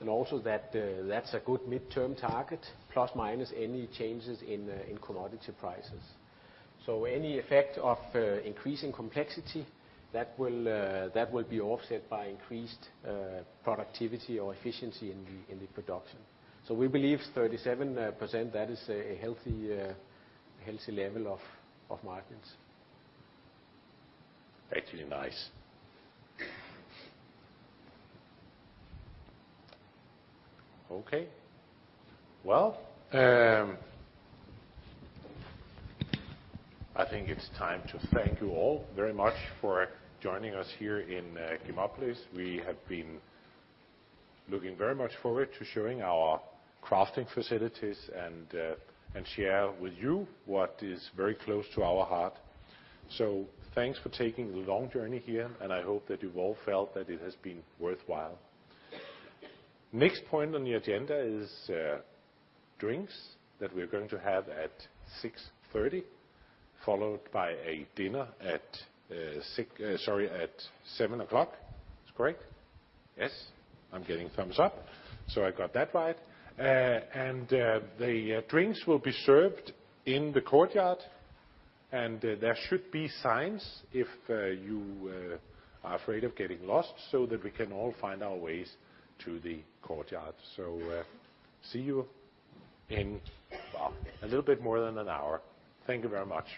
and also that that's a good midterm target, plus minus any changes in commodity prices. So any effect of increasing complexity, that will be offset by increased productivity or efficiency in the production. So we believe 37%, that is a healthy level of margins. Actually nice. Okay. Well, I think it's time to thank you all very much for joining us here in Gemopolis. We have been looking very much forward to showing our crafting facilities and share with you what is very close to our heart. So thanks for taking the long journey here, and I hope that you've all felt that it has been worthwhile. Next point on the agenda is drinks that we're going to have at 6:30 P.M., followed by a dinner at 7:00 P.M. It's correct? Yes. I'm getting thumbs up, so I got that right. And the drinks will be served in the courtyard, and there should be signs if you are afraid of getting lost, so that we can all find our ways to the courtyard. So, see you in a little bit more than an hour. Thank you very much.